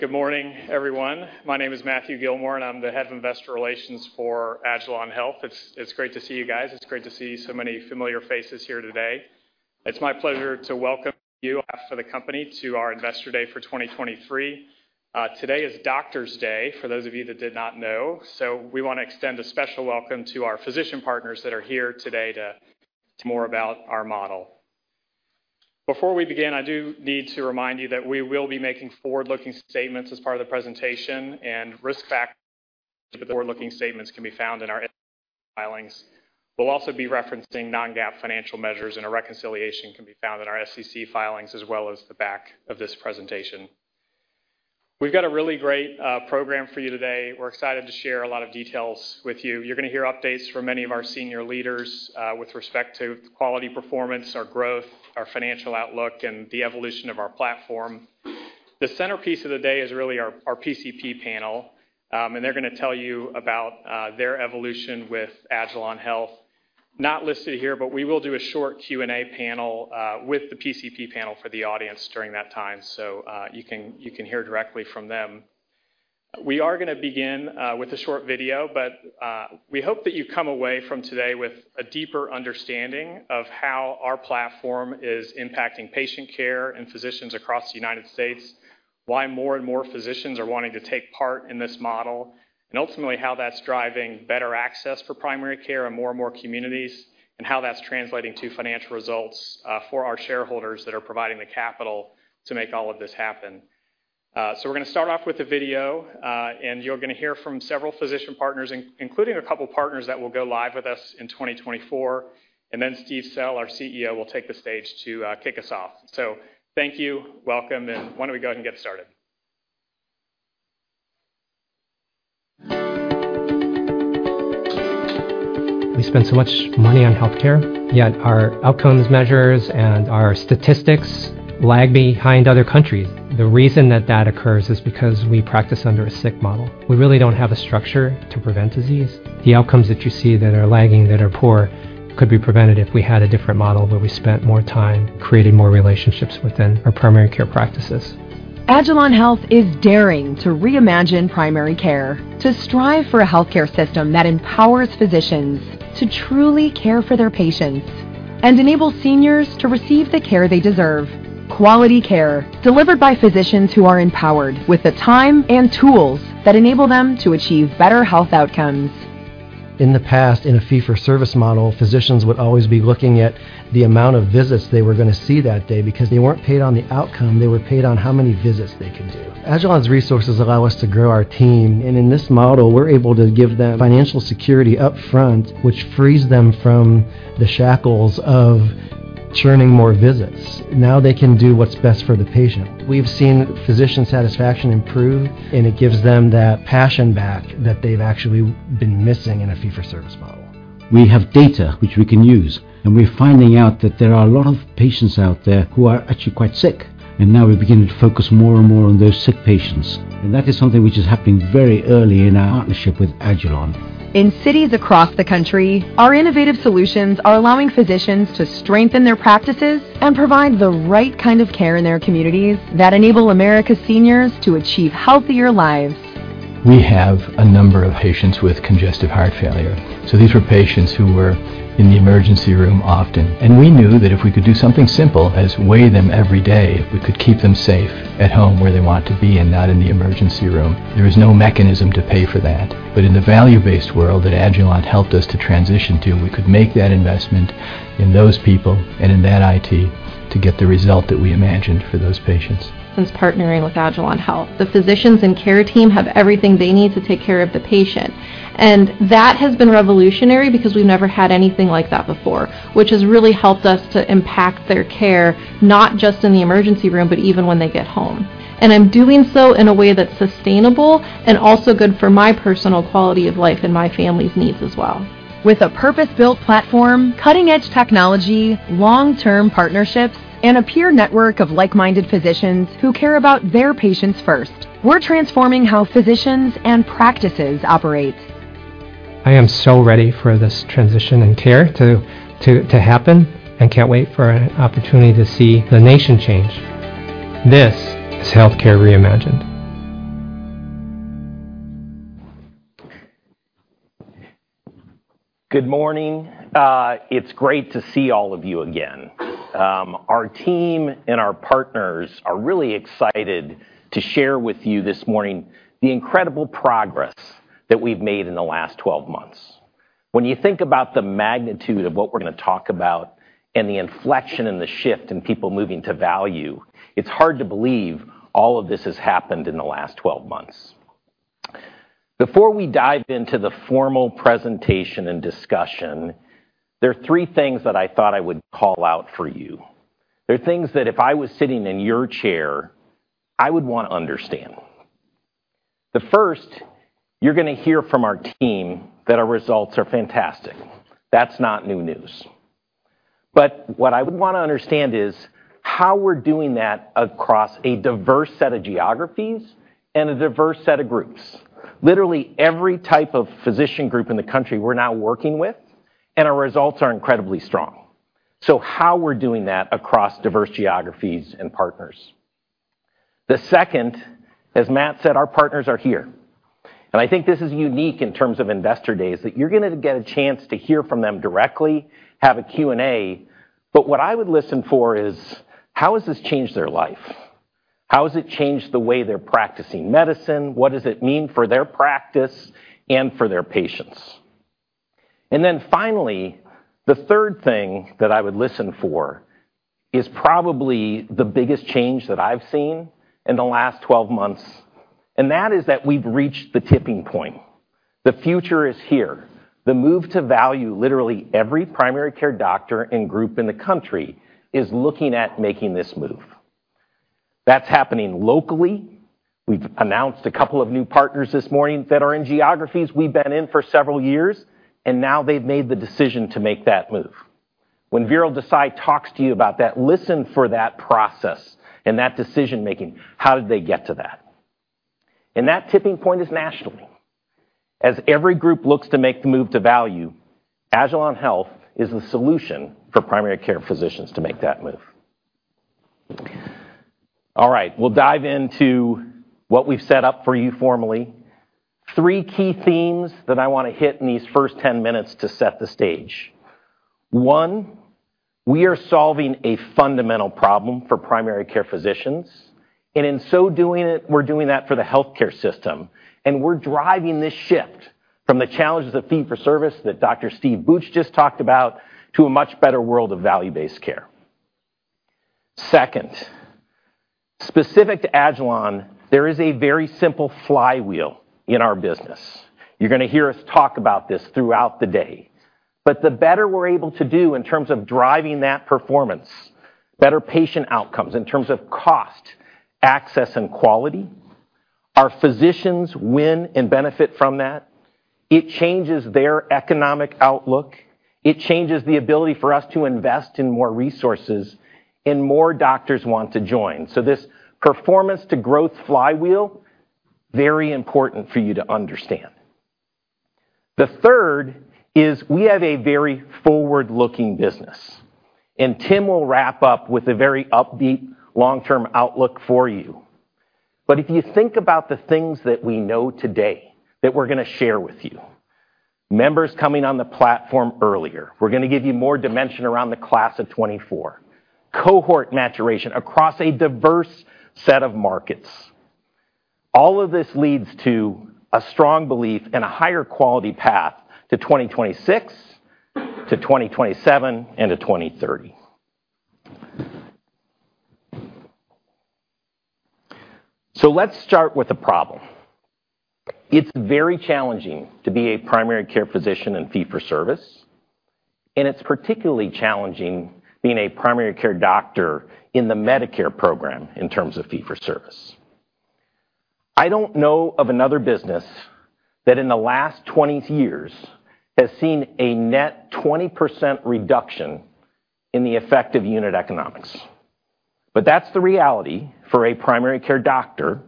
Good morning, everyone. My name is Matthew Gillmor, I'm the Head of investor relations for agilon health. It's great to see you guys. It's great to see so many familiar faces here today. It's my pleasure to welcome you on behalf of the company to our Investor Day for 2023. Today is National Doctors' Day for those of you that did not know. We want to extend a special welcome to our physician partners that are here today to more about our model. Before we begin, I do need to remind you that we will be making forward-looking statements as part of the presentation and risk factors for the forward-looking statements can be found in our filings. We'll also be referencing non-GAAP financial measures, a reconciliation can be found in our SEC filings as well as the back of this presentation. We've got a really great program for you today. We're excited to share a lot of details with you. You're gonna hear updates from many of our senior leaders with respect to quality performance, our growth, our financial outlook, and the evolution of our platform. The centerpiece of the day is really our PCP panel. They're gonna tell you about their evolution with agilon health. Not listed here, we will do a short Q&A panel with the PCP panel for the audience during that time. You can hear directly from them. We are gonna begin with a short video. We hope that you come away from today with a deeper understanding of how our platform is impacting patient care and physicians across the United States, why more and more physicians are wanting to take part in this model, and ultimately how that's driving better access for primary care in more and more communities, and how that's translating to financial results for our shareholders that are providing the capital to make all of this happen. We're gonna start off with a video, and you're gonna hear from several physician partners, including a couple partners that will go live with us in 2024. Steve Sell, our CEO, will take the stage to kick us off. Thank you. Welcome. Why don't we go ahead and get started? We spend so much money on healthcare, yet our outcomes measures and our statistics lag behind other countries. The reason that that occurs is because we practice under a sick model. We really don't have a structure to prevent disease. The outcomes that you see that are lagging, that are poor, could be prevented if we had a different model where we spent more time creating more relationships within our primary care practices. Agilon Health is daring to reimagine primary care, to strive for a healthcare system that empowers physicians to truly care for their patients and enable seniors to receive the care they deserve: quality care delivered by physicians who are empowered with the time and tools that enable them to achieve better health outcomes. In the past, in a fee-for-service model, physicians would always be looking at the amount of visits they were gonna see that day because they weren't paid on the outcome. They were paid on how many visits they could do. Agilon's resources allow us to grow our team, and in this model, we're able to give them financial security up front, which frees them from the shackles of churning more visits. Now they can do what's best for the patient. We've seen physician satisfaction improve, and it gives them that passion back that they've actually been missing in a fee-for-service model. We have data which we can use, and we're finding out that there are a lot of patients out there who are actually quite sick, and now we're beginning to focus more and more on those sick patients. That is something which is happening very early in our partnership with agilon. In cities across the country, our innovative solutions are allowing physicians to strengthen their practices and provide the right kind of care in their communities that enable America's seniors to achieve healthier lives. We have a number of patients with congestive heart failure. These were patients who were in the emergency room often. We knew that if we could do something simple as weigh them every day, we could keep them safe at home where they want to be and not in the emergency room. There was no mechanism to pay for that. In the value-based world that agilon health helped us to transition to, we could make that investment in those people and in that IT to get the result that we imagined for those patients. Since partnering with agilon health, the physicians and care team have everything they need to take care of the patient. That has been revolutionary because we've never had anything like that before, which has really helped us to impact their care, not just in the emergency room, but even when they get home. I'm doing so in a way that's sustainable and also good for my personal quality of life and my family's needs as well. With a purpose-built platform, cutting-edge technology, long-term partnerships, and a peer network of like-minded physicians who care about their patients first, we're transforming how physicians and practices operate. I am so ready for this transition in care to happen. Can't wait for an opportunity to see the nation change. This is healthcare reimagined. Good morning. It's great to see all of you again. Our team and our partners are really excited to share with you this morning the incredible progress that we've made in the last 12 months. When you think about the magnitude of what we're gonna talk about and the inflection and the shift in people moving to value, it's hard to believe all of this has happened in the last 12 months. Before we dive into the formal presentation and discussion, there are three things that I thought I would call out for you. They're things that if I was sitting in your chair, I would wanna understand. The first, you're gonna hear from our team that our results are fantastic. That's not new news, but what I would wanna understand is how we're doing that across a diverse set of geographies and a diverse set of groups. Literally, every type of physician group in the country we're now working with, and our results are incredibly strong. How we're doing that across diverse geographies and partners. The second, as Matthew said, our partners are here. I think this is unique in terms of investor days, that you're gonna get a chance to hear from them directly, have a Q&A. What I would listen for is: How has this changed their life? How has it changed the way they're practicing medicine? What does it mean for their practice and for their patients? Finally, the third thing that I would listen for is probably the biggest change that I've seen in the last 12 months, and that is that we've reached the tipping point. The future is here. The move to value, literally every primary care doctor and group in the country is looking at making this move. That's happening locally. We've announced a couple of new partners this morning that are in geographies we've been in for several years, and now they've made the decision to make that move. When Veeral Desai talks to you about that, listen for that process and that decision-making. How did they get to that? That tipping point is nationally. As every group looks to make the move to value, agilon health is the solution for primary care physicians to make that move. We'll dive into what we've set up for you formally. Three key themes that I wanna hit in these first 10 minutes to set the stage. One, we are solving a fundamental problem for primary care physicians, and in so doing it, we're doing that for the healthcare system, and we're driving this shift from the challenges of fee-for-service that Dr. Steve Sell just talked about to a much better world of value-based care. Second, specific to agilon health, there is a very simple flywheel in our business. You're gonna hear us talk about this throughout the day. The better we're able to do in terms of driving that performance, better patient outcomes in terms of cost, access, and quality, our physicians win and benefit from that. It changes their economic outlook. It changes the ability for us to invest in more resources, more doctors want to join. This performance to growth flywheel, very important for you to understand. The third is we have a very forward-looking business, and Tim Bensley will wrap up with a very upbeat long-term outlook for you. If you think about the things that we know today that we're gonna share with you, members coming on the platform earlier. We're going to give you more dimension around the class of 2024. Cohort maturation across a diverse set of markets. All of this leads to a strong belief and a higher quality path to 2026, to 2027, and to 2030. Let's start with the problem. It's very challenging to be a primary care physician in fee-for-service, and it's particularly challenging being a primary care doctor in the Medicare program in terms of fee-for-service. I don't know of another business that in the last 20 years has seen a net 20% reduction in the effective unit economics. That's the reality for a primary care doctor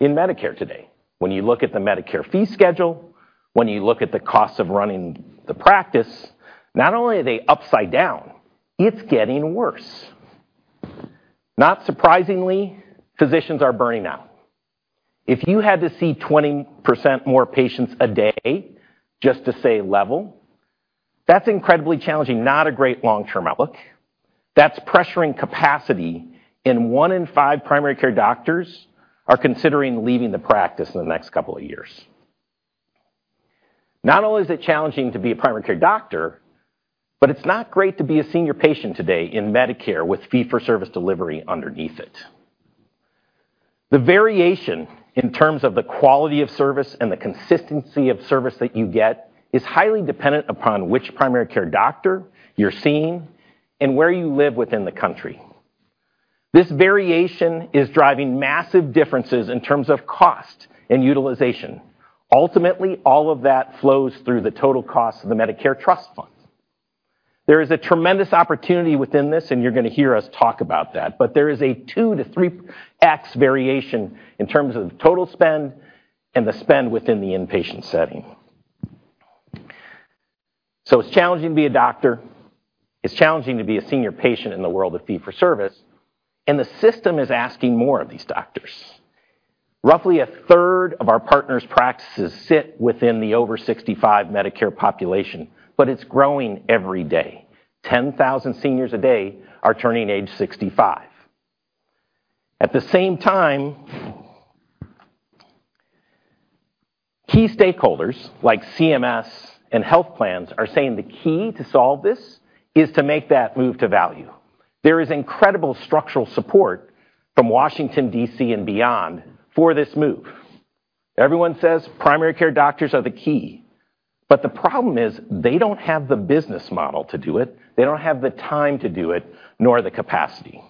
in Medicare today. When you look at the Medicare fee schedule, when you look at the cost of running the practice, not only are they upside down, it's getting worse. Not surprisingly, physicians are burning out. If you had to see 20% more patients a day just to stay level, that's incredibly challenging, not a great long-term outlook. That's pressuring capacity. One in five primary care doctors are considering leaving the practice in the next couple of years. Not only is it challenging to be a primary care doctor, but it's not great to be a senior patient today in Medicare with fee-for-service delivery underneath it. The variation in terms of the quality of service and the consistency of service that you get is highly dependent upon which primary care doctor you're seeing and where you live within the country. This variation is driving massive differences in terms of cost and utilization. Ultimately, all of that flows through the total cost of the Medicare trust fund. There is a tremendous opportunity within this, and you're gonna hear us talk about that. There is a 2-3x variation in terms of total spend and the spend within the inpatient setting. It's challenging to be a doctor, it's challenging to be a senior patient in the world of fee-for-service, and the system is asking more of these doctors. Roughly a third of our partners' practices sit within the over 65 Medicare population, it's growing every day. 10,000 seniors a day are turning age 65. At the same time, key stakeholders like CMS and health plans are saying the key to solve this is to make that move to value. There is incredible structural support from Washington D.C. and beyond for this move. Everyone says primary care doctors are the key. The problem is they don't have the business model to do it. They don't have the time to do it, nor the capacity.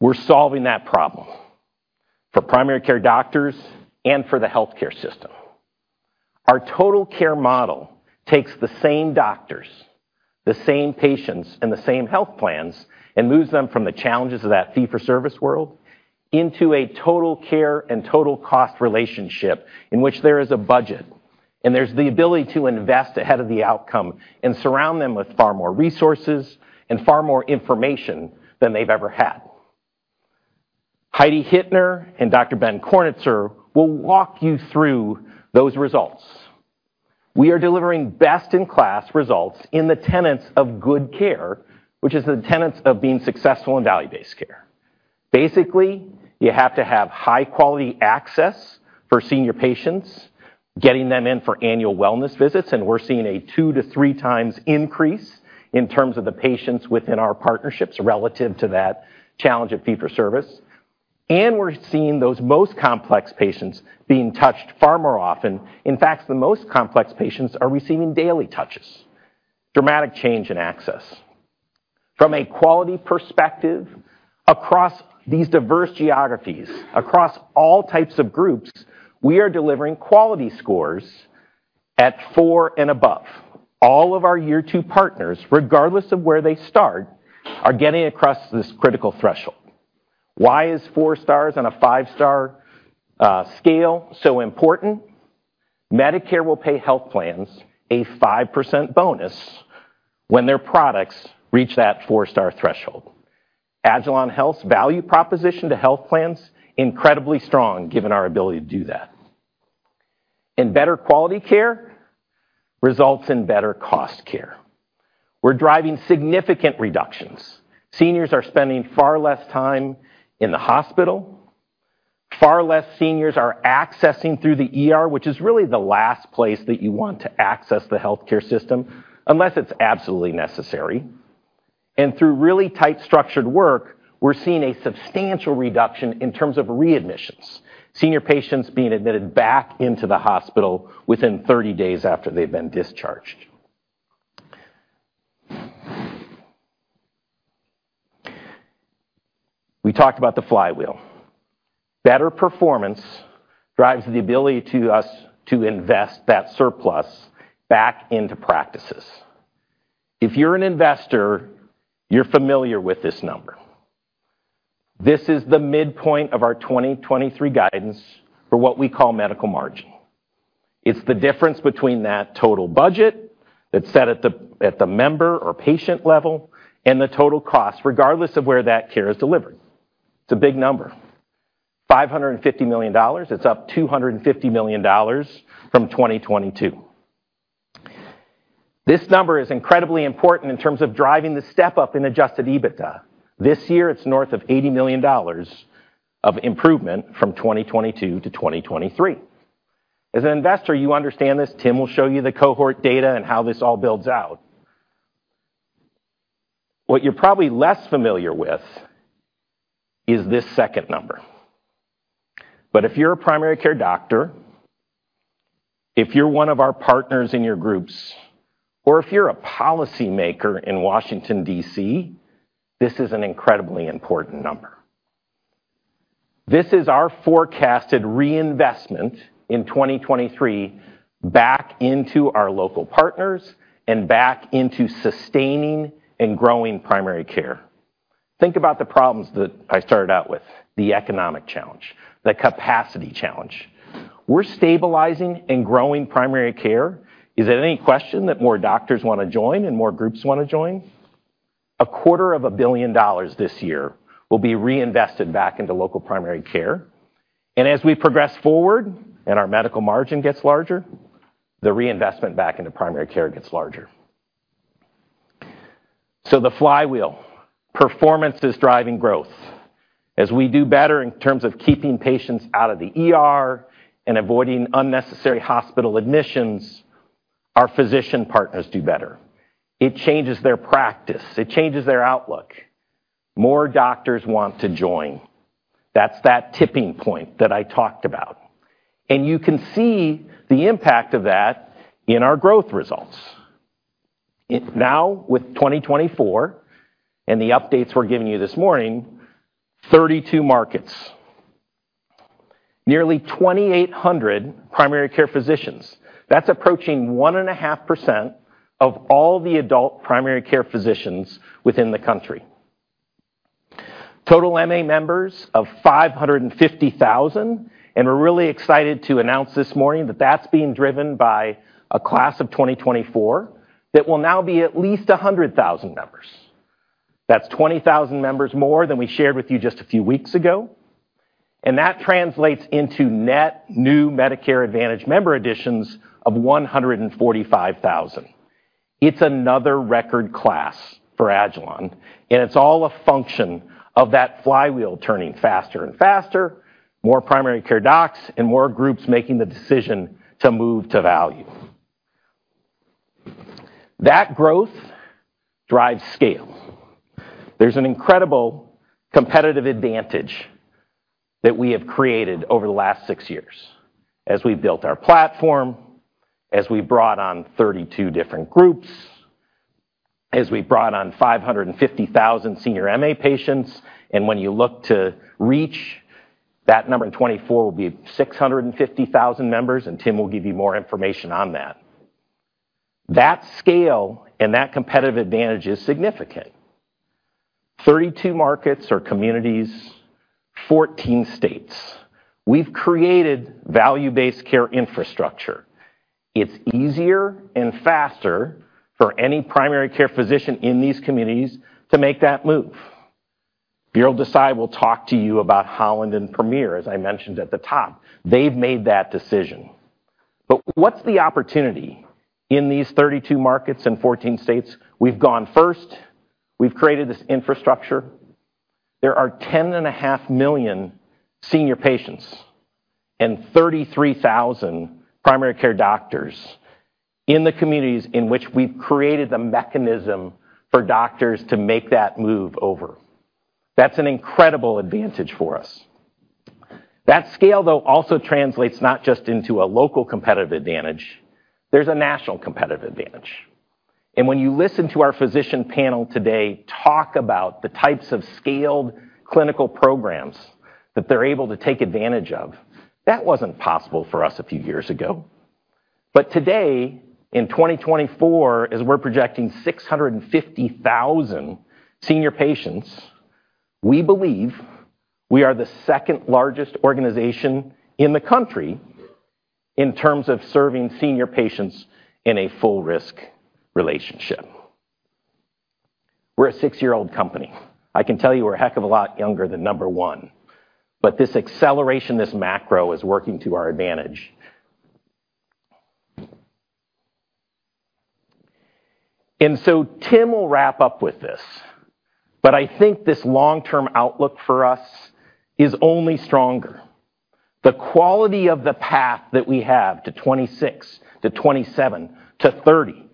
We're solving that problem for primary care doctors and for the healthcare system. Our total care model takes the same doctors, the same patients, and the same health plans and moves them from the challenges of that fee-for-service world into a total care and total cost relationship in which there is a budget, and there's the ability to invest ahead of the outcome and surround them with far more resources and far more information than they've ever had. Heidi Hittner and Dr. Ben Kornitzer will walk you through those results. We are delivering best-in-class results in the tenets of good care, which is the tenets of being successful in value-based care. You have to have high-quality access for senior patients, getting them in for annual wellness visits, and we're seeing a 2-3x increase in terms of the patients within our partnerships relative to that challenge of fee-for-service. We're seeing those most complex patients being touched far more often. In fact, the most complex patients are receiving daily touches. Dramatic change in access. From a quality perspective, across these diverse geographies, across all types of groups, we are delivering quality scores at four and above. All of our year two partners, regardless of where they start, are getting across this critical threshold. Why is four stars on a five-star scale so important? Medicare will pay health plans a 5% bonus when their products reach that four-star threshold. agilon health's value proposition to health plans, incredibly strong given our ability to do that. Better quality care results in better cost care. We're driving significant reductions. Seniors are spending far less time in the hospital. Far less seniors are accessing through the ER, which is really the last place that you want to access the healthcare system unless it's absolutely necessary. Through really tight structured work, we're seeing a substantial reduction in terms of readmissions. Senior patients being admitted back into the hospital within 30 days after they've been discharged. We talked about the flywheel. Better performance drives the ability to us to invest that surplus back into practices. If you're an investor, you're familiar with this number. This is the midpoint of our 2023 guidance for what we call medical margin. It's the difference between that total budget that's set at the member or patient level and the total cost, regardless of where that care is delivered. It's a big number. $550 million. It's up $250 million from 2022. This number is incredibly important in terms of driving the step-up in adjusted EBITDA. This year, it's north of $80 million of improvement from 2022 to 2023. As an investor, you understand this. Tim will show you the cohort data and how this all builds out. What you're probably less familiar with is this second number. If you're a primary care doctor, if you're one of our partners in your groups, or if you're a policymaker in Washington, D.C., this is an incredibly important number. This is our forecasted reinvestment in 2023 back into our local partners and back into sustaining and growing primary care. Think about the problems that I started out with, the economic challenge, the capacity challenge. We're stabilizing and growing primary care. Is it any question that more doctors wanna join and more groups wanna join? A quarter of a billion dollars this year will be reinvested back into local primary care. As we progress forward and our medical margin gets larger, the reinvestment back into primary care gets larger. The flywheel. Performance is driving growth. As we do better in terms of keeping patients out of the ER and avoiding unnecessary hospital admissions, our physician partners do better. It changes their practice. It changes their outlook. More doctors want to join. That's that tipping point that I talked about. You can see the impact of that in our growth results. Now with 2024 and the updates we're giving you this morning, 32 markets. Nearly 2,800 primary care physicians. That's approaching 1.5% of all the adult primary care physicians within the country. Total MA members of 550,000. We're really excited to announce this morning that that's being driven by a class of 2024 that will now be at least 100,000 members. That's 20,000 members more than we shared with you just a few weeks ago. That translates into net new Medicare Advantage member additions of 145,000. It's another record class for agilon health. It's all a function of that flywheel turning faster and faster, more primary care docs and more groups making the decision to move to value. That growth drives scale. There's an incredible competitive advantage that we have created over the last 6 years as we've built our platform, as we brought on 32 different groups, as we brought on 550,000 senior MA patients. When you look to reach that number in 2024 will be 650,000 members, and Tim will give you more information on that. That scale and that competitive advantage is significant. 32 markets or communities, 14 states. We've created value-based care infrastructure. It's easier and faster for any primary care physician in these communities to make that move. Veeral Desai will talk to you about Holland and Premier, as I mentioned at the top. They've made that decision. What's the opportunity in these 32 markets and 14 states? We've gone first. We've created this infrastructure. There are 10.5 million senior patients and 33,000 primary care doctors in the communities in which we've created the mechanism for doctors to make that move over. That's an incredible advantage for us. That scale, though, also translates not just into a local competitive advantage, there's a national competitive advantage. When you listen to our physician panel today talk about the types of scaled clinical programs that they're able to take advantage of, that wasn't possible for us a few years ago. Today, in 2024, as we're projecting 650,000 senior patients, we believe we are the second-largest organization in the country in terms of serving senior patients in a full risk relationship. We're a six-year-old company. I can tell you we're a heck of a lot younger than number 1. This acceleration, this macro, is working to our advantage. Tim will wrap up with this, but I think this long-term outlook for us is only stronger. The quality of the path that we have to 26, to 27, to 30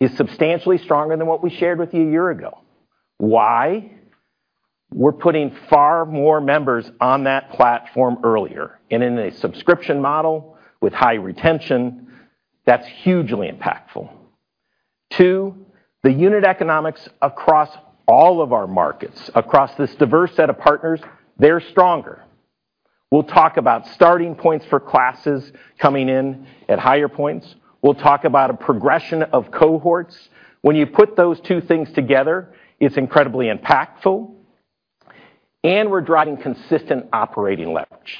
is substantially stronger than what we shared with you a year ago. Why? We're putting far more members on that platform earlier, and in a subscription model with high retention, that's hugely impactful. Two, the unit economics across all of our markets, across this diverse set of partners, they're stronger. We'll talk about starting points for classes coming in at higher points. We'll talk about a progression of cohorts. When you put those two things together, it's incredibly impactful. We're driving consistent operating leverage.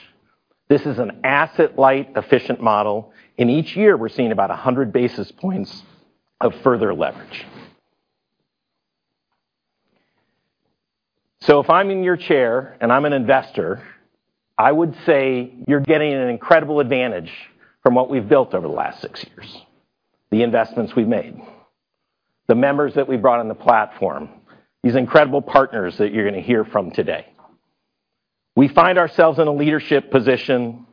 This is an asset-light, efficient model. In each year, we're seeing about 100 basis points of further leverage. If I'm in your chair and I'm an investor, I would say you're getting an incredible advantage from what we've built over the last six years, the investments we've made, the members that we've brought on the platform, these incredible partners that you're gonna hear from today. We find ourselves in a leadership position.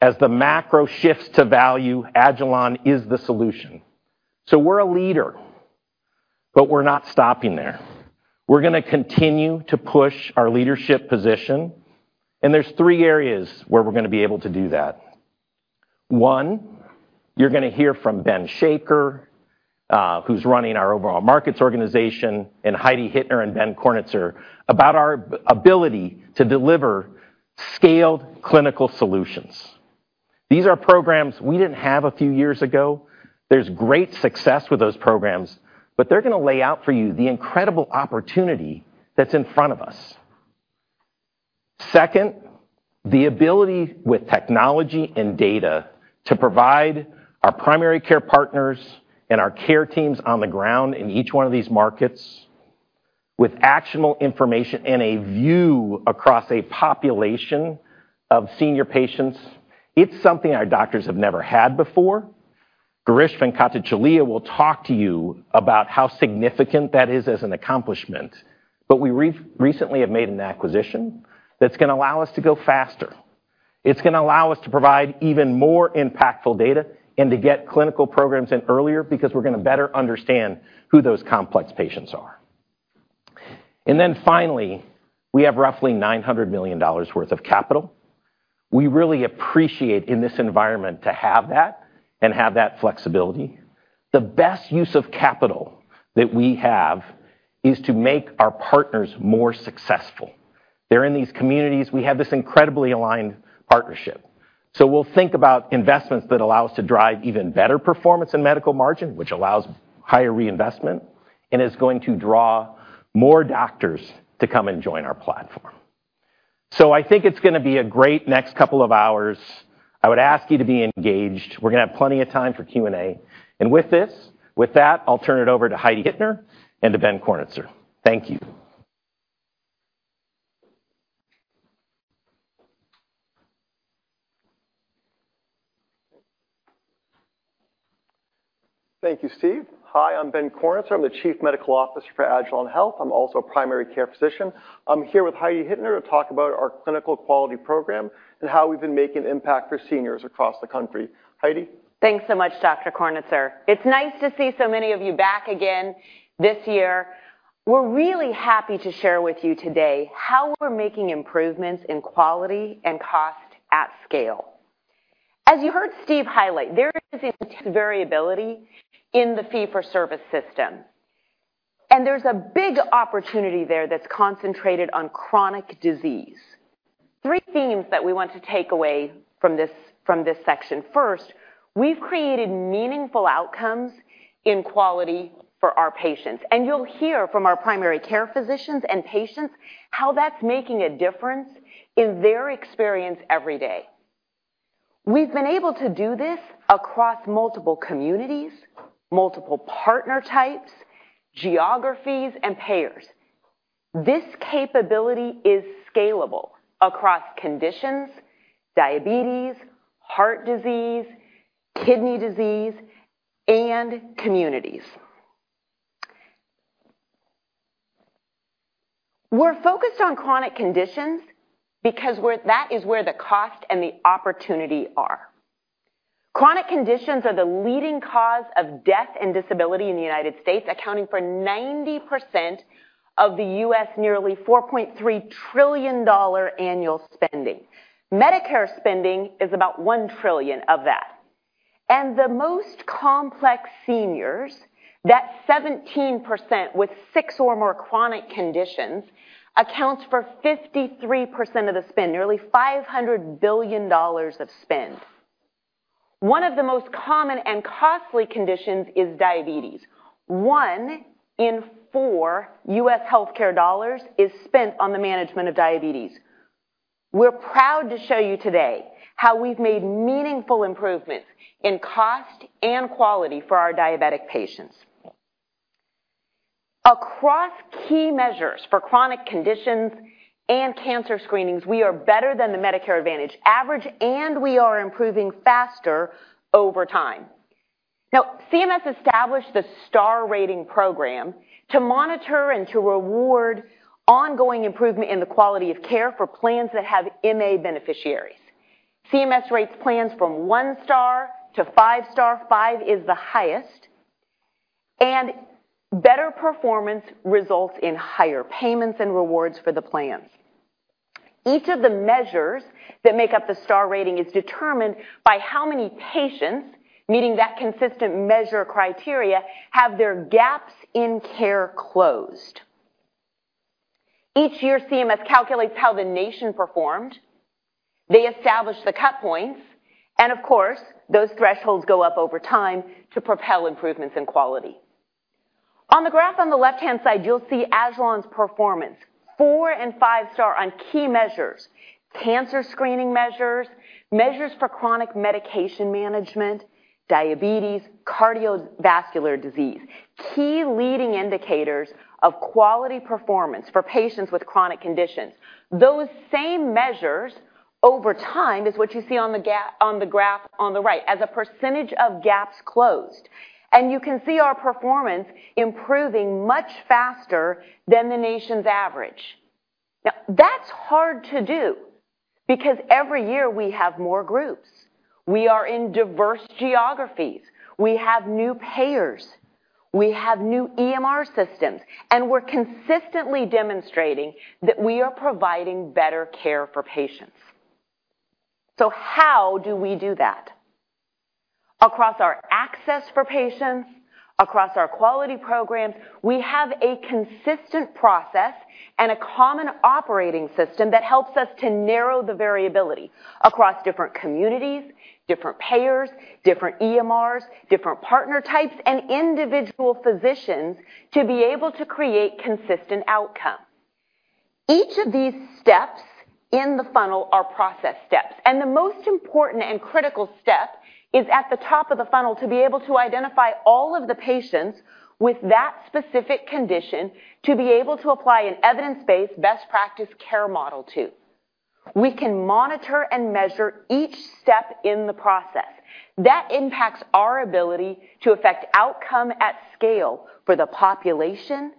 As the macro shifts to value, agilon health is the solution. We're a leader, but we're not stopping there. We're gonna continue to push our leadership position, and there's three areas where we're gonna be able to do that. One, you're gonna hear from Ben Shaker, who's running our overall markets organization, and Heidi Hittner and Ben Kornitzer about our ability to deliver scaled clinical solutions. These are programs we didn't have a few years ago. There's great success with those programs, but they're gonna lay out for you the incredible opportunity that's in front of us. Second, the ability with technology and data to provide our primary care partners and our care teams on the ground in each one of these markets with actionable information and a view across a population of senior patients, it's something our doctors have never had before. Girish Venkatachaliah will talk to you about how significant that is as an accomplishment. We recently have made an acquisition that's gonna allow us to go faster. It's gonna allow us to provide even more impactful data and to get clinical programs in earlier because we're gonna better understand who those complex patients are. Finally, we have roughly $900 million worth of capital. We really appreciate in this environment to have that and have that flexibility. The best use of capital that we have is to make our partners more successful. They're in these communities. We have this incredibly aligned partnership. We'll think about investments that allow us to drive even better performance in medical margin, which allows higher reinvestment and is going to draw more doctors to come and join our platform. I think it's gonna be a great next two hours. I would ask you to be engaged. We're gonna have plenty of time for Q&A. With this, with that, I'll turn it over to Heidi Hittner and to Ben Kornitzer. Thank you. Thank you, Steve. Hi, I'm Ben Kornitzer. I'm the Chief Medical Officer for agilon health. I'm also a primary care physician. I'm here with Heidi Hittner to talk about our clinical quality program and how we've been making impact for seniors across the country. Heidi? Thanks so much, Dr. Kornitzer. It's nice to see so many of you back again this year. We're really happy to share with you today how we're making improvements in quality and cost at scale. As you heard Steve highlight, there is variability in the fee-for-service system, and there's a big opportunity there that's concentrated on chronic disease. Three themes that we want to take away from this section. First, we've created meaningful outcomes in quality for our patients, and you'll hear from our primary care physicians and patients how that's making a difference in their experience every day. We've been able to do this across multiple communities, multiple partner types, geographies, and payers. This capability is scalable across conditions, diabetes, heart disease, kidney disease, and communities. We're focused on chronic conditions because that is where the cost and the opportunity are. Chronic conditions are the leading cause of death and disability in the United States, accounting for 90% of the U.S. nearly $4.3 trillion annual spending. Medicare spending is about $1 trillion of that. The most complex seniors, that 17% with six or more chronic conditions, accounts for 53% of the spend, nearly $500 billion of spend. One of the most common and costly conditions is diabetes. One in four U.S. healthcare dollars is spent on the management of diabetes. We're proud to show you today how we've made meaningful improvements in cost and quality for our diabetic patients. Across key measures for chronic conditions and cancer screenings, we are better than the Medicare Advantage average, and we are improving faster over time. CMS established the Star Rating program to monitor and to reward ongoing improvement in the quality of care for plans that have MA beneficiaries. CMS rates plans from one-star to five-star. Five is the highest. Better performance results in higher payments and rewards for the plans. Each of the measures that make up the Star Rating is determined by how many patients meeting that consistent measure criteria have their gaps in care closed. Each year, CMS calculates how the nation performed. They establish the cut points, and of course, those thresholds go up over time to propel improvements in quality. On the graph on the left-hand side, you'll see agilon health's performance, four and five star on key measures, cancer screening measures for chronic medication management, diabetes, cardiovascular disease. Key leading indicators of quality performance for patients with chronic conditions. Those same measures over time is what you see on the graph on the right as a % of gaps closed. You can see our performance improving much faster than the nation's average. Now, that's hard to do because every year we have more groups. We are in diverse geographies. We have new payers. We have new EMR systems. We're consistently demonstrating that we are providing better care for patients. How do we do that? Across our access for patients, across our quality programs, we have a consistent process and a common operating system that helps us to narrow the variability across different communities, different payers, different EMRs, different partner types, and individual physicians to be able to create consistent outcomes. Each of these steps in the funnel are process steps, and the most important and critical step is at the top of the funnel to be able to identify all of the patients with that specific condition to be able to apply an evidence-based best practice care model to. We can monitor and measure each step in the process. That impacts our ability to affect outcome at scale for the population,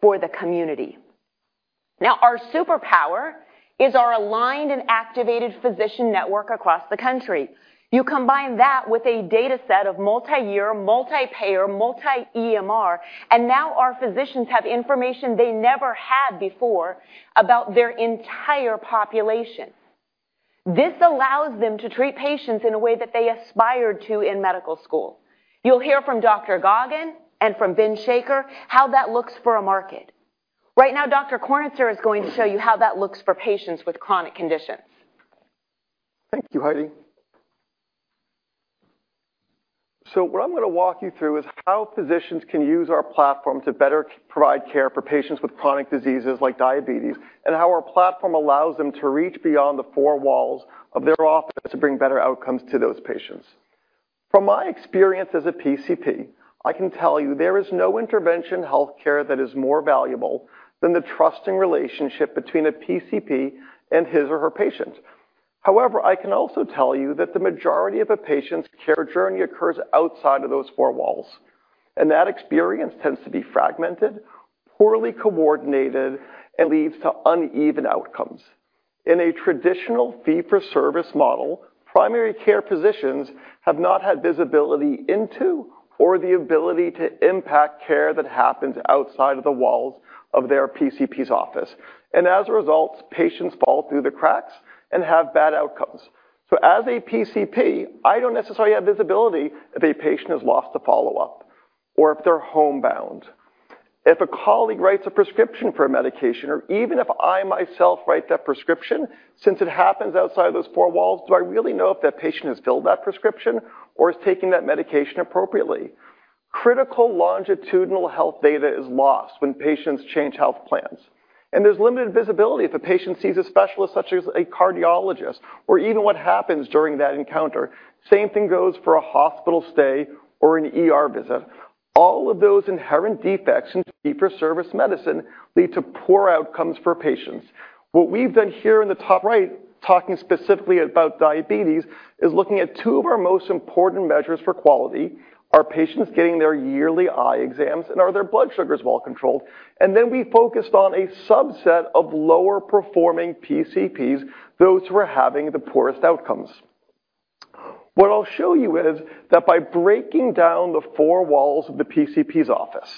for the community. Now, our superpower is our aligned and activated physician network across the country. You combine that with a dataset of multi-year, multi-payer, multi-EMR. Now our physicians have information they never had before about their entire population. This allows them to treat patients in a way that they aspired to in medical school. You'll hear from Dr. Goggin and from Ben Shaker how that looks for a market. Right now, Dr. Kornitzer is going to show you how that looks for patients with chronic conditions. Thank you, Heidi. What I'm gonna walk you through is how physicians can use our platform to better provide care for patients with chronic diseases like diabetes, and how our platform allows them to reach beyond the four walls of their office to bring better outcomes to those patients. From my experience as a PCP, I can tell you there is no intervention healthcare that is more valuable than the trusting relationship between a PCP and his or her patient. However, I can also tell you that the majority of a patient's care journey occurs outside of those four walls, and that experience tends to be fragmented, poorly coordinated, and leads to uneven outcomes. In a traditional fee-for-service model, primary care physicians have not had visibility into or the ability to impact care that happens outside of the walls of their PCP's office. As a result, patients fall through the cracks and have bad outcomes. As a PCP, I don't necessarily have visibility if a patient has lost a follow-up or if they're homebound. If a colleague writes a prescription for a medication or even if I myself write that prescription, since it happens outside those four walls, do I really know if that patient has filled that prescription or is taking that medication appropriately? Critical longitudinal health data is lost when patients change health plans. There's limited visibility if a patient sees a specialist such as a cardiologist or even what happens during that encounter. Same thing goes for a hospital stay or an ER visit. All of those inherent defects in fee-for-service medicine lead to poor outcomes for patients. What we've done here in the top right, talking specifically about diabetes, is looking at two of our most important measures for quality. Are patients getting their yearly eye exams, and are their blood sugars well controlled? We focused on a subset of lower-performing PCPs, those who are having the poorest outcomes. What I'll show you is that by breaking down the four walls of the PCP's office,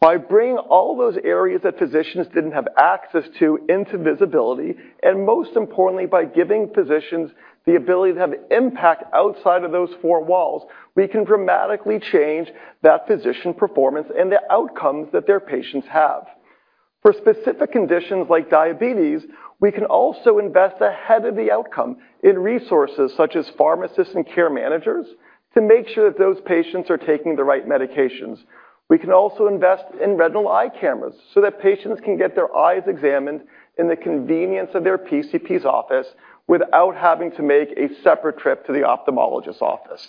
by bringing all those areas that physicians didn't have access to into visibility, and most importantly, by giving physicians the ability to have impact outside of those four walls, we can dramatically change that physician performance and the outcomes that their patients have. For specific conditions like diabetes, we can also invest ahead of the outcome in resources such as pharmacists and care managers to make sure that those patients are taking the right medications. We can also invest in retinal eye cameras so that patients can get their eyes examined in the convenience of their PCP's office without having to make a separate trip to the ophthalmologist's office.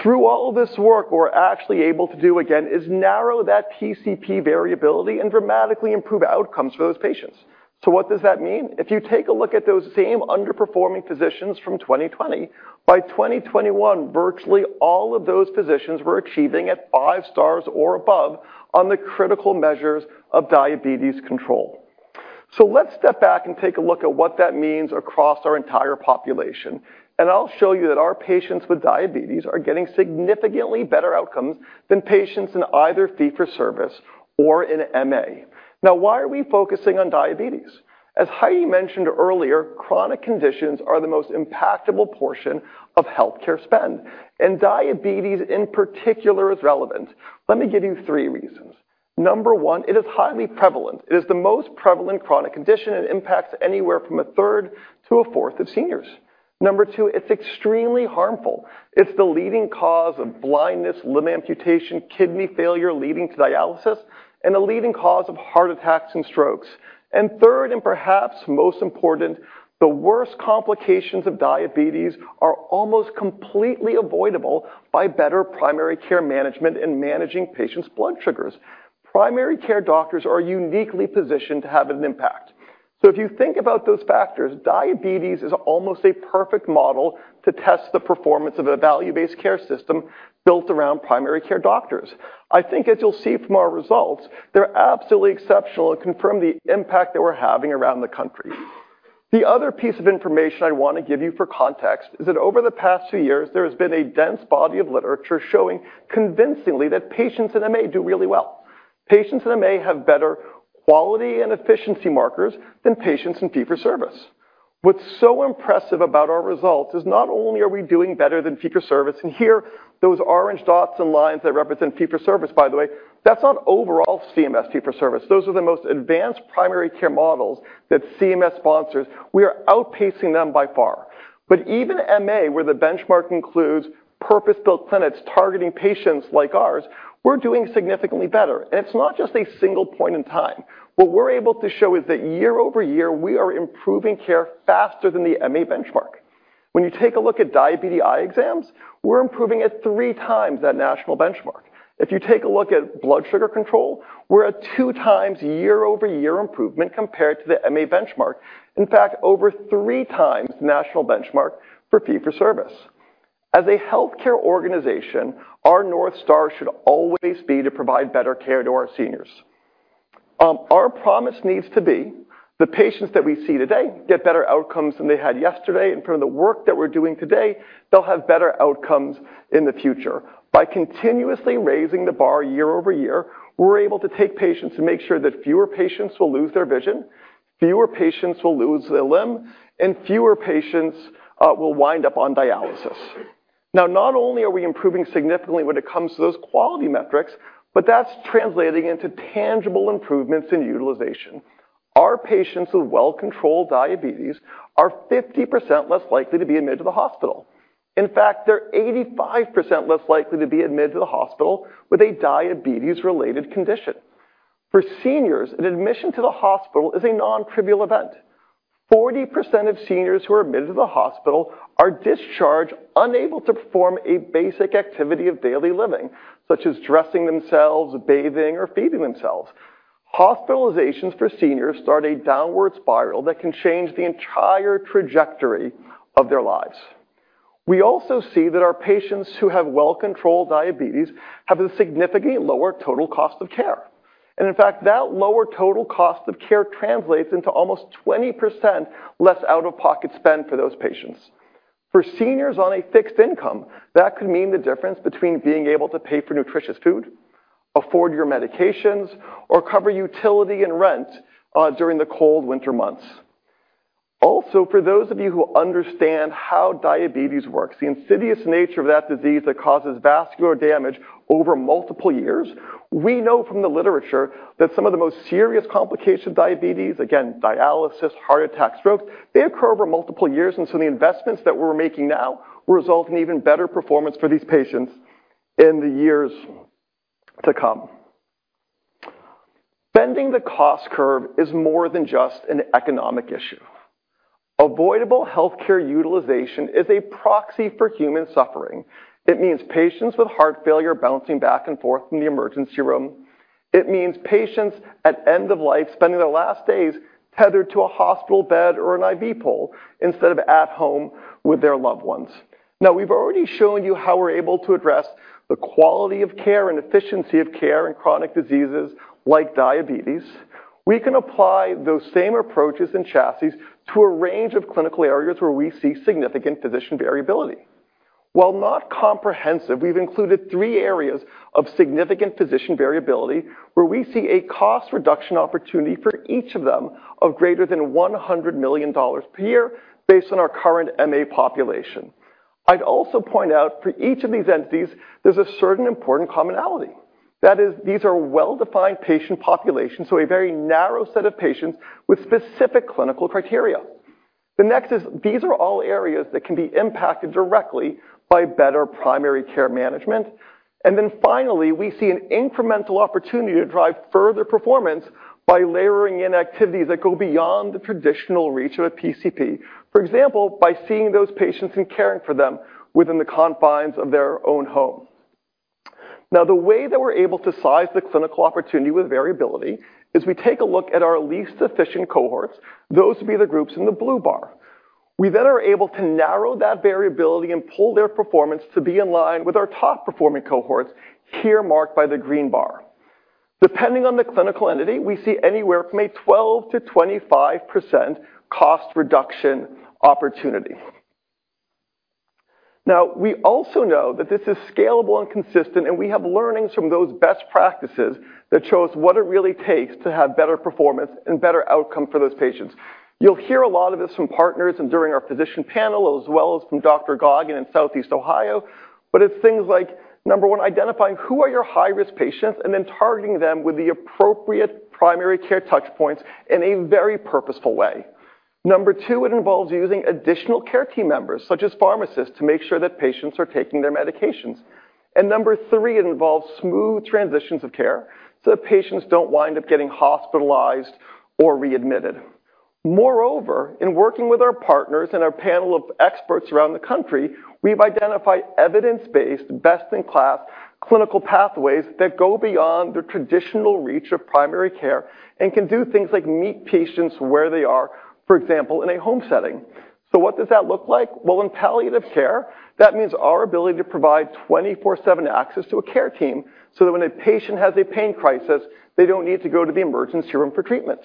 Through all of this work, we're actually able to do again is narrow that PCP variability and dramatically improve outcomes for those patients. What does that mean? If you take a look at those same underperforming physicians from 2020, by 2021, virtually all of those physicians were achieving at five stars or above on the critical measures of diabetes control. Let's step back and take a look at what that means across our entire population, and I'll show you that our patients with diabetes are getting significantly better outcomes than patients in either fee-for-service or in MA. Now why are we focusing on diabetes? As Heidi mentioned earlier, chronic conditions are the most impactable portion of healthcare spend, and diabetes in particular is relevant. Let me give you three reasons. Number one, it is highly prevalent. It is the most prevalent chronic condition and impacts anywhere from a third to a fourth of seniors. Number two, it's extremely harmful. It's the leading cause of blindness, limb amputation, kidney failure leading to dialysis, and a leading cause of heart attacks and strokes. Third, and perhaps most important, the worst complications of diabetes are almost completely avoidable by better primary care management and managing patients' blood sugars. Primary care doctors are uniquely positioned to have an impact. If you think about those factors, diabetes is almost a perfect model to test the performance of a value-based care system built around primary care doctors. I think as you'll see from our results, they're absolutely exceptional and confirm the impact that we're having around the country. The other piece of information I want to give you for context is that over the past few years, there has been a dense body of literature showing convincingly that patients in MA do really well. Patients in MA have better quality and efficiency markers than patients in fee-for-service. What's so impressive about our results is not only are we doing better than fee-for-service. Here, those orange dots and lines that represent fee-for-service, by the way, that's not overall CMS fee-for-service. Those are the most advanced primary care models that CMS sponsors. We are outpacing them by far. Even MA, where the benchmark includes purpose-built clinics targeting patients like ours, we're doing significantly better. It's not just a single point in time. What we're able to show is that year-over-year, we are improving care faster than the MA benchmark. When you take a look at diabetes eye exams, we're improving at 3x that national benchmark. If you take a look at blood sugar control, we're at 2x year-over-year improvement compared to the MA benchmark. In fact, over 3x the national benchmark for fee-for-service. As a healthcare organization, our North Star should always be to provide better care to our seniors. Our promise needs to be the patients that we see today get better outcomes than they had yesterday, and from the work that we're doing today, they'll have better outcomes in the future. By continuously raising the bar year-over-year, we're able to take patients and make sure that fewer patients will lose their vision, fewer patients will lose a limb, and fewer patients will wind up on dialysis. Not only are we improving significantly when it comes to those quality metrics, but that's translating into tangible improvements in utilization. Our patients with well-controlled diabetes are 50% less likely to be admitted to the hospital. In fact, they're 85% less likely to be admitted to the hospital with a diabetes-related condition. For seniors, an admission to the hospital is a non-trivial event. 40% of seniors who are admitted to the hospital are discharged unable to perform a basic activity of daily living, such as dressing themselves, bathing, or feeding themselves. Hospitalizations for seniors start a downward spiral that can change the entire trajectory of their lives. We also see that our patients who have well-controlled diabetes have a significantly lower total cost of care. In fact, that lower total cost of care translates into almost 20% less out-of-pocket spend for those patients. For seniors on a fixed income, that could mean the difference between being able to pay for nutritious food, afford your medications, or cover utility and rent during the cold winter months. Also, for those of you who understand how diabetes works, the insidious nature of that disease that causes vascular damage over multiple years, we know from the literature that some of the most serious complications of diabetes, again, dialysis, heart attacks, strokes, they occur over multiple years, and so the investments that we're making now will result in even better performance for these patients in the years to come. Bending the cost curve is more than just an economic issue. Avoidable healthcare utilization is a proxy for human suffering. It means patients with heart failure bouncing back and forth from the emergency room. It means patients at end of life spending their last days tethered to a hospital bed or an IV pole instead of at home with their loved ones. We've already shown you how we're able to address the quality of care and efficiency of care in chronic diseases like diabetes. We can apply those same approaches and chassis to a range of clinical areas where we see significant physician variability. While not comprehensive, we've included three areas of significant physician variability where we see a cost reduction opportunity for each of them of greater than $100 million per year based on our current MA population. I'd also point out for each of these entities, there's a certain important commonality. That is, these are well-defined patient populations, so a very narrow set of patients with specific clinical criteria. The next is these are all areas that can be impacted directly by better primary care management. Finally, we see an incremental opportunity to drive further performance by layering in activities that go beyond the traditional reach of a PCP. For example, by seeing those patients and caring for them within the confines of their own home. Now, the way that we're able to size the clinical opportunity with variability is we take a look at our least efficient cohorts. Those would be the groups in the blue bar. We then are able to narrow that variability and pull their performance to be in line with our top-performing cohorts, here marked by the green bar. Depending on the clinical entity, we see anywhere from a 12%-25% cost reduction opportunity. We also know that this is scalable and consistent, and we have learnings from those best practices that show us what it really takes to have better performance and better outcome for those patients. You'll hear a lot of this from partners and during our physician panel, as well as from Dr. Goggin in Southeast Ohio. It's things like, number 1, identifying who are your high-risk patients and then targeting them with the appropriate primary care touchpoints in a very purposeful way. Number two, it involves using additional care team members, such as pharmacists, to make sure that patients are taking their medications. Number three, it involves smooth transitions of care, so that patients don't wind up getting hospitalized or readmitted. Moreover, in working with our partners and our panel of experts around the country, we've identified evidence-based, best-in-class clinical pathways that go beyond the traditional reach of primary care and can do things like meet patients where they are, for example, in a home setting. What does that look like? Well, in palliative care, that means our ability to provide 24/7 access to a care team, so that when a patient has a pain crisis, they don't need to go to the emergency room for treatment.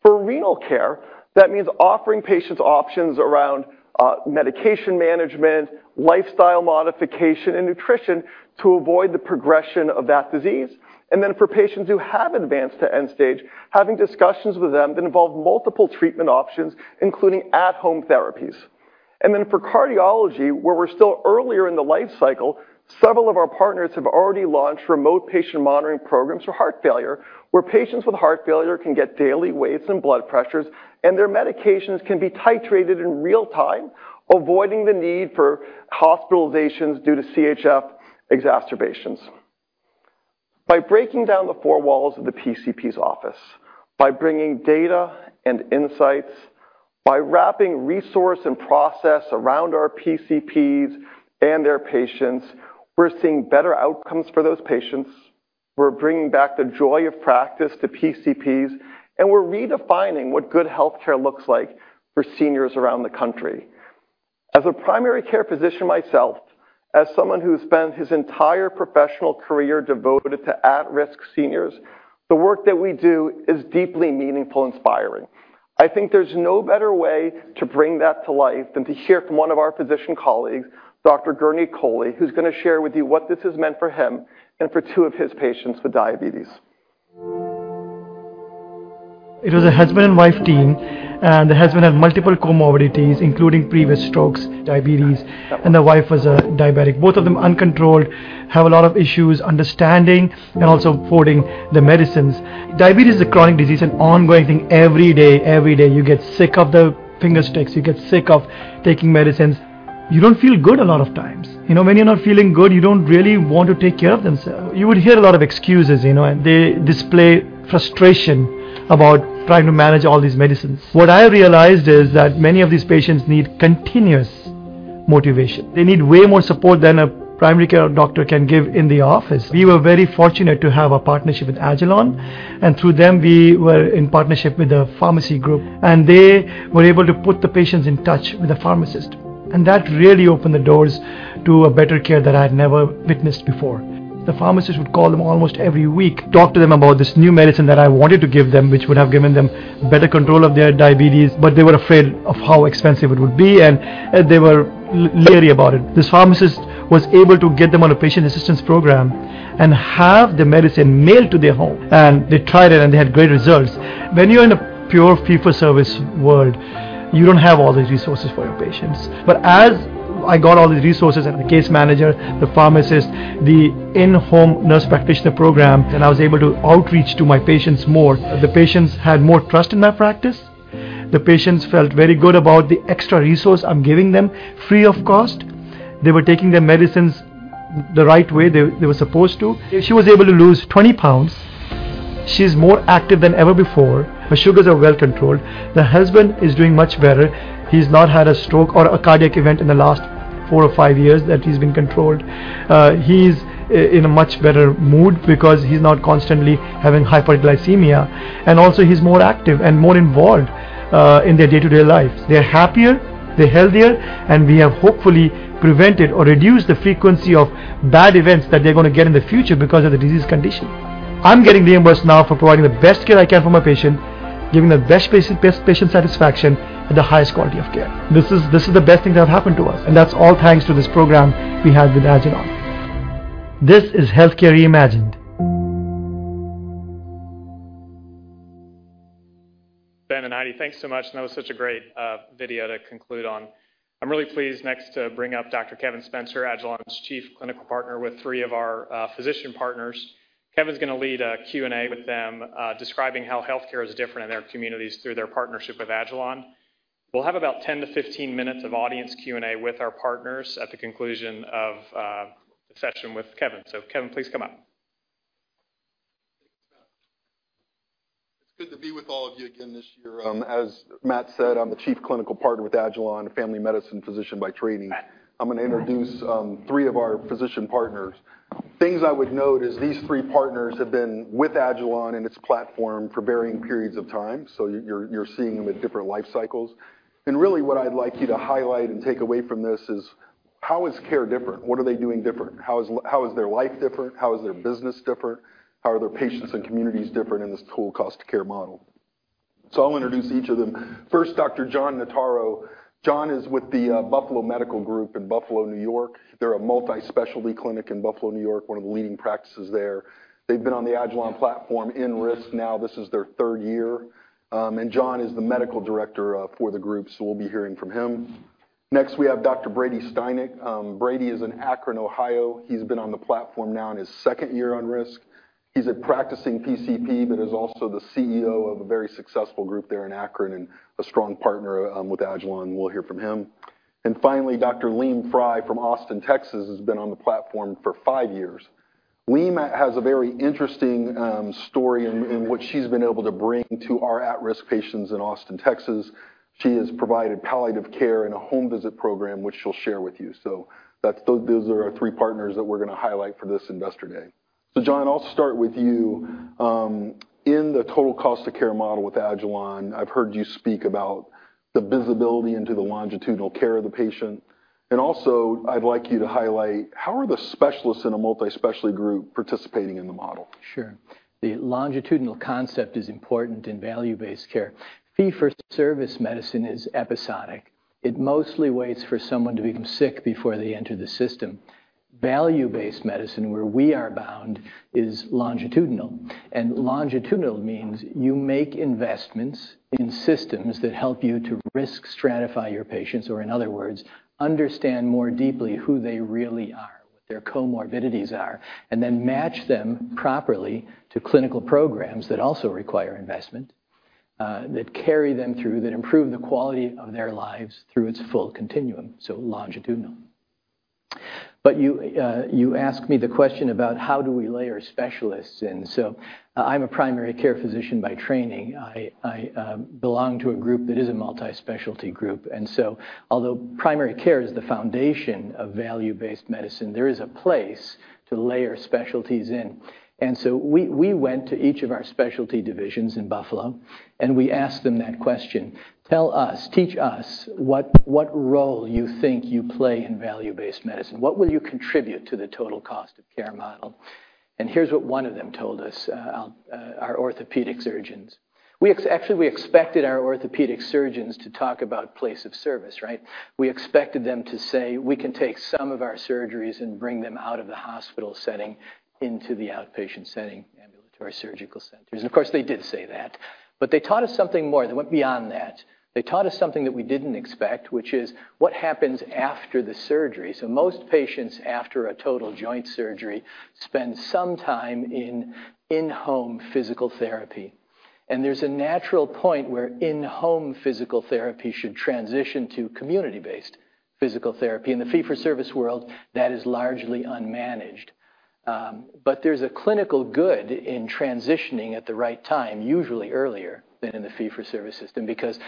For renal care, that means offering patients options around medication management, lifestyle modification, and nutrition to avoid the progression of that disease. For patients who have advanced to end stage, having discussions with them that involve multiple treatment options, including at-home therapies. Then for cardiology, where we're still earlier in the life cycle, several of our partners have already launched remote patient monitoring programs for heart failure, where patients with heart failure can get daily weights and blood pressures, and their medications can be titrated in real time, avoiding the need for hospitalizations due to CHF exacerbations. By breaking down the four walls of the PCP's office, by bringing data and insights, by wrapping resource and process around our PCPs and their patients, we're seeing better outcomes for those patients. We're bringing back the joy of practice to PCPs, and we're redefining what good healthcare looks like for seniors around the country. As a primary care physician myself, as someone who's spent his entire professional career devoted to at-risk seniors, the work that we do is deeply meaningful and inspiring. I think there's no better way to bring that to life than to hear from one of our physician colleagues, Dr. Gurneet Kohli, who's going to share with you what this has meant for him and for two of his patients with diabetes. It was a husband and wife team. The husband had multiple comorbidities, including previous strokes, diabetes, and the wife was a diabetic. Both of them uncontrolled, have a lot of issues understanding and also affording the medicines. Diabetes is a chronic disease, an ongoing thing every day. Every day, you get sick of the finger sticks, you get sick of taking medicines. You don't feel good a lot of times. You know, when you're not feeling good, you don't really want to take care of themself. You would hear a lot of excuses, you know, they display frustration about trying to manage all these medicines. What I realized is that many of these patients need continuous motivation. They need way more support than a primary care doctor can give in the office. We were very fortunate to have a partnership with agilon health, and through them, we were in partnership with a pharmacy group, and they were able to put the patients in touch with a pharmacist. That really opened the doors to a better care that I'd never witnessed before. The pharmacist would call them almost every week, talk to them about this new medicine that I wanted to give them, which would have given them better control of their diabetes, but they were afraid of how expensive it would be, and they were leery about it. This pharmacist was able to get them on a patient assistance program and have the medicine mailed to their home, and they tried it, and they had great results. When you're in a pure fee-for-service world, you don't have all these resources for your patients. As I got all these resources, and the case manager, the pharmacist, the in-home nurse practitioner program, and I was able to outreach to my patients more. The patients had more trust in my practice. The patients felt very good about the extra resource I'm giving them free of cost. They were taking their medicines the right way they were supposed to. She was able to lose 20 pounds. She's more active than ever before. Her sugars are well controlled. The husband is doing much better. He's not had a stroke or a cardiac event in the last four or five years that he's been controlled. He's in a much better mood because he's not constantly having hyperglycemia, and also he's more active and more involved in their day-to-day lives. They're happier, they're healthier, we have hopefully prevented or reduced the frequency of bad events that they're gonna get in the future because of the disease condition. I'm getting reimbursed now for providing the best care I can for my patient, giving the best patient satisfaction, and the highest quality of care. This is the best thing that happened to us, that's all thanks to this program we have with agilon health. This is healthcare reimagined. Ben and Heidi, thanks so much. That was such a great video to conclude on. I'm really pleased next to bring up Dr. Kevin Spencer, agilon health's Chief Clinical Partner with three of our physician partners. Kevin's gonna lead a Q&A with them, describing how healthcare is different in their communities through their partnership with agilon health. We'll have about 10-15 minutes of audience Q&A with our partners at the conclusion of the session with Kevin. Kevin, please come up. Thanks, Matt. It's good to be with all of you again this year. As Matt said, I'm the Chief Clinical Partner with agilon health, a family medicine physician by training. I'm gonna introduce three of our physician partners. Things I would note is these 3 partners have been with agilon health and its platform for varying periods of time, so you're seeing them at different life cycles. Really what I'd like you to highlight and take away from this is how is care different? What are they doing different? How is their life different? How is their business different? How are their patients and communities different in this Total Cost of Care model? I'll introduce each of them. First, Dr. John Notaro. John is with the Buffalo Medical Group in Buffalo, New York. They're a multi-specialty clinic in Buffalo, New York, one of the leading practices there. They've been on the agilon health platform in risk now, this is their third year. John is the medical director for the group, we'll be hearing from him. Next, we have Dr. Brady Steineck. Brady is in Akron, Ohio. He's been on the platform now in his second year on risk. He's a practicing PCP, is also the CEO of a very successful group there in Akron and a strong partner with agilon health. We'll hear from him. Finally, Dr. Leigh Frey from Austin, Texas, has been on the platform for five years. Leigh has a very interesting story in what she's been able to bring to our at-risk patients in Austin, Texas. She has provided palliative care in a home visit program, which she'll share with you. Those are our three partners that we're gonna highlight for this investor day. John, I'll start with you. In the Total Cost of Care model with agilon health, I've heard you speak about the visibility into the longitudinal care of the patient, and also I'd like you to highlight how are the specialists in a multi-specialty group participating in the model? Sure. The longitudinal concept is important in value-based care. Fee-for-service medicine is episodic. It mostly waits for someone to become sick before they enter the system. Value-based medicine, where we are bound, is longitudinal. Longitudinal means you make investments in systems that help you to risk stratify your patients, or in other words, understand more deeply who they really are, what their comorbidities are, and then match them properly to clinical programs that also require investment, that carry them through, that improve the quality of their lives through its full continuum, so longitudinal. You asked me the question about how do we layer specialists? I'm a primary care physician by training. I belong to a group that is a multi-specialty group, so although primary care is the foundation of value-based medicine, there is a place to layer specialties in. We went to each of our specialty divisions in Buffalo, and we asked them that question: Tell us, teach us what role you think you play in value-based medicine. What will you contribute to the Total Cost of Care model? Here's what one of them told us, our orthopedic surgeons. Actually, we expected our orthopedic surgeons to talk about place of service, right? We expected them to say, "We can take some of our surgeries and bring them out of the hospital setting into the outpatient setting, ambulatory surgical centers." Of course, they did say that. They taught us something more, they went beyond that. They taught us something that we didn't expect, which is what happens after the surgery. Most patients, after a total joint surgery, spend some time in-home physical therapy. There's a natural point where in-home physical therapy should transition to community-based physical therapy. In the fee-for-service world, that is largely unmanaged. There's a clinical good in transitioning at the right time, usually earlier than in the fee-for-service system, because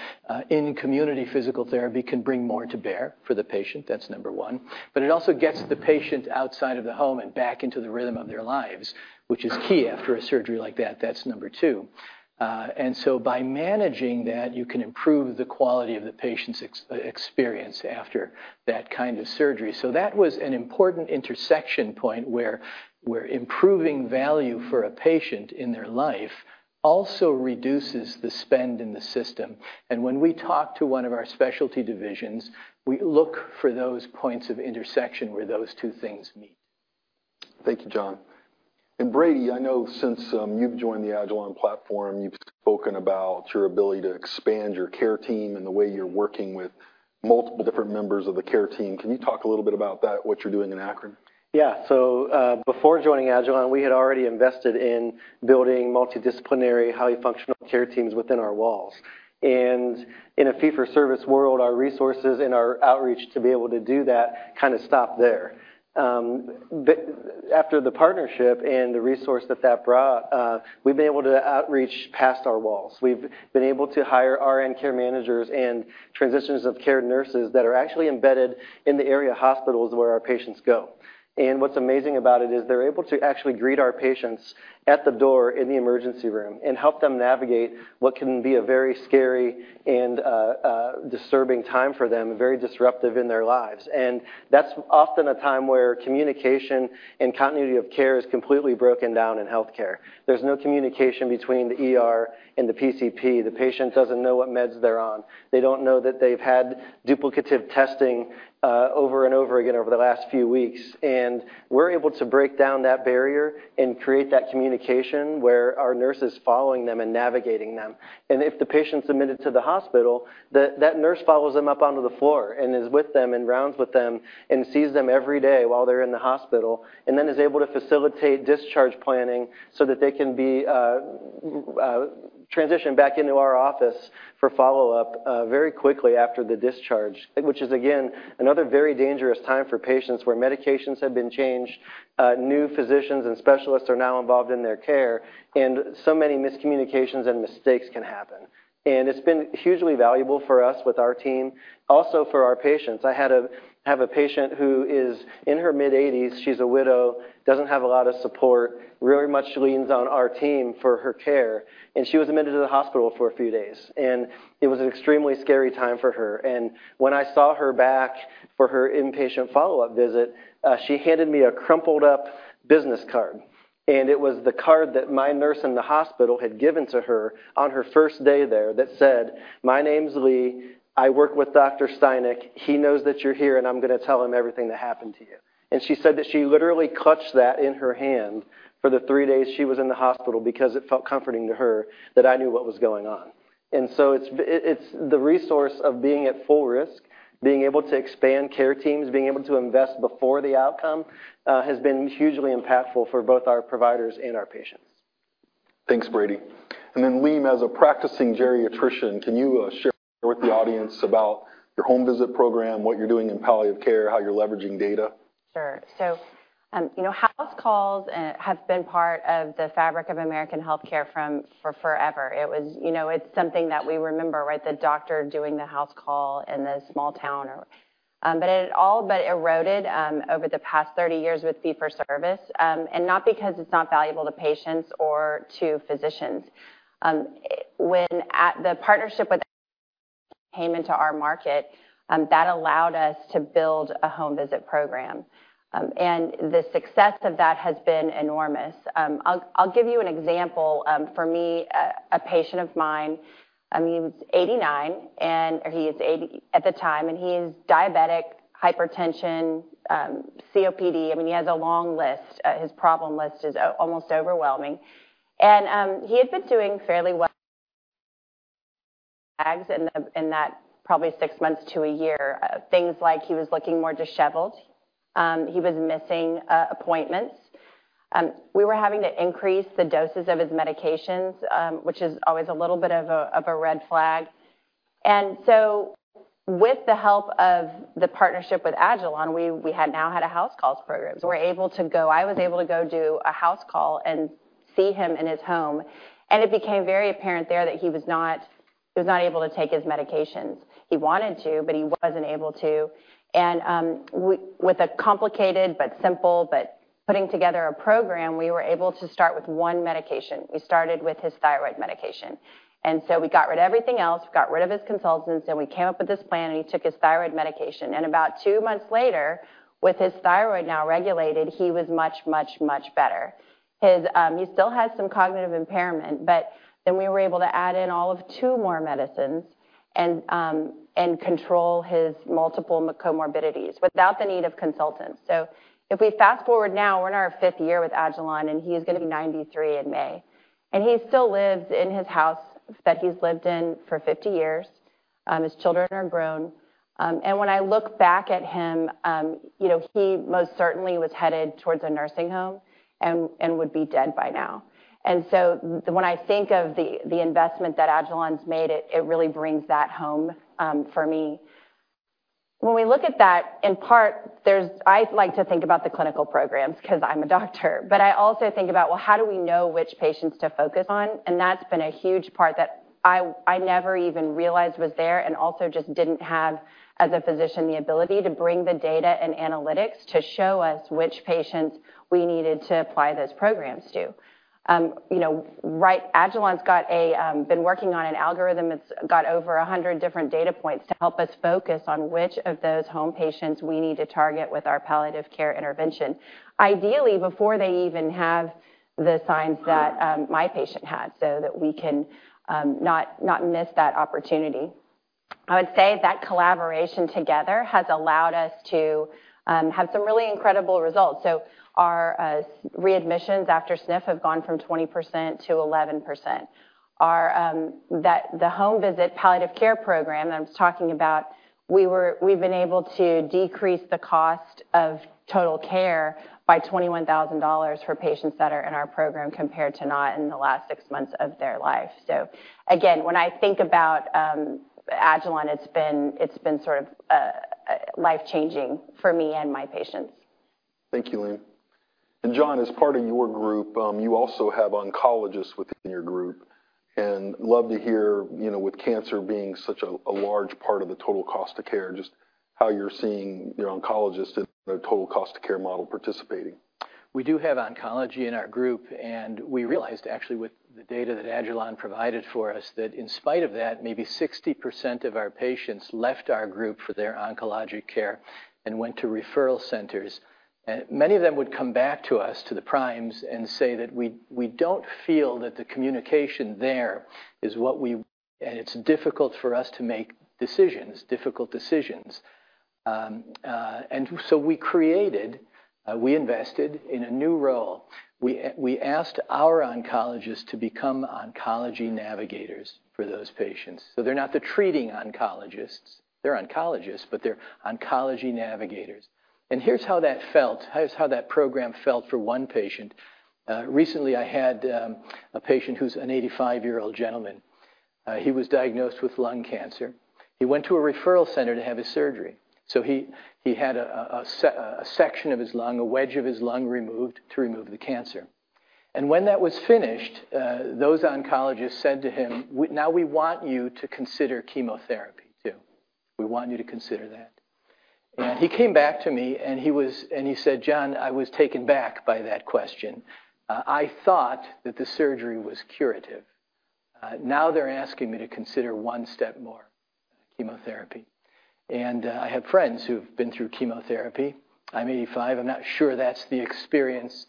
in-community physical therapy can bring more to bear for the patient, that's number one. It also gets the patient outside of the home and back into the rhythm of their lives, which is key after a surgery like that. That's number two. By managing that, you can improve the quality of the patient's experience after that kind of surgery. That was an important intersection point where improving value for a patient in their life also reduces the spend in the system. When we talk to one of our specialty divisions, we look for those points of intersection where those two things meet. Thank you, John. Brady, I know since you've joined the agilon platform, you've spoken about your ability to expand your care team and the way you're working with multiple different members of the care team. Can you talk a little bit about that, what you're doing in Akron? Yeah. Before joining agilon health, we had already invested in building multidisciplinary, highly functional care teams within our walls. In a fee-for-service world, our resources and our outreach to be able to do that kinda stopped there. After the partnership and the resource that that brought, we've been able to outreach past our walls. We've been able to hire RN care managers and transitions of care nurses that are actually embedded in the area hospitals where our patients go. What's amazing about it is they're able to actually greet our patients at the door in the emergency room and help them navigate what can be a very scary and disturbing time for them, very disruptive in their lives. That's often a time where communication and continuity of care is completely broken down in healthcare. There's no communication between the ER and the PCP. The patient doesn't know what meds they're on. They don't know that they've had duplicative testing, over and over again over the last few weeks. We're able to break down that barrier and create that communication where our nurse is following them and navigating them. If the patient's admitted to the hospital, that nurse follows them up onto the floor and is with them, in rounds with them, and sees them every day while they're in the hospital, and then is able to facilitate discharge planning so that they can be transitioned back into our office for follow-up very quickly after the discharge, which is, again, another very dangerous time for patients where medications have been changed, new physicians and specialists are now involved in their care, and so many miscommunications and mistakes can happen. It's been hugely valuable for us with our team, also for our patients. I have a patient who is in her mid-80s, she's a widow, doesn't have a lot of support, very much leans on our team for her care, she was admitted to the hospital for a few days. It was an extremely scary time for her. When I saw her back for her inpatient follow-up visit, she handed me a crumpled-up business card, it was the card that my nurse in the hospital had given to her on her first day there that said, "My name's Lee. I work with Dr. Steineck. He knows that you're here, and I'm gonna tell him everything that happened to you." She said that she literally clutched that in her hand for the 3 days she was in the hospital because it felt comforting to her that I knew what was going on. It's the resource of being at full risk, being able to expand care teams, being able to invest before the outcome, has been hugely impactful for both our providers and our patients. Thanks, Brady. Leigh, as a practicing geriatrician, can you share with the audience about your home visit program, what you're doing in palliative care, how you're leveraging data? Sure. You know, house calls have been part of the fabric of American healthcare from forever. It was, you know, it's something that we remember, right? The doctor doing the house call in the small town or... But it all but eroded over the past 30 years with fee-for-service, and not because it's not valuable to patients or to physicians. When at the partnership with came into our market, that allowed us to build a home visit program. The success of that has been enormous. I'll give you an example. For me, a patient of mine, I mean, he was 89, and he is 80 at the time, and he is diabetic, hypertension, COPD. I mean, he has a long list. His problem list is almost overwhelming. He had been doing fairly well flags in the, in that probably six months to a year. Things like he was looking more disheveled. He was missing appointments. We were having to increase the doses of his medications, which is always a little bit of a, of a red flag. With the help of the partnership with agilon health, we had now had a house calls program. I was able to go do a house call and see him in his home. It became very apparent there that he was not able to take his medications. He wanted to, but he wasn't able to. With a complicated but simple, but putting together a program, we were able to start with one medication. We started with his thyroid medication. We got rid of everything else, got rid of his consultants, and we came up with this plan, and he took his thyroid medication. About two months later, with his thyroid now regulated, he was much, much, much better. His, he still has some cognitive impairment, but then we were able to add in all of two more medicines and control his multiple comorbidities without the need of consultants. If we fast-forward now, we're in our fifth year with agilon health, and he is gonna be 93 in May. He still lives in his house that he's lived in for 50 years. His children are grown. When I look back at him, you know, he most certainly was headed towards a nursing home and would be dead by now. When I think of the investment that agilon's made, it really brings that home for me. When we look at that, in part, I like to think about the clinical programs 'cause I'm a doctor, but I also think about, well, how do we know which patients to focus on? That's been a huge part that I never even realized was there and also just didn't have, as a physician, the ability to bring the data and analytics to show us which patients we needed to apply those programs to. You know, right, agilon's been working on an algorithm. It's got over 100 different data points to help us focus on which of those home patients we need to target with our palliative care intervention, ideally before they even have the signs that my patient had, so that we can not miss that opportunity. I would say that collaboration together has allowed us to have some really incredible results. Our readmissions after SNF have gone from 20%-11%. Our the home visit palliative care program that I was talking about, we've been able to decrease the cost of total care by $21,000 for patients that are in our program compared to not in the last six months of their life. Again, when I think about agilon, it's been, it's been sort of life-changing for me and my patients. Thank you, Leigh. John, as part of your group, you also have oncologists within your group, and love to hear, you know, with cancer being such a large part of the total cost of care, just how you're seeing your oncologist in the total cost of care model participating? We do have oncology in our group. We realized actually with the data that agilon provided for us, that in spite of that, maybe 60% of our patients left our group for their oncologic care and went to referral centers. Many of them would come back to us, to the primes, and say that, "We don't feel that the communication there is what we. It's difficult for us to make decisions, difficult decisions." We created, we invested in a new role. We asked our oncologists to become oncology navigators for those patients. So they're not the treating oncologists. They're oncologists, but they're oncology navigators. Here's how that felt. Here's how that program felt for one patient. Recently I had, a patient who's an 85-year-old gentleman. He was diagnosed with lung cancer. He went to a referral center to have his surgery. He had a section of his lung, a wedge of his lung removed to remove the cancer. When that was finished, those oncologists said to him, "Now we want you to consider chemotherapy too. We want you to consider that." He came back to me and he said, "John, I was taken back by that question. I thought that the surgery was curative. Now they're asking me to consider one step more, chemotherapy. I have friends who've been through chemotherapy. I'm 85. I'm not sure that's the experience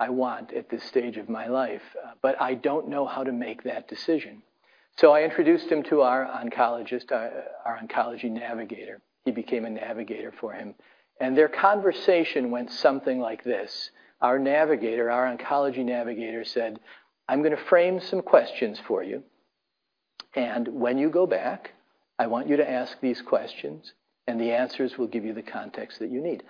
I want at this stage of my life, but I don't know how to make that decision." I introduced him to our oncologist, our oncology navigator. He became a navigator for him. Their conversation went something like this. Our navigator, our oncology navigator said, "I'm gonna frame some questions for you, and when you go back, I want you to ask these questions, and the answers will give you the context that you need.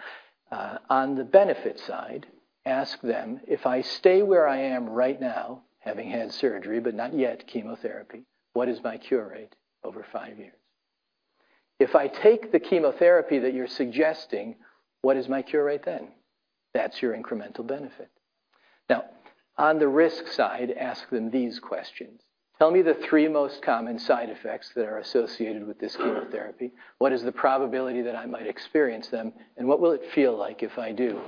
On the benefit side, ask them, 'If I stay where I am right now, having had surgery, but not yet chemotherapy, what is my cure rate over five years? If I take the chemotherapy that you're suggesting, what is my cure rate then?' That's your incremental benefit. On the risk side, ask them these questions. 'Tell me the three most common side effects that are associated with this chemotherapy. What is the probability that I might experience them, and what will it feel like if I do?'"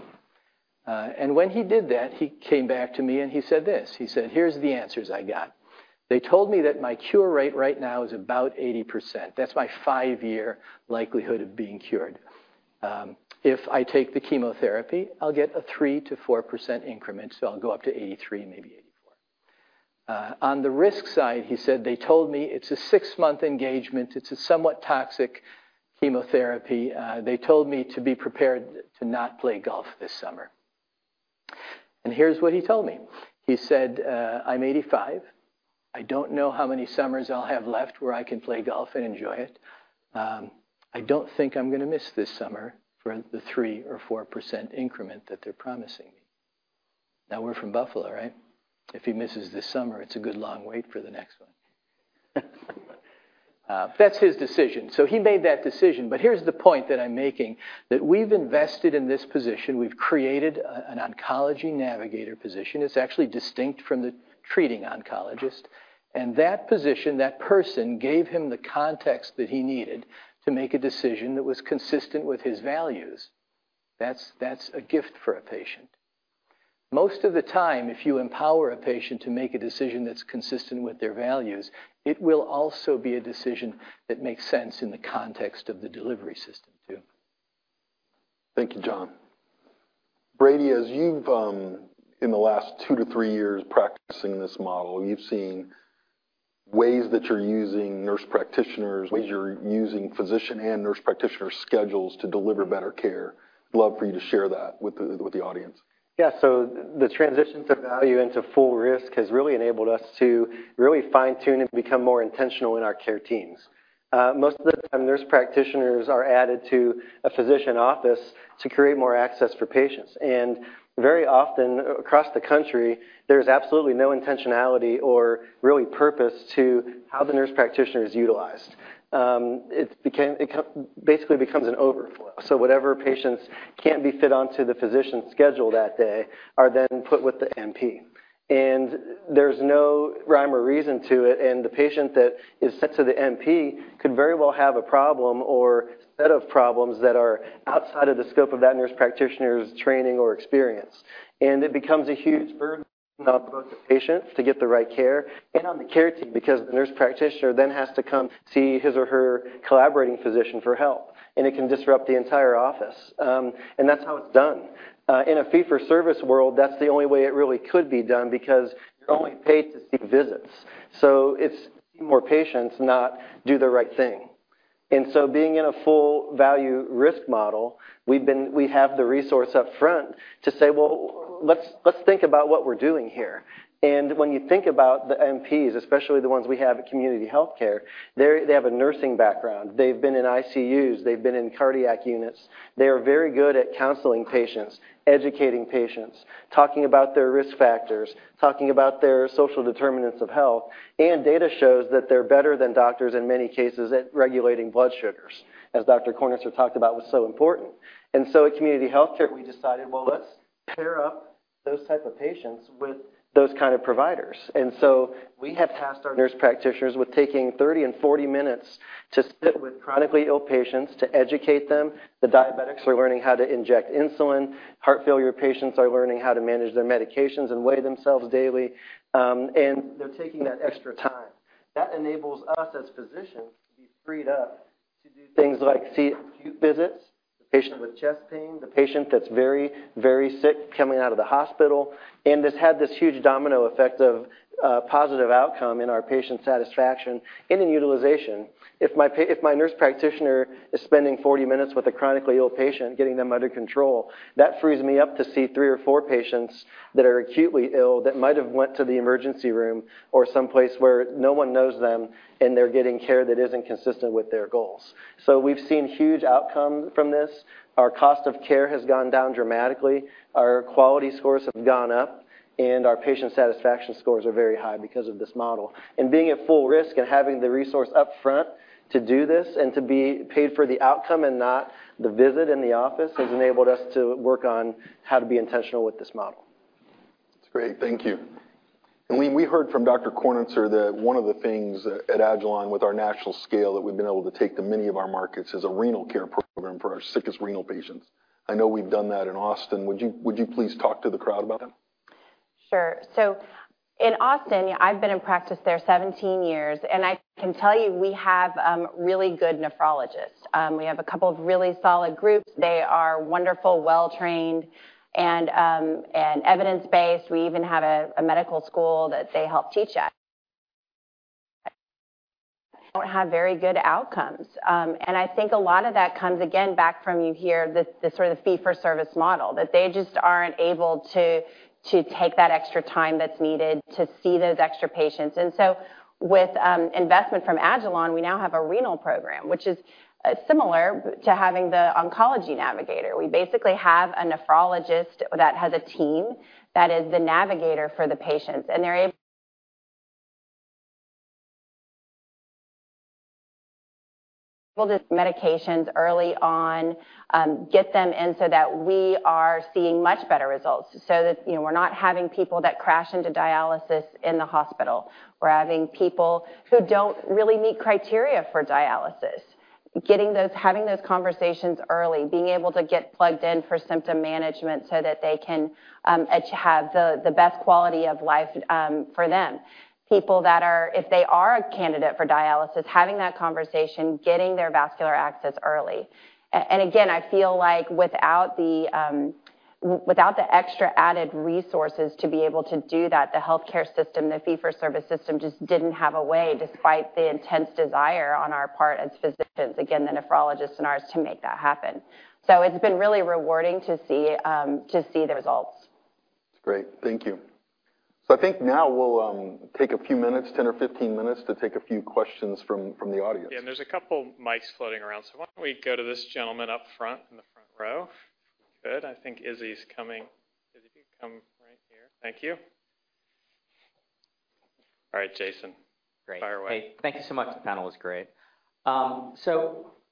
When he did that, he came back to me and he said this. He said, "Here's the answers I got. They told me that my cure rate right now is about 80%. That's my five-year likelihood of being cured. If I take the chemotherapy, I'll get a 3%-4% increment, so I'll go up to 83, maybe 84." On the risk side, he said, "They told me it's a 6-month engagement. It's a somewhat toxic chemotherapy. They told me to be prepared to not play golf this summer." Here's what he told me. He said, "I'm 85. I don't know how many summers I'll have left where I can play golf and enjoy it. I don't think I'm gonna miss this summer for the 3% or 4% increment that they're promising me." Now, we're from Buffalo, right? If he misses this summer, it's a good long wait for the next one. That's his decision. He made that decision, but here's the point that I'm making, that we've invested in this position. We've created an oncology navigator position. It's actually distinct from the treating oncologist. That position, that person, gave him the context that he needed to make a decision that was consistent with his values. That's a gift for a patient. Most of the time, if you empower a patient to make a decision that's consistent with their values, it will also be a decision that makes sense in the context of the delivery system too. Thank you, John. Brady, as you've, in the last two to three years practicing this model, you've seen ways that you're using nurse practitioners, ways you're using physician and nurse practitioner schedules to deliver better care. Love for you to share that with the audience. Yeah. The transition to value and to full risk has really enabled us to really fine-tune and become more intentional in our care teams. Most of the time, nurse practitioners are added to a physician office to create more access for patients. Very often across the country, there's absolutely no intentionality or really purpose to how the nurse practitioner is utilized. Basically becomes an overflow. Whatever patients can't be fit onto the physician's schedule that day are then put with the NP. There's no rhyme or reason to it, and the patient that is sent to the NP could very well have a problem or set of problems that are outside of the scope of that nurse practitioner's training or experience. It becomes a huge burden for both the patient to get the right care and on the care team, because the nurse practitioner then has to come see his or her collaborating physician for help, and it can disrupt the entire office. That's how it's done. In a fee-for-service world, that's the only way it really could be done because you're only paid to see visits. So it's see more patients, not do the right thing. Being in a full value risk model, we have the resource up front to say, "Well, let's think about what we're doing here." When you think about the NPs, especially the ones we have at Community Health Care, they have a nursing background. They've been in ICUs. They've been in cardiac units. They are very good at counseling patients, educating patients, talking about their risk factors, talking about their social determinants of health. Data shows that they're better than doctors in many cases at regulating blood sugars, as Dr. Kornitzer talked about was so important. At Community Health Care, we decided, well, let's pair up those type of patients with those kind of providers. We have tasked our nurse practitioners with taking 30 and 40 minutes to sit with chronically ill patients to educate them. The diabetics are learning how to inject insulin. Heart failure patients are learning how to manage their medications and weigh themselves daily. They're taking that extra time. That enables us as physicians to be freed up to do things like see acute visits, the patient with chest pain, the patient that's very, very sick coming out of the hospital, and has had this huge domino effect of positive outcome in our patient satisfaction and in utilization. If my nurse practitioner is spending 40 minutes with a chronically ill patient, getting them under control, that frees me up to see three or four patients that are acutely ill that might have went to the emergency room or someplace where no one knows them, and they're getting care that isn't consistent with their goals. We've seen huge outcomes from this. Our cost of care has gone down dramatically. Our quality scores have gone up, and our patient satisfaction scores are very high because of this model. Being at full risk and having the resource up front to do this and to be paid for the outcome and not the visit in the office has enabled us to work on how to be intentional with this model. That's great. Thank you. Lean, we heard from Dr. Kornitzer that one of the things at agilon health with our national scale that we've been able to take to many of our markets is a renal care program for our sickest renal patients. I know we've done that in Austin. Would you please talk to the crowd about that? Sure. In Austin, I've been in practice there 17 years, and I can tell you we have really good nephrologists. We have a couple of really solid groups. They are wonderful, well-trained, and evidence-based. We even have a medical school that they help teach at. Don't have very good outcomes. And I think a lot of that comes, again, back from you hear the sort of fee-for-service model, that they just aren't able to take that extra time that's needed to see those extra patients. With investment from agilon, we now have a renal program, which is similar to having the oncology navigator. We basically have a nephrologist that has a team that is the navigator for the patients, and they're able. Just medications early on, get them in so that we are seeing much better results so that, you know, we're not having people that crash into dialysis in the hospital. We're having people who don't really meet criteria for dialysis. Having those conversations early, being able to get plugged in for symptom management so that they can have the best quality of life for them. People that are, if they are a candidate for dialysis, having that conversation, getting their vascular access early. Again, I feel like without the extra added resources to be able to do that, the healthcare system, the fee-for-service system just didn't have a way, despite the intense desire on our part as physicians, again, the nephrologists and ours, to make that happen. It's been really rewarding to see the results. That's great. Thank you. I think now we'll take a few minutes, 10 or 15 minutes, to take a few questions from the audience. Yeah, and there's a couple mics floating around, so why don't we go to this gentleman up front in the front row? Good. I think Izzy's coming. Izzy, if you'd come right here. Thank you. All right, Jason. Great. Fire away. Hey. Thank you so much. The panel was great.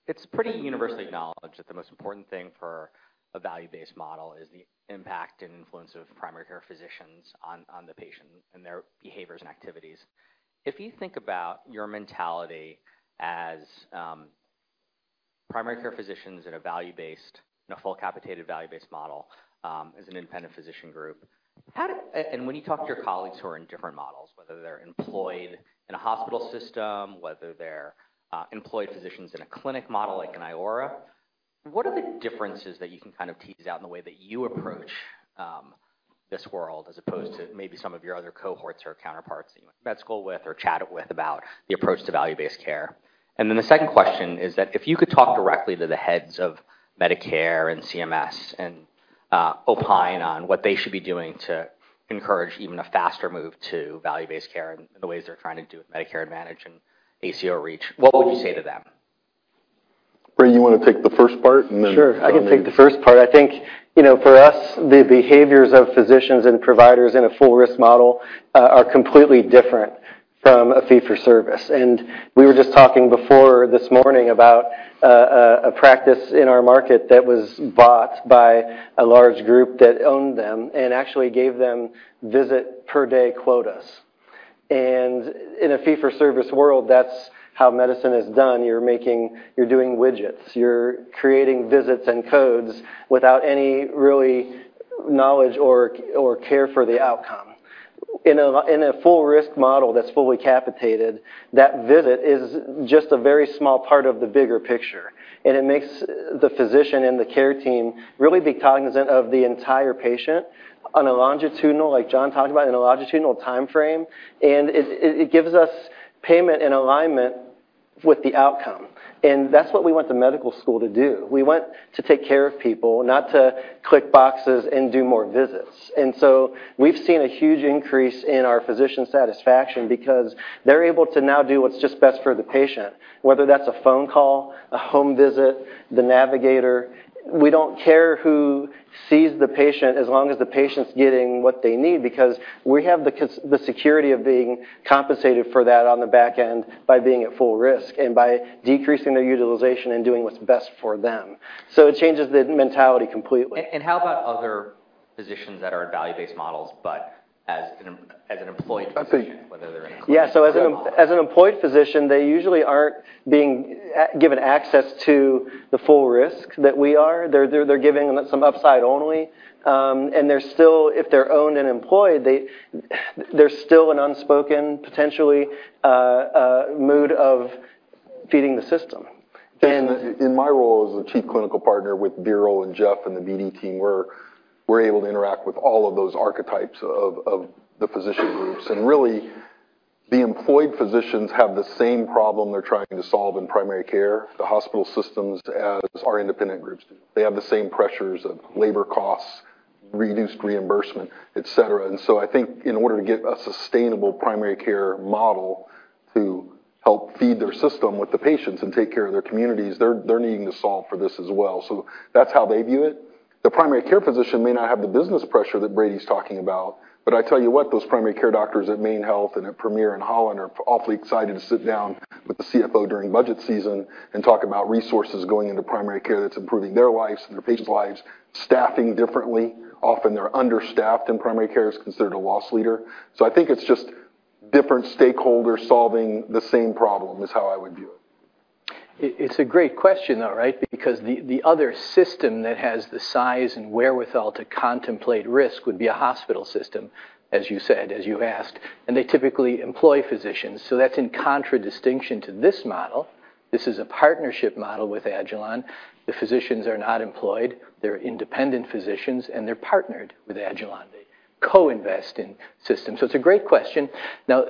It's pretty universally acknowledged that the most important thing for a value-based model is the impact and influence of primary care physicians on the patient and their behaviors and activities. If you think about your mentality as primary care physicians in a value-based, in a full-capitated value-based model, as an independent physician group, when you talk to your colleagues who are in different models, whether they're employed in a hospital system, whether they're employed physicians in a clinic model like Iora Health, what are the differences that you can kind of tease out in the way that you approach this world as opposed to maybe some of your other cohorts or counterparts that you went to med school with or chatted with about the approach to value-based care? The second question is that if you could talk directly to the heads of Medicare and CMS and opine on what they should be doing to encourage even a faster move to value-based care and the ways they're trying to do it, Medicare Advantage and ACO REACH, what would you say to them? Ray, you wanna take the first part, and then- Sure, I can take the first part. I think, you know, for us, the behaviors of physicians and providers in a full risk model are completely different from a fee-for-service. We were just talking before this morning about a practice in our market that was bought by a large group that owned them and actually gave them visit per day quotas. In a fee-for-service world, that's how medicine is done. You're doing widgets. You're creating visits and codes without any really knowledge or care for the outcome. In a full risk model that's fully capitated, that visit is just a very small part of the bigger picture, and it makes the physician and the care team really be cognizant of the entire patient on a longitudinal, like John talked about, in a longitudinal timeframe. It gives us payment and alignment with the outcome. That's what we want the medical school to do. We want to take care of people, not to click boxes and do more visits. We've seen a huge increase in our physician satisfaction because they're able to now do what's just best for the patient, whether that's a phone call, a home visit, the navigator. We don't care who sees the patient as long as the patient's getting what they need, because we have the security of being compensated for that on the back end by being at full risk and by decreasing their utilization and doing what's best for them. It changes the mentality completely. How about other physicians that are in value-based models, but as an employed physician, whether they're in a clinical model. Yeah. As an, as an employed physician, they usually aren't being given access to the full risk that we are. They're giving some upside only. They're still, if they're owned and employed, there's still an unspoken, potentially, mood of feeding the system. In my role as a chief clinical partner with Ben and Jeff and the BD team, we're able to interact with all of those archetypes of the physician groups. Really, the employed physicians have the same problem they're trying to solve in primary care, the hospital systems, as our independent groups do. They have the same pressures of labor costs, reduced reimbursement, et cetera. I think in order to get a sustainable primary care model to help feed their system with the patients and take care of their communities, they're needing to solve for this as well. That's how they view it. The primary care physician may not have the business pressure that Brady's talking about, but I tell you what, those primary care doctors at MaineHealth and at Premier and Holland are awfully excited to sit down with the CFO during budget season and talk about resources going into primary care that's improving their lives and their patients' lives, staffing differently. Often they're understaffed, and primary care is considered a loss leader. I think it's just different stakeholders solving the same problem, is how I would view it. It's a great question, though, right? The other system that has the size and wherewithal to contemplate risk would be a hospital system, as you said, as you asked. They typically employ physicians. That's in contradistinction to this model. This is a partnership model with Agilon. The physicians are not employed. They're independent physicians. They're partnered with Agilon. They co-invest in systems. It's a great question. Now,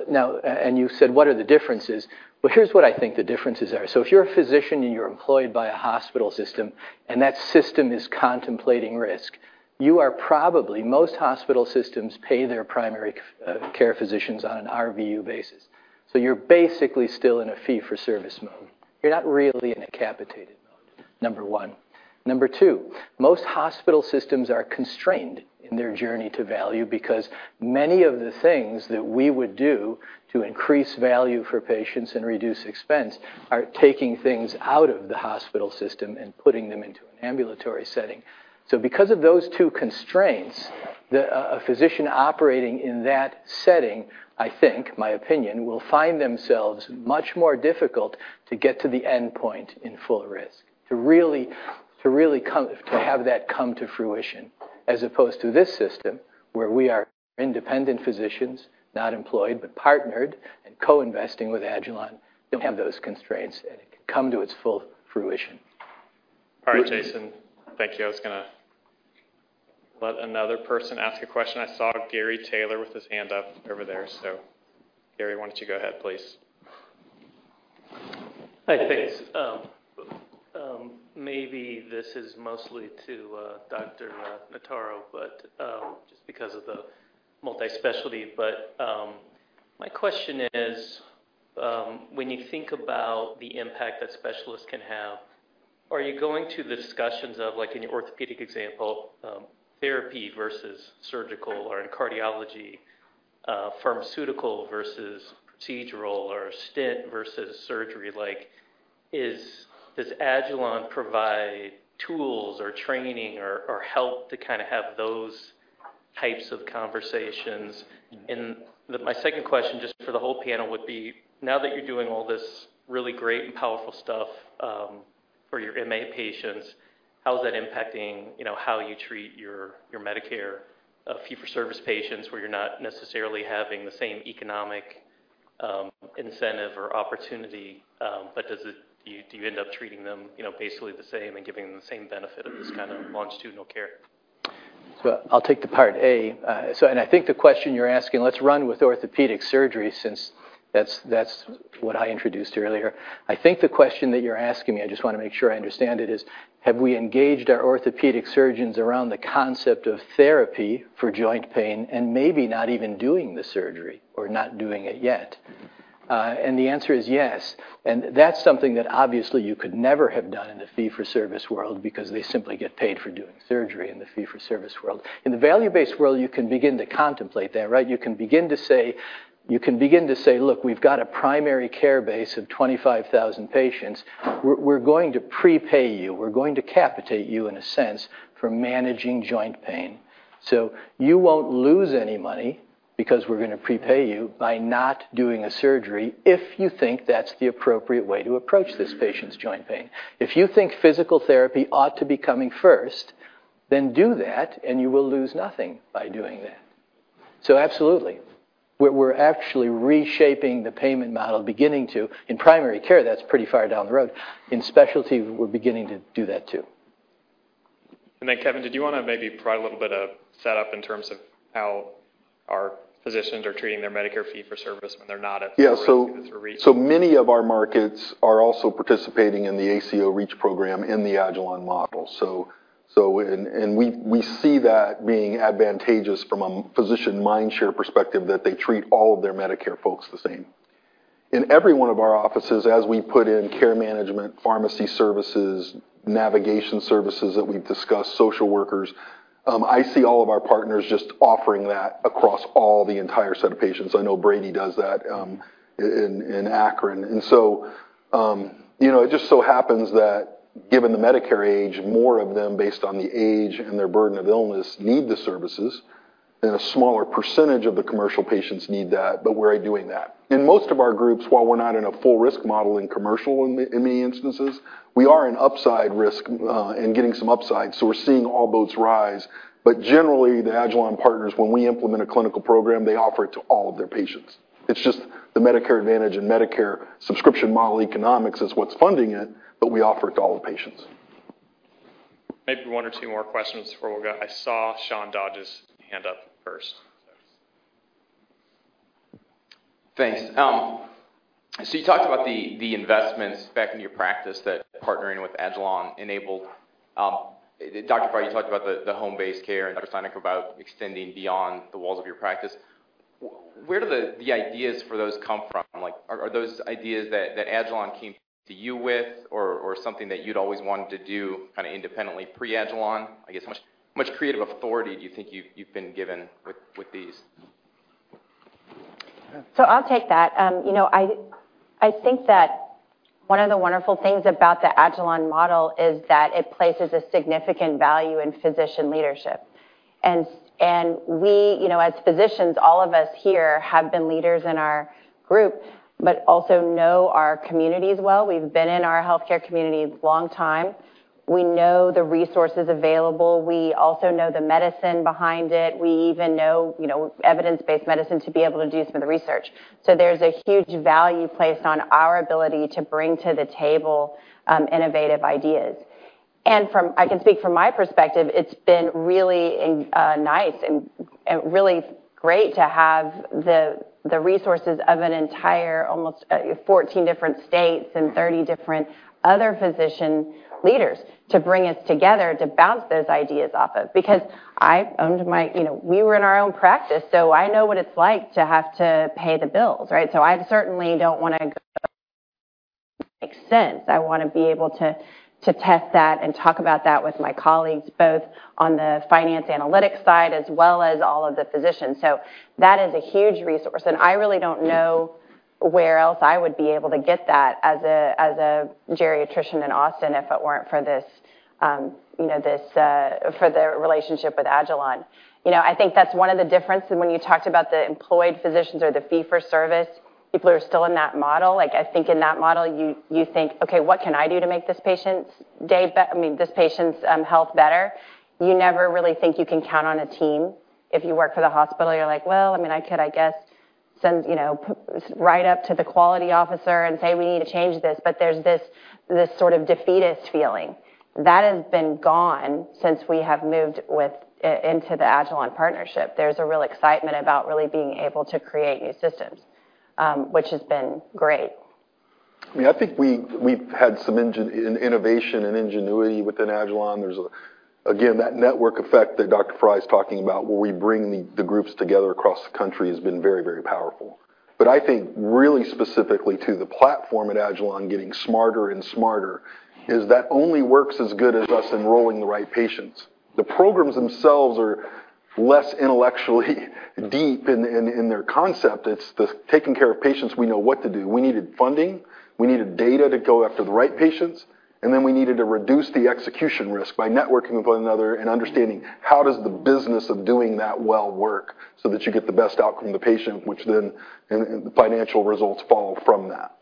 you said, what are the differences? Well, here's what I think the differences are. If you're a physician, and you're employed by a hospital system, and that system is contemplating risk, you are probably. Most hospital systems pay their primary care physicians on an RVU basis, you're basically still in a fee-for-service mode. You're not really in a capitated mode, number one. Number two, most hospital systems are constrained in their journey to value because many of the things that we would do to increase value for patients and reduce expense are taking things out of the hospital system and putting them into an ambulatory setting. Because of those two constraints, a physician operating in that setting, I think, my opinion, will find themselves much more difficult to get to the endpoint in full risk, to really come to have that come to fruition, as opposed to this system, where we are independent physicians, not employed, but partnered and co-investing with Agilon. Don't have those constraints, and it can come to its full fruition. All right, Jason. Thank you. I was gonna let another person ask a question. I saw Gary Taylor with his hand up over there. Gary, why don't you go ahead, please? Hi, thanks. Maybe this is mostly to Dr. Notaro, just because of the multi-specialty. My question is, when you think about the impact that specialists can have, are you going to the discussions of, like in your orthopedic example, therapy versus surgical, or in cardiology, pharmaceutical versus procedural or stent versus surgery? Like, does agilon health provide tools or training or help to kind of have those types of conversations? My second question, just for the whole panel, would be, now that you're doing all this really great and powerful stuff, for your MA patients, how is that impacting, you know, how you treat your Medicare fee-for-service patients, where you're not necessarily having the same economic incentive or opportunity, but does it... Do you end up treating them, you know, basically the same and giving them the same benefit of this kind of longitudinal care? I'll take the part A. I think the question you're asking, let's run with orthopedic surgery since that's what I introduced earlier. I think the question that you're asking me, I just wanna make sure I understand it, is have we engaged our orthopedic surgeons around the concept of therapy for joint pain and maybe not even doing the surgery or not doing it yet? The answer is yes. That's something that obviously you could never have done in the fee-for-service world because they simply get paid for doing surgery in the fee-for-service world. In the value-based world, you can begin to contemplate that, right? You can begin to say, "Look, we've got a primary care base of 25,000 patients. We're going to prepay you. We're going to capitate you in a sense for managing joint pain. You won't lose any money because we're gonna prepay you by not doing a surgery if you think that's the appropriate way to approach this patient's joint pain. If you think physical therapy ought to be coming first, do that, you will lose nothing by doing that. Absolutely. We're actually reshaping the payment model, beginning to. In primary care, that's pretty far down the road. In specialty, we're beginning to do that too. Kevin, did you wanna maybe provide a little bit of setup in terms of how our physicians are treating their Medicare fee-for-service when they're not at. Yeah. So many of our markets are also participating in the ACO REACH program in the agilon model. And we see that being advantageous from a physician mindshare perspective that they treat all of their Medicare folks the same. In every one of our offices, as we put in care management, pharmacy services, navigation services that we've discussed, social workers, I see all of our partners just offering that across all the entire set of patients. I know Brady does that in Akron. You know, it just so happens that given the Medicare age, more of them based on the age and their burden of illness need the services, and a smaller percentage of the commercial patients need that, but we're doing that. In most of our groups, while we're not in a full risk model in commercial in many instances, we are in upside risk, and getting some upside, so we're seeing all boats rise. Generally, the agilon health partners, when we implement a clinical program, they offer it to all of their patients. It's just the Medicare Advantage and Medicare subscription model economics is what's funding it. We offer it to all the patients. Maybe one or two more questions before we go. I saw Sean Dodge's hand up first. Thanks. You talked about the investments back in your practice that partnering with agilon health enabled. Dr. Frey, you talked about the home-based care, and Dr. Steinick about extending beyond the walls of your practice. Where do the ideas for those come from? Like, are those ideas that agilon health came to you with or something that you'd always wanted to do kinda independently pre-agilon health? I guess, how much creative authority do you think you've been given with these? I'll take that. you know, I think that one of the wonderful things about the agilon model is that it places a significant value in physician leadership. We, you know, as physicians, all of us here have been leaders in our group, but also know our communities well. We've been in our healthcare communities long time. We know the resources available. We also know the medicine behind it. We even know, you know, evidence-based medicine to be able to do some of the research. There's a huge value placed on our ability to bring to the table, innovative ideas. I can speak from my perspective, it's been really nice and really great to have the resources of an entire almost 14 different states and 30 different other physician leaders to bring us together to bounce those ideas off of. You know, we were in our own practice, I know what it's like to have to pay the bills, right? I certainly don't wanna go make sense. I wanna be able to test that and talk about that with my colleagues, both on the finance analytics side as well as all of the physicians. That is a huge resource, and I really don't know where else I would be able to get that as a geriatrician in Austin if it weren't for this, you know, this for the relationship with agilon health. You know, I think that's one of the difference. When you talked about the employed physicians or the fee-for-service, people are still in that model. Like, I think in that model, you think, "Okay, what can I do to make this patient's health better?" You never really think you can count on a team. If you work for the hospital, you're like, "Well, I mean, I could, I guess, send, you know, write up to the quality officer and say, 'We need to change this.'" There's this sort of defeatist feeling. That has been gone since we have moved into the agilon health partnership. There's a real excitement about really being able to create new systems, which has been great. I mean, I think we've had some innovation and ingenuity within agilon health. There's, again, that network effect that Dr. Frey's talking about, where we bring the groups together across the country has been very, very powerful. I think really specifically to the platform at agilon health getting smarter and smarter is that only works as good as us enrolling the right patients. The programs themselves are less intellectually deep in their concept. It's the taking care of patients, we know what to do. We needed funding, we needed data to go after the right patients, we needed to reduce the execution risk by networking with one another and understanding how does the business of doing that well work so that you get the best outcome of the patient, which then, and the financial results follow from that.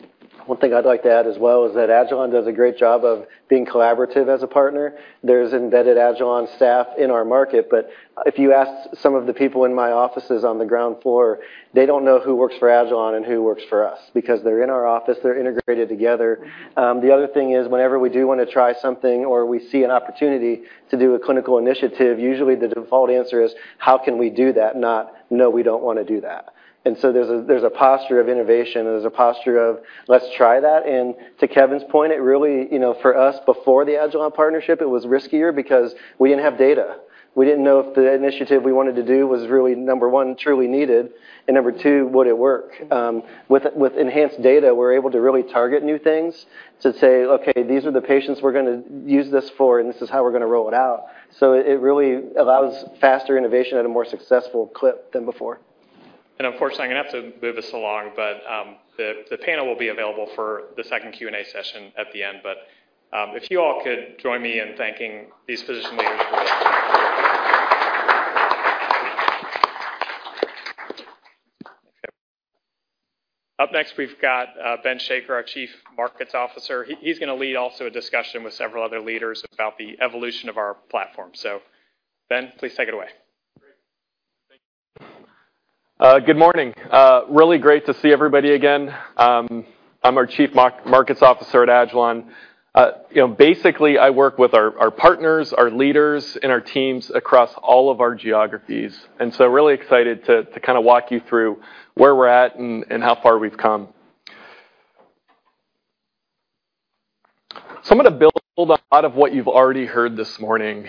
One thing I'd like to add as well is that agilon does a great job of being collaborative as a partner. There's embedded agilon staff in our market, but if you ask some of the people in my offices on the ground floor, they don't know who works for agilon and who works for us because they're in our office, they're integrated together. The other thing is whenever we do wanna try something or we see an opportunity to do a clinical initiative, usually the default answer is, "How can we do that?" Not, "No, we don't wanna do that." There's a posture of innovation, and there's a posture of, "Let's try that." To Kevin's point, it really, you know, for us before the agilon partnership, it was riskier because we didn't have data. We didn't know if the initiative we wanted to do was really, number one, truly needed, and number two, would it work? With enhanced data, we're able to really target new things to say, "Okay, these are the patients we're gonna use this for, and this is how we're gonna roll it out." It really allows faster innovation at a more successful clip than before. Unfortunately, I'm gonna have to move us along, but the panel will be available for the second Q&A session at the end. If you all could join me in thanking these physician leaders for their. Up next, we've got Ben Shaker, our Chief Markets Officer. He's gonna lead also a discussion with several other leaders about the evolution of our platform. Ben, please take it away. Good morning. Really great to see everybody again. I'm our Chief Markets Officer at agilon health. You know, basically, I work with our partners, our leaders, and our teams across all of our geographies. Really excited to kind of walk you through where we're at and how far we've come. I'm gonna build a lot of what you've already heard this morning.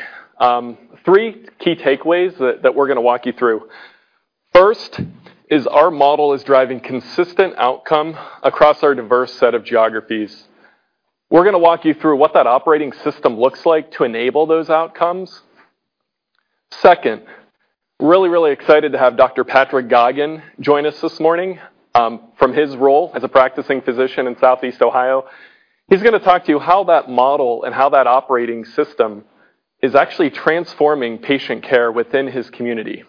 Three key takeaways that we're gonna walk you through. First is our model is driving consistent outcome across our diverse set of geographies. We're gonna walk you through what that operating system looks like to enable those outcomes. Second, really excited to have Dr. Patrick Goggin join us this morning from his role as a practicing physician in Southeast Ohio. He's going to talk to you how that model and how that operating system is actually transforming patient care within his community.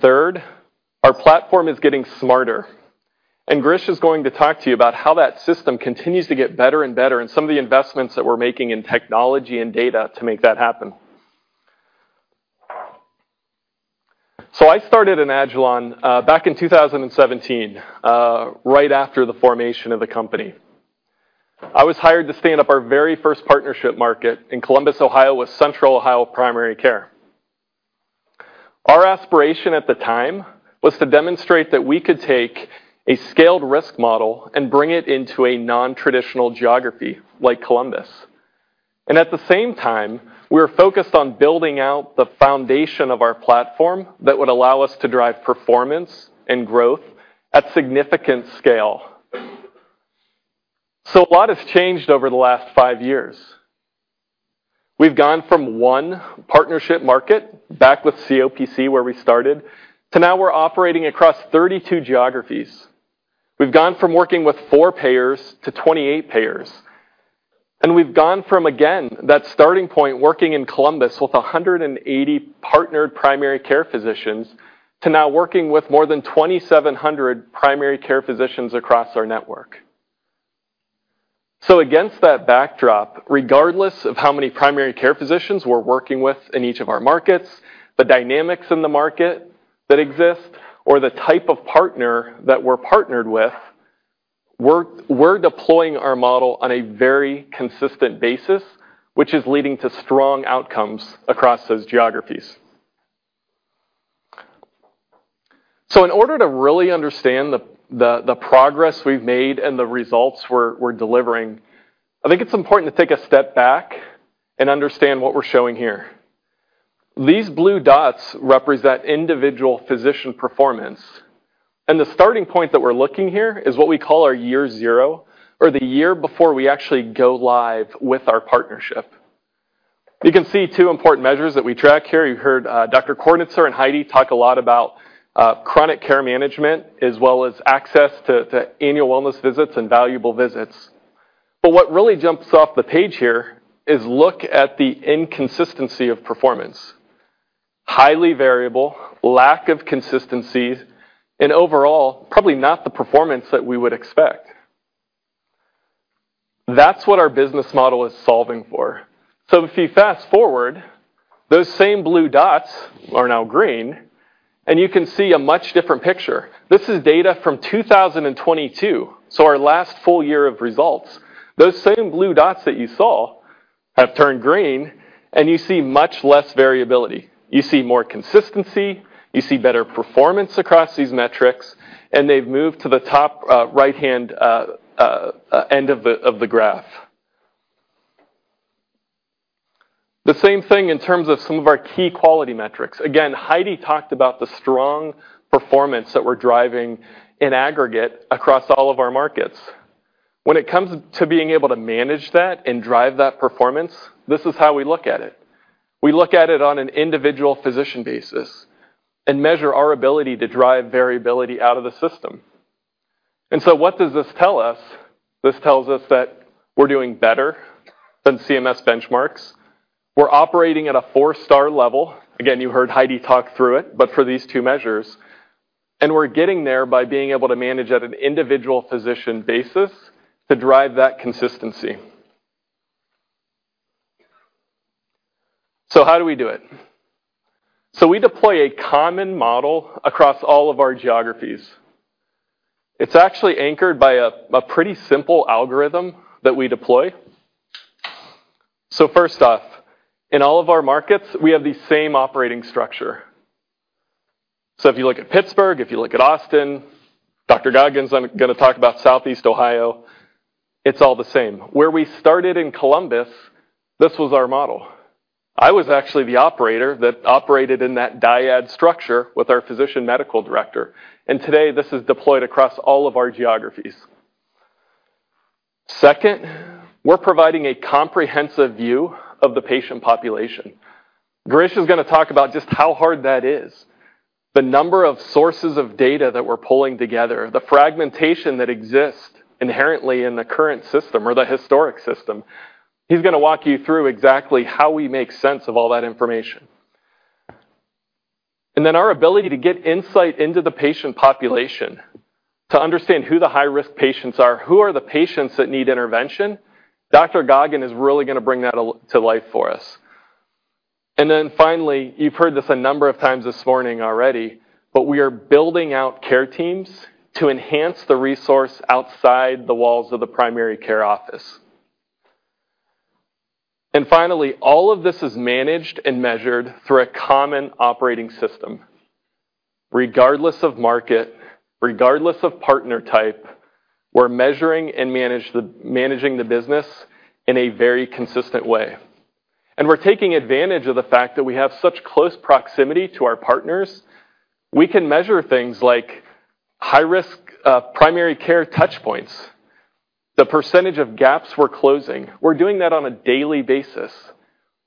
Third, our platform is getting smarter. Girish is going to talk to you about how that system continues to get better and better, and some of the investments that we're making in technology and data to make that happen. I started in agilon health back in 2017, right after the formation of the company. I was hired to stand up our very first partnership market in Columbus, Ohio, with Central Ohio Primary Care. Our aspiration at the time was to demonstrate that we could take a scaled risk model and bring it into a non-traditional geography like Columbus. At the same time, we were focused on building out the foundation of our platform that would allow us to drive performance and growth at significant scale. A lot has changed over the last 5 years. We've gone from 1 partnership market back with COPC, where we started, to now we're operating across 32 geographies. We've gone from working with 4 payers to 28 payers. We've gone from, again, that starting point working in Columbus with 180 partnered primary care physicians to now working with more than 2,700 primary care physicians across our network. Against that backdrop, regardless of how many primary care physicians we're working with in each of our markets, the dynamics in the market that exist, or the type of partner that we're partnered with, we're deploying our model on a very consistent basis, which is leading to strong outcomes across those geographies. In order to really understand the progress we've made and the results we're delivering, I think it's important to take a step back and understand what we're showing here. These blue dots represent individual physician performance, and the starting point that we're looking here is what we call our year 0 or the year before we actually go live with our partnership. You can see 2 important measures that we track here. You heard Dr. Kornitzer and Heidi talk a lot about chronic care management, as well as access to annual wellness visits and valuable visits. What really jumps off the page here is look at the inconsistency of performance. Highly variable, lack of consistency, and overall, probably not the performance that we would expect. That's what our business model is solving for. If you fast-forward, those same blue dots are now green, and you can see a much different picture. This is data from 2022, our last full year of results. Those same blue dots that you saw have turned green, and you see much less variability. You see more consistency, you see better performance across these metrics, and they've moved to the top, right-hand, end of the graph. The same thing in terms of some of our key quality metrics. Again, Heidi talked about the strong performance that we're driving in aggregate across all of our markets. When it comes to being able to manage that and drive that performance, this is how we look at it. We look at it on an individual physician basis and measure our ability to drive variability out of the system. What does this tell us? This tells us that we're doing better than CMS benchmarks. We're operating at a four-star level. Again, you heard Heidi talk through it, but for these two measures. We're getting there by being able to manage at an individual physician basis to drive that consistency. How do we do it? We deploy a common model across all of our geographies. It's actually anchored by a pretty simple algorithm that we deploy. First off, in all of our markets, we have the same operating structure. If you look at Pittsburgh, if you look at Austin, Dr. Goggin's gonna talk about Southeast Ohio, it's all the same. Where we started in Columbus, this was our model. I was actually the operator that operated in that dyad structure with our physician medical director. Today, this is deployed across all of our geographies. Second, we're providing a comprehensive view of the patient population. Girish is gonna talk about just how hard that is. The number of sources of data that we're pulling together, the fragmentation that exists inherently in the current system or the historic system. He's gonna walk you through exactly how we make sense of all that information. Our ability to get insight into the patient population. To understand who the high-risk patients are, who are the patients that need intervention, Dr. Goggin is really going to bring that to life for us. Finally, you've heard this a number of times this morning already, we are building out care teams to enhance the resource outside the walls of the primary care office. Finally, all of this is managed and measured through a common operating system. Regardless of market, regardless of partner type, we're measuring and managing the business in a very consistent way. We're taking advantage of the fact that we have such close proximity to our partners. We can measure things like high risk, primary care touch points, the % of gaps we're closing. We're doing that on a daily basis.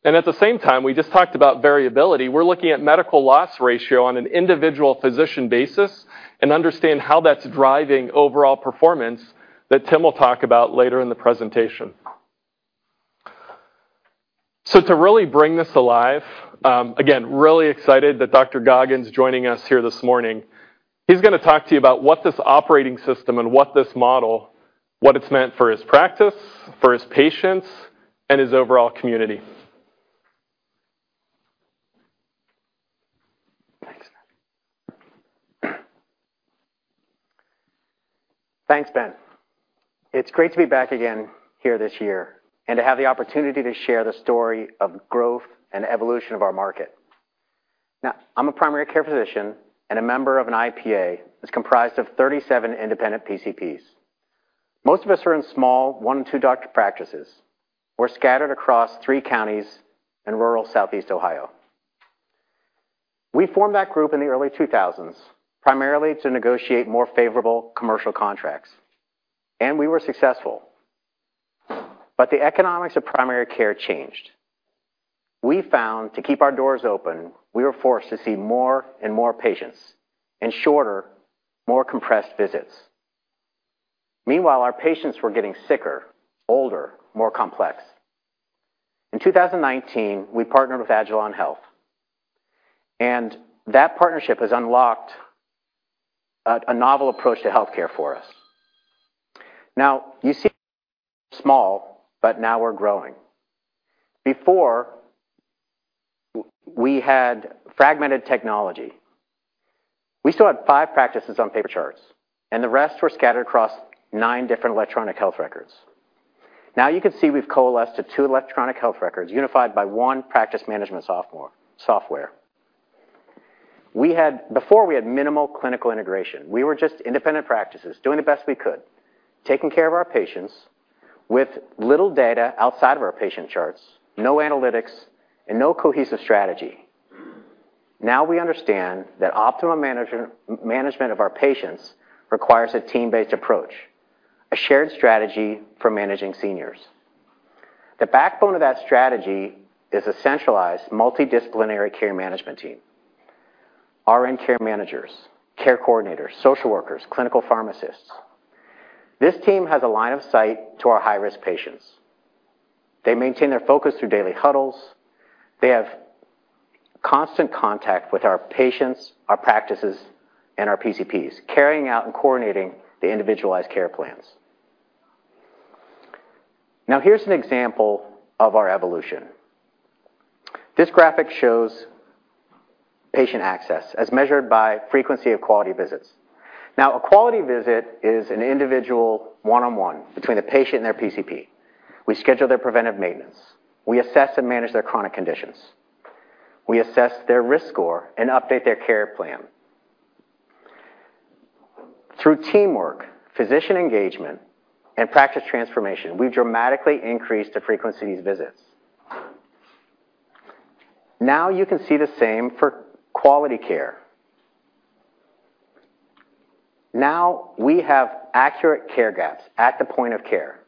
At the same time, we just talked about variability. We're looking at Medical Loss Ratio on an individual physician basis and understand how that's driving overall performance that Tim will talk about later in the presentation. To really bring this alive, again, really excited that Dr. Goggin is joining us here this morning. He's gonna talk to you about what this operating system and what this model, what it's meant for his practice, for his patients, and his overall community. Thanks. Thanks, Ben. It's great to be back again here this year and to have the opportunity to share the story of growth and evolution of our market. I'm a primary care physician and a member of an IPA that's comprised of 37 independent PCPs. Most of us are in small one and two doctor practices. We're scattered across three counties in rural southeast Ohio. We formed that group in the early 2000s, primarily to negotiate more favorable commercial contracts, and we were successful. The economics of primary care changed. We found to keep our doors open, we were forced to see more and more patients in shorter, more compressed visits. Meanwhile, our patients were getting sicker, older, more complex. In 2019, we partnered with agilon health, and that partnership has unlocked a novel approach to healthcare for us. Now, you see small, but now we're growing. Before, we had fragmented technology. We still had five practices on paper charts, and the rest were scattered across nine different electronic health records. Now you can see we've coalesced to two electronic health records unified by one practice management software. Before, we had minimal clinical integration. We were just independent practices doing the best we could, taking care of our patients with little data outside of our patient charts, no analytics and no cohesive strategy. Now, we understand that optimum management of our patients requires a team-based approach, a shared strategy for managing seniors. The backbone of that strategy is a centralized multidisciplinary care management team. RN care managers, care coordinators, social workers, clinical pharmacists. This team has a line of sight to our high-risk patients. They maintain their focus through daily huddles. They have constant contact with our patients, our practices, and our PCPs, carrying out and coordinating the individualized care plans. Here's an example of our evolution. This graphic shows patient access as measured by frequency of quality visits. A quality visit is an individual one-on-one between the patient and their PCP. We schedule their preventive maintenance. We assess and manage their chronic conditions. We assess their risk score and update their care plan. Through teamwork, physician engagement, and practice transformation, we've dramatically increased the frequency of these visits. You can see the same for quality care. We have accurate care gaps at the point of care.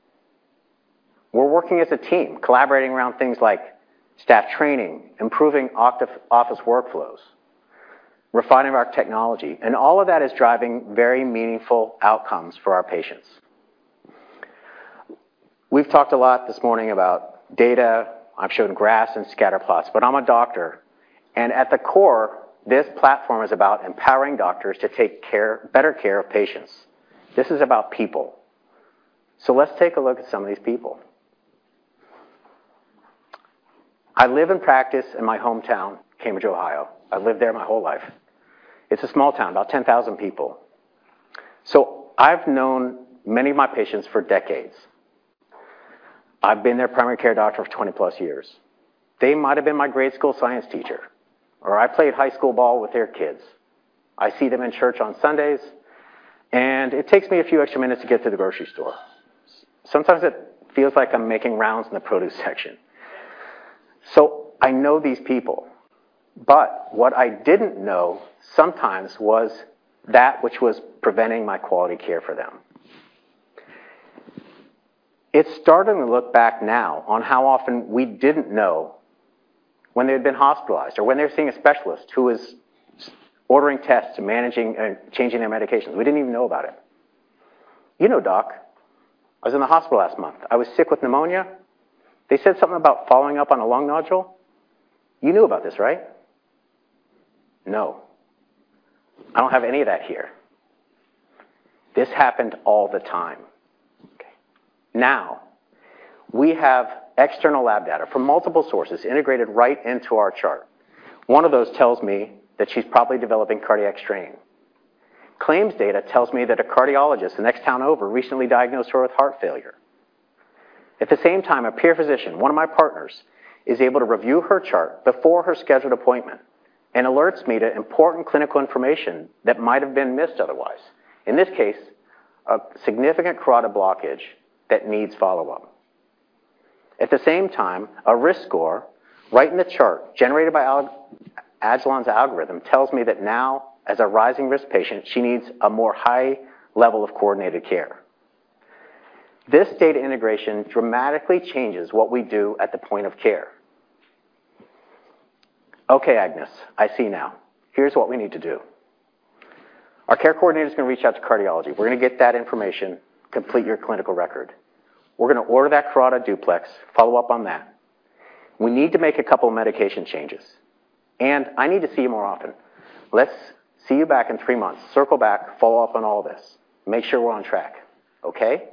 We're working as a team, collaborating around things like staff training, improving office workflows, refining our technology, and all of that is driving very meaningful outcomes for our patients. We've talked a lot this morning about data. I've shown graphs and scatter plots, but I'm a doctor. At the core, this platform is about empowering doctors to better care of patients. This is about people. Let's take a look at some of these people. I live and practice in my hometown, Cambridge, Ohio. I lived there my whole life. It's a small town, about 10,000 people. I've known many of my patients for decades. I've been their primary care doctor for 20+ years. They might've been my grade school science teacher, or I played high school ball with their kids. I see them in church on Sundays, and it takes me a few extra minutes to get to the grocery store. Sometimes it feels like I'm making rounds in the produce section. I know these people, what I didn't know sometimes was that which was preventing my quality care for them. It's starting to look back now on how often we didn't know when they had been hospitalized or when they were seeing a specialist who was ordering tests and managing and changing their medications. We didn't even know about it. "You know, Doc, I was in the hospital last month. I was sick with pneumonia. They said something about following up on a lung nodule. You knew about this, right?" "No, I don't have any of that here." This happened all the time, okay? We have external lab data from multiple sources integrated right into our chart. One of those tells me that she's probably developing cardiac strain. Claims data tells me that a cardiologist the next town over recently diagnosed her with heart failure. At the same time, a peer physician, one of my partners, is able to review her chart before her scheduled appointment and alerts me to important clinical information that might have been missed otherwise. In this case, a significant carotid blockage that needs follow-up. At the same time, a risk score right in the chart generated by agilon's algorithm tells me that now as a rising risk patient, she needs a more high level of coordinated care. This data integration dramatically changes what we do at the point of care. "Okay, Agnes, I see now. Here's what we need to do. Our care coordinator is gonna reach out to cardiology. We're gonna get that information, complete your clinical record. We're gonna order that carotid duplex, follow up on that. We need to make a couple of medication changes, and I need to see you more often. Let's see you back in three months, circle back, follow up on all this, make sure we're on track. Okay?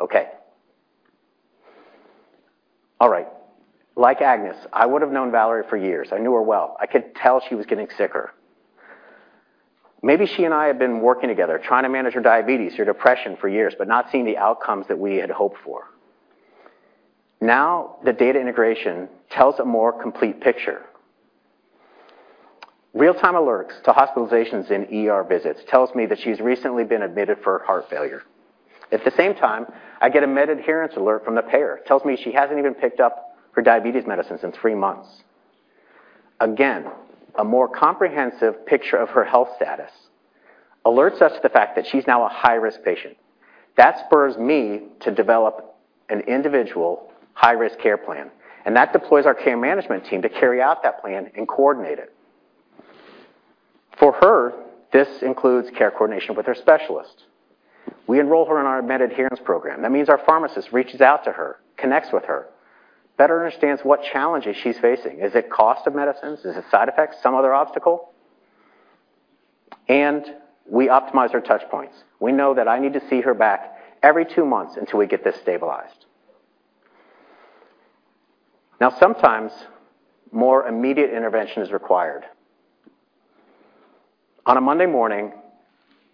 Okay." All right. Like Agnes, I would have known Valerie for years. I knew her well. I could tell she was getting sicker. Maybe she and I have been working together trying to manage her diabetes, her depression for years, but not seeing the outcomes that we had hoped for. The data integration tells a more complete picture. Real-time alerts to hospitalizations and ER visits tells me that she's recently been admitted for heart failure. At the same time, I get a med adherence alert from the payer, tells me she hasn't even picked up her diabetes medicines in three months. Again, a more comprehensive picture of her health status alerts us to the fact that she's now a high-risk patient. That spurs me to develop an individual high-risk care plan, and that deploys our care management team to carry out that plan and coordinate it. For her, this includes care coordination with her specialist. We enroll her in our med adherence program. That means our pharmacist reaches out to her, connects with her, better understands what challenges she's facing. Is it cost of medicines? Is it side effects? Some other obstacle? We optimize her touchpoints. We know that I need to see her back every two months until we get this stabilized. Sometimes more immediate intervention is required. On a Monday morning,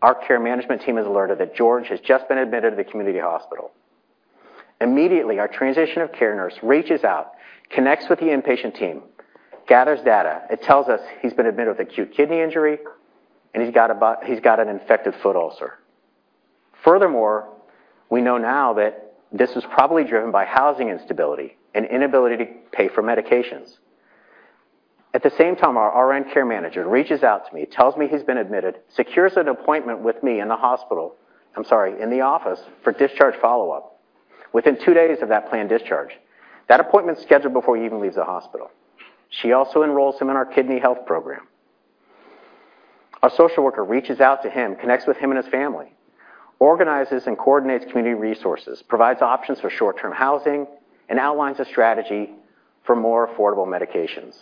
our care management team is alerted that George has just been admitted to the community hospital. Immediately, our transition of care nurse reaches out, connects with the inpatient team, gathers data. It tells us he's been admitted with acute kidney injury, and he's got an infected foot ulcer. Furthermore, we know now that this is probably driven by housing instability and inability to pay for medications. At the same time, our RN care manager reaches out to me, tells me he's been admitted, secures an appointment with me in the hospital. I'm sorry, in the office for discharge follow-up within two days of that planned discharge. That appointment's scheduled before he even leaves the hospital. She also enrolls him in our kidney health program. A social worker reaches out to him, connects with him and his family, organizes and coordinates community resources, provides options for short-term housing, and outlines a strategy for more affordable medications.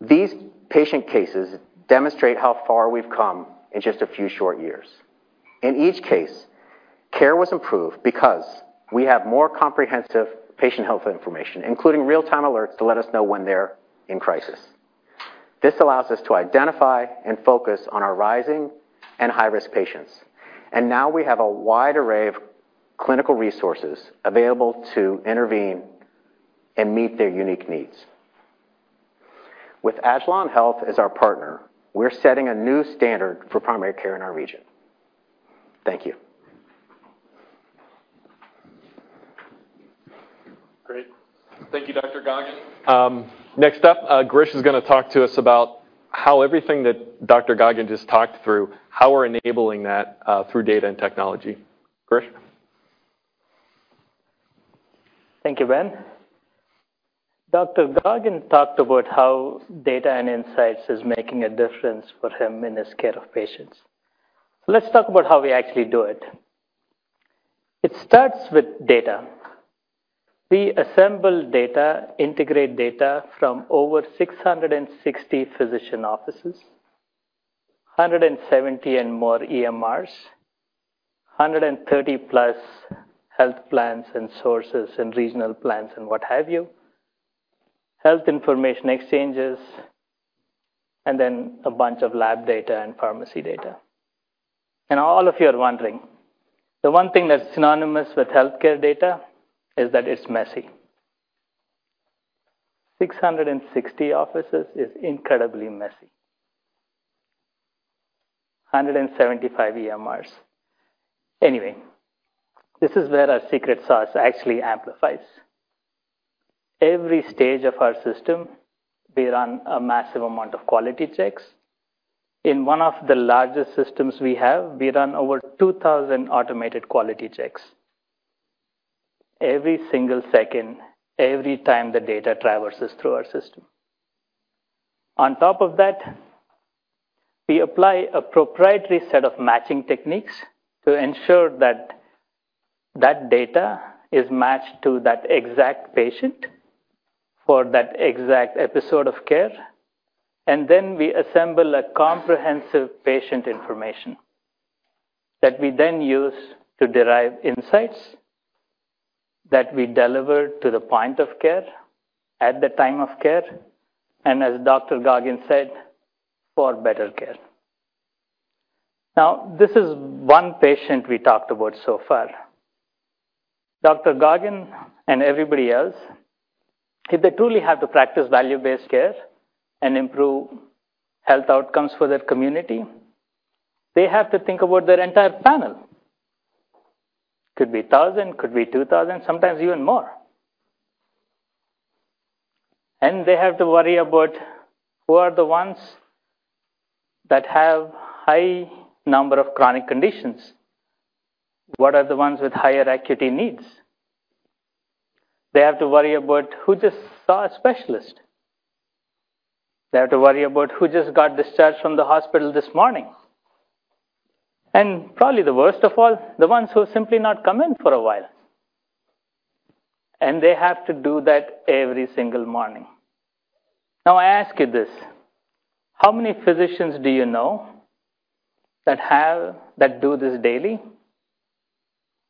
These patient cases demonstrate how far we've come in just a few short years. In each case, care was improved because we have more comprehensive patient health information, including real-time alerts to let us know when they're in crisis. This allows us to identify and focus on our rising and high-risk patients. Now we have a wide array of clinical resources available to intervene and meet their unique needs. With agilon health as our partner, we're setting a new standard for primary care in our region. Thank you. Great. Thank you, Dr. Goggin. Next up, Girish is gonna talk to us about how everything that Dr. Goggin just talked through, how we're enabling that, through data and technology. Girish. Thank you, Ben. Dr. Goggin talked about how data and insights is making a difference for him in his care of patients. Let's talk about how we actually do it. It starts with data. We assemble data, integrate data from over 660 physician offices, 170 and more EMRs, 130-plus health plans and sources and regional plans and what have you, health information exchanges, and then a bunch of lab data and pharmacy data. All of you are wondering, the one thing that's synonymous with healthcare data is that it's messy. 660 offices is incredibly messy. 175 EMRs. Anyway, this is where our secret sauce actually amplifies. Every stage of our system, we run a massive amount of quality checks. In 1 of the largest systems we have, we run over 2,000 automated quality checks. Every single second, every time the data traverses through our system. On top of that, we apply a proprietary set of matching techniques to ensure that that data is matched to that exact patient for that exact episode of care. We assemble a comprehensive patient information that we then use to derive insights that we deliver to the point of care at the time of care. As Dr. Goggin said, for better care. This is 1 patient we talked about so far. Dr. Goggin and everybody else, if they truly have to practice value-based care and improve health outcomes for their community, they have to think about their entire panel. Could be 1,000, could be 2,000, sometimes even more. They have to worry about who are the ones that have high number of chronic conditions. What are the ones with higher acuity needs? They have to worry about who just saw a specialist. They have to worry about who just got discharged from the hospital this morning. Probably the worst of all, the ones who have simply not come in for a while. They have to do that every single morning. I ask you this, how many physicians do you know that do this daily,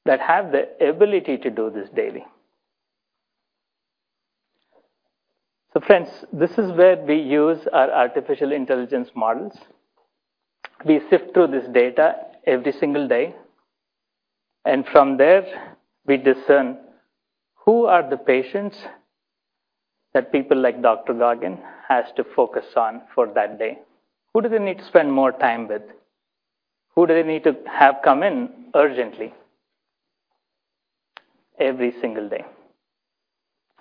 that have the ability to do this daily? Friends, this is where we use our artificial intelligence models. We sift through this data every single day, and from there, we discern who are the patients that people like Dr. Goggin has to focus on for that day. Who do they need to spend more time with? Who do they need to have come in urgently every single day?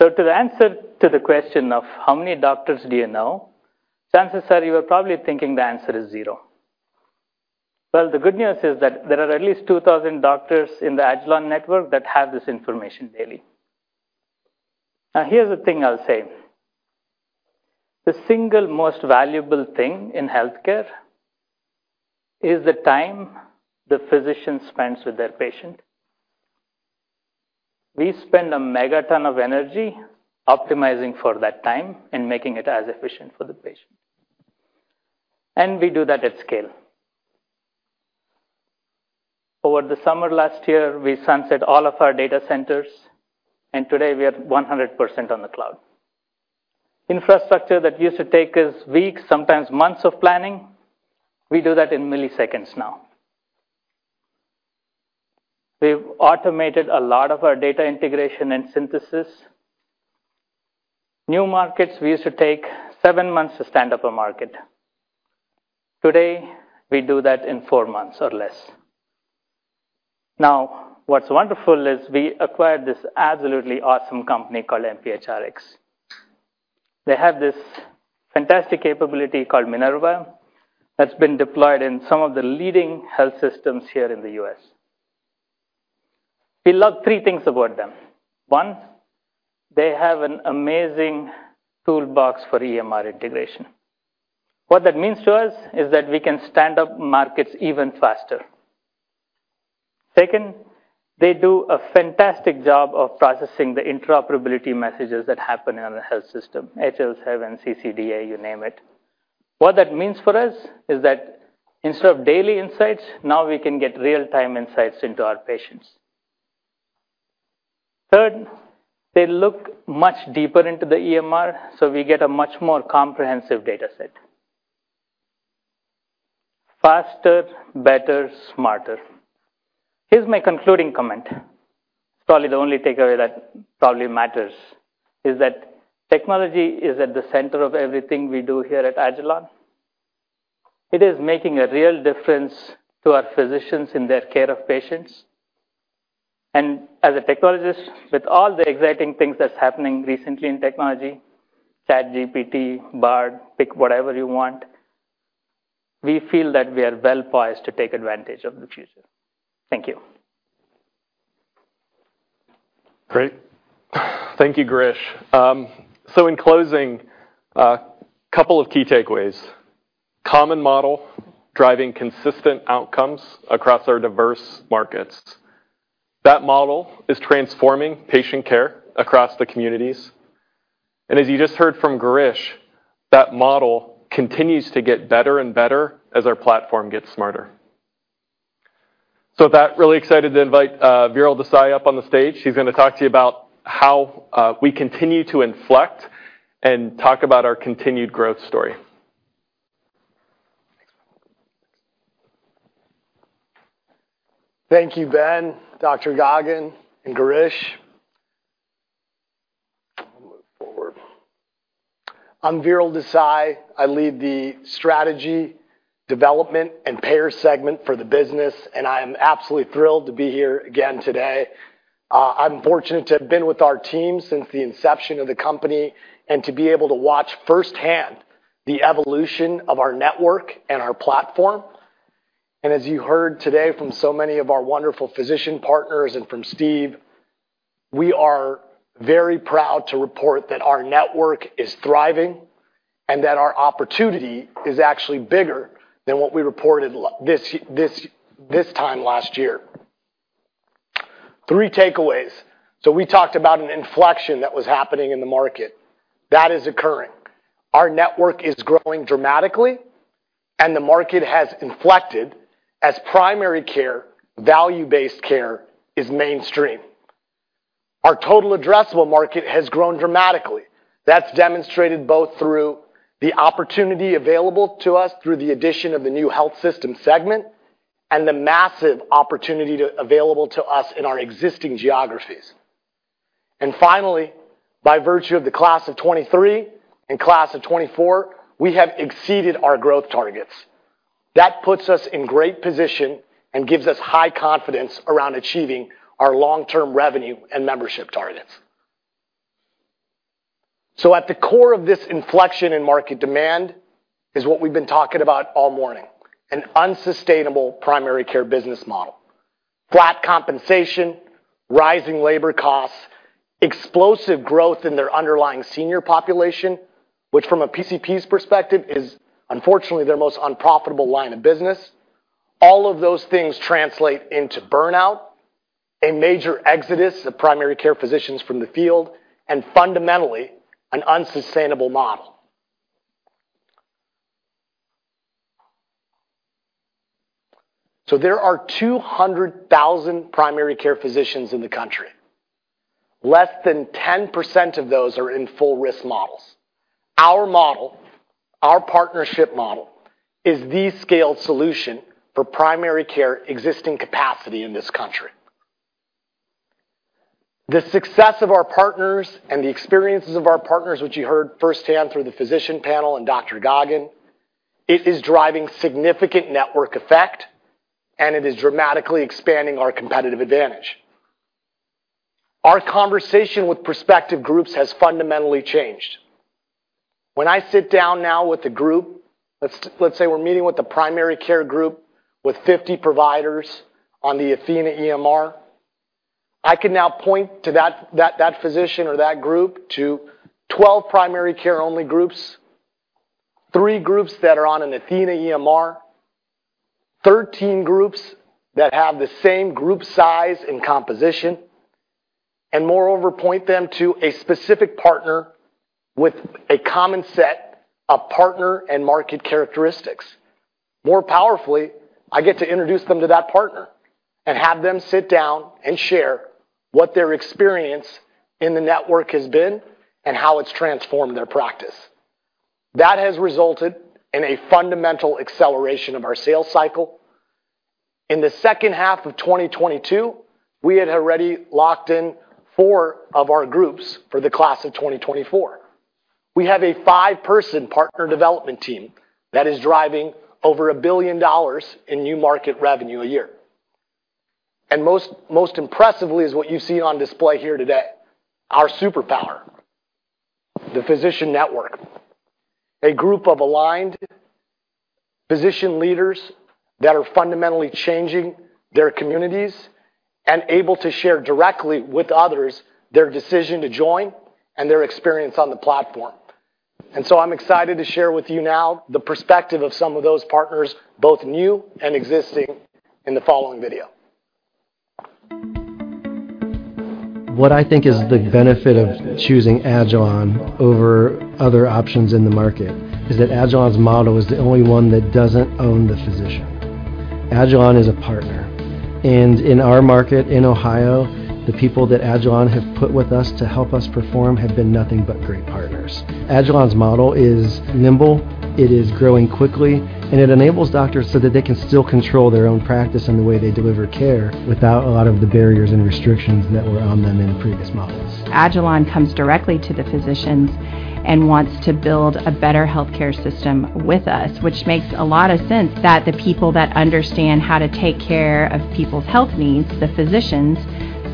To the answer to the question of how many doctors do you know, chances are you are probably thinking the answer is zero. The good news is that there are at least 2,000 doctors in the agilon network that have this information daily. Here's the thing I'll say. The single most valuable thing in healthcare is the time the physician spends with their patient. We spend a megaton of energy optimizing for that time and making it as efficient for the patient. We do that at scale. Over the summer last year, we sunset all of our data centers, and today we are 100% on the cloud. Infrastructure that used to take us weeks, sometimes months of planning, we do that in milliseconds now. We've automated a lot of our data integration and synthesis. New markets, we used to take 7 months to stand up a market. Today, we do that in four months or less. What's wonderful is we acquired this absolutely awesome company called mphrX. They have this fantastic capability called Minerva that's been deployed in some of the leading health systems here in the U.S. We love three things about them. One, they have an amazing toolbox for EMR integration. What that means to us is that we can stand up markets even faster. Second, they do a fantastic job of processing the interoperability messages that happen in the health system. HL7, CCDA, you name it. What that means for us is that instead of daily insights, now we can get real-time insights into our patients. Third, they look much deeper into the EMR, so we get a much more comprehensive data set. Faster, better, smarter. Here's my concluding comment. It's probably the only takeaway that probably matters, is that technology is at the center of everything we do here at agilon health. It is making a real difference to our physicians in their care of patients. As a technologist, with all the exciting things that's happening recently in technology, ChatGPT, Bard, pick whatever you want, we feel that we are well-poised to take advantage of the future. Thank you. Great. Thank you, Girish. In closing, couple of key takeaways. Common model driving consistent outcomes across our diverse markets. That model is transforming patient care across the communities. As you just heard from Girish, that model continues to get better and better as our platform gets smarter. With that, really excited to invite Veeral Desai up on the stage. He's gonna talk to you about how we continue to inflect and talk about our continued growth story. Thank you, Ben, Dr. Goggin, and Girish. I'll move forward. I'm Veeral Desai. I lead the strategy, development, and payer segment for the business. I am absolutely thrilled to be here again today. I'm fortunate to have been with our team since the inception of the company and to be able to watch firsthand the evolution of our network and our platform. As you heard today from so many of our wonderful physician partners and from Steve, we are very proud to report that our network is thriving and that our opportunity is actually bigger than what we reported this time last year. Three takeaways. We talked about an inflection that was happening in the market. That is occurring. Our network is growing dramatically, and the market has inflected as primary care, value-based care is mainstream. Our total addressable market has grown dramatically. That's demonstrated both through the opportunity available to us through the addition of the new health system segment and the massive opportunity available to us in our existing geographies. Finally, by virtue of the Class of 2023 and Class of 2024, we have exceeded our growth targets. At the core of this inflection in market demand is what we've been talking about all morning, an unsustainable primary care business model. Flat compensation, rising labor costs, explosive growth in their underlying senior population, which from a PCP's perspective is unfortunately their most unprofitable line of business. All of those things translate into burnout, a major exodus of primary care physicians from the field, and fundamentally, an unsustainable model. There are 200,000 primary care physicians in the country. Less than 10% of those are in full risk models. Our model, our partnership model, is the scaled solution for primary care existing capacity in this country. The success of our partners and the experiences of our partners, which you heard firsthand through the physician panel and Dr. Goggin, it is driving significant network effect, and it is dramatically expanding our competitive advantage. Our conversation with prospective groups has fundamentally changed. When I sit down now with a group, let's say we're meeting with a primary care group with 50 providers on the athenahealth EMR, I can now point to that physician or that group to 12 primary care only groups, three groups that are on an athenahealth EMR, 13 groups that have the same group size and composition, and moreover, point them to a specific partner with a common set of partner and market characteristics. More powerfully, I get to introduce them to that partner and have them sit down and share what their experience in the network has been and how it's transformed their practice. That has resulted in a fundamental acceleration of our sales cycle. In the second half of 2022, we had already locked in four of our groups for the class of 2024. We have a five-person partner development team that is driving over $1 billion in new market revenue a year. Most impressively is what you see on display here today, our superpower, the physician network, a group of aligned physician leaders that are fundamentally changing their communities and able to share directly with others their decision to join and their experience on the platform. I'm excited to share with you now the perspective of some of those partners, both new and existing, in the following video. What I think is the benefit of choosing agilon health over other options in the market is that agilon health's model is the only one that doesn't own the physician. Agilon health is a partner, and in our market in Ohio, the people that agilon health have put with us to help us perform have been nothing but great partners. agilon health's model is nimble, it is growing quickly, and it enables doctors so that they can still control their own practice and the way they deliver care without a lot of the barriers and restrictions that were on them in previous models. agilon health comes directly to the physicians and wants to build a better healthcare system with us, which makes a lot of sense that the people that understand how to take care of people's health needs, the physicians,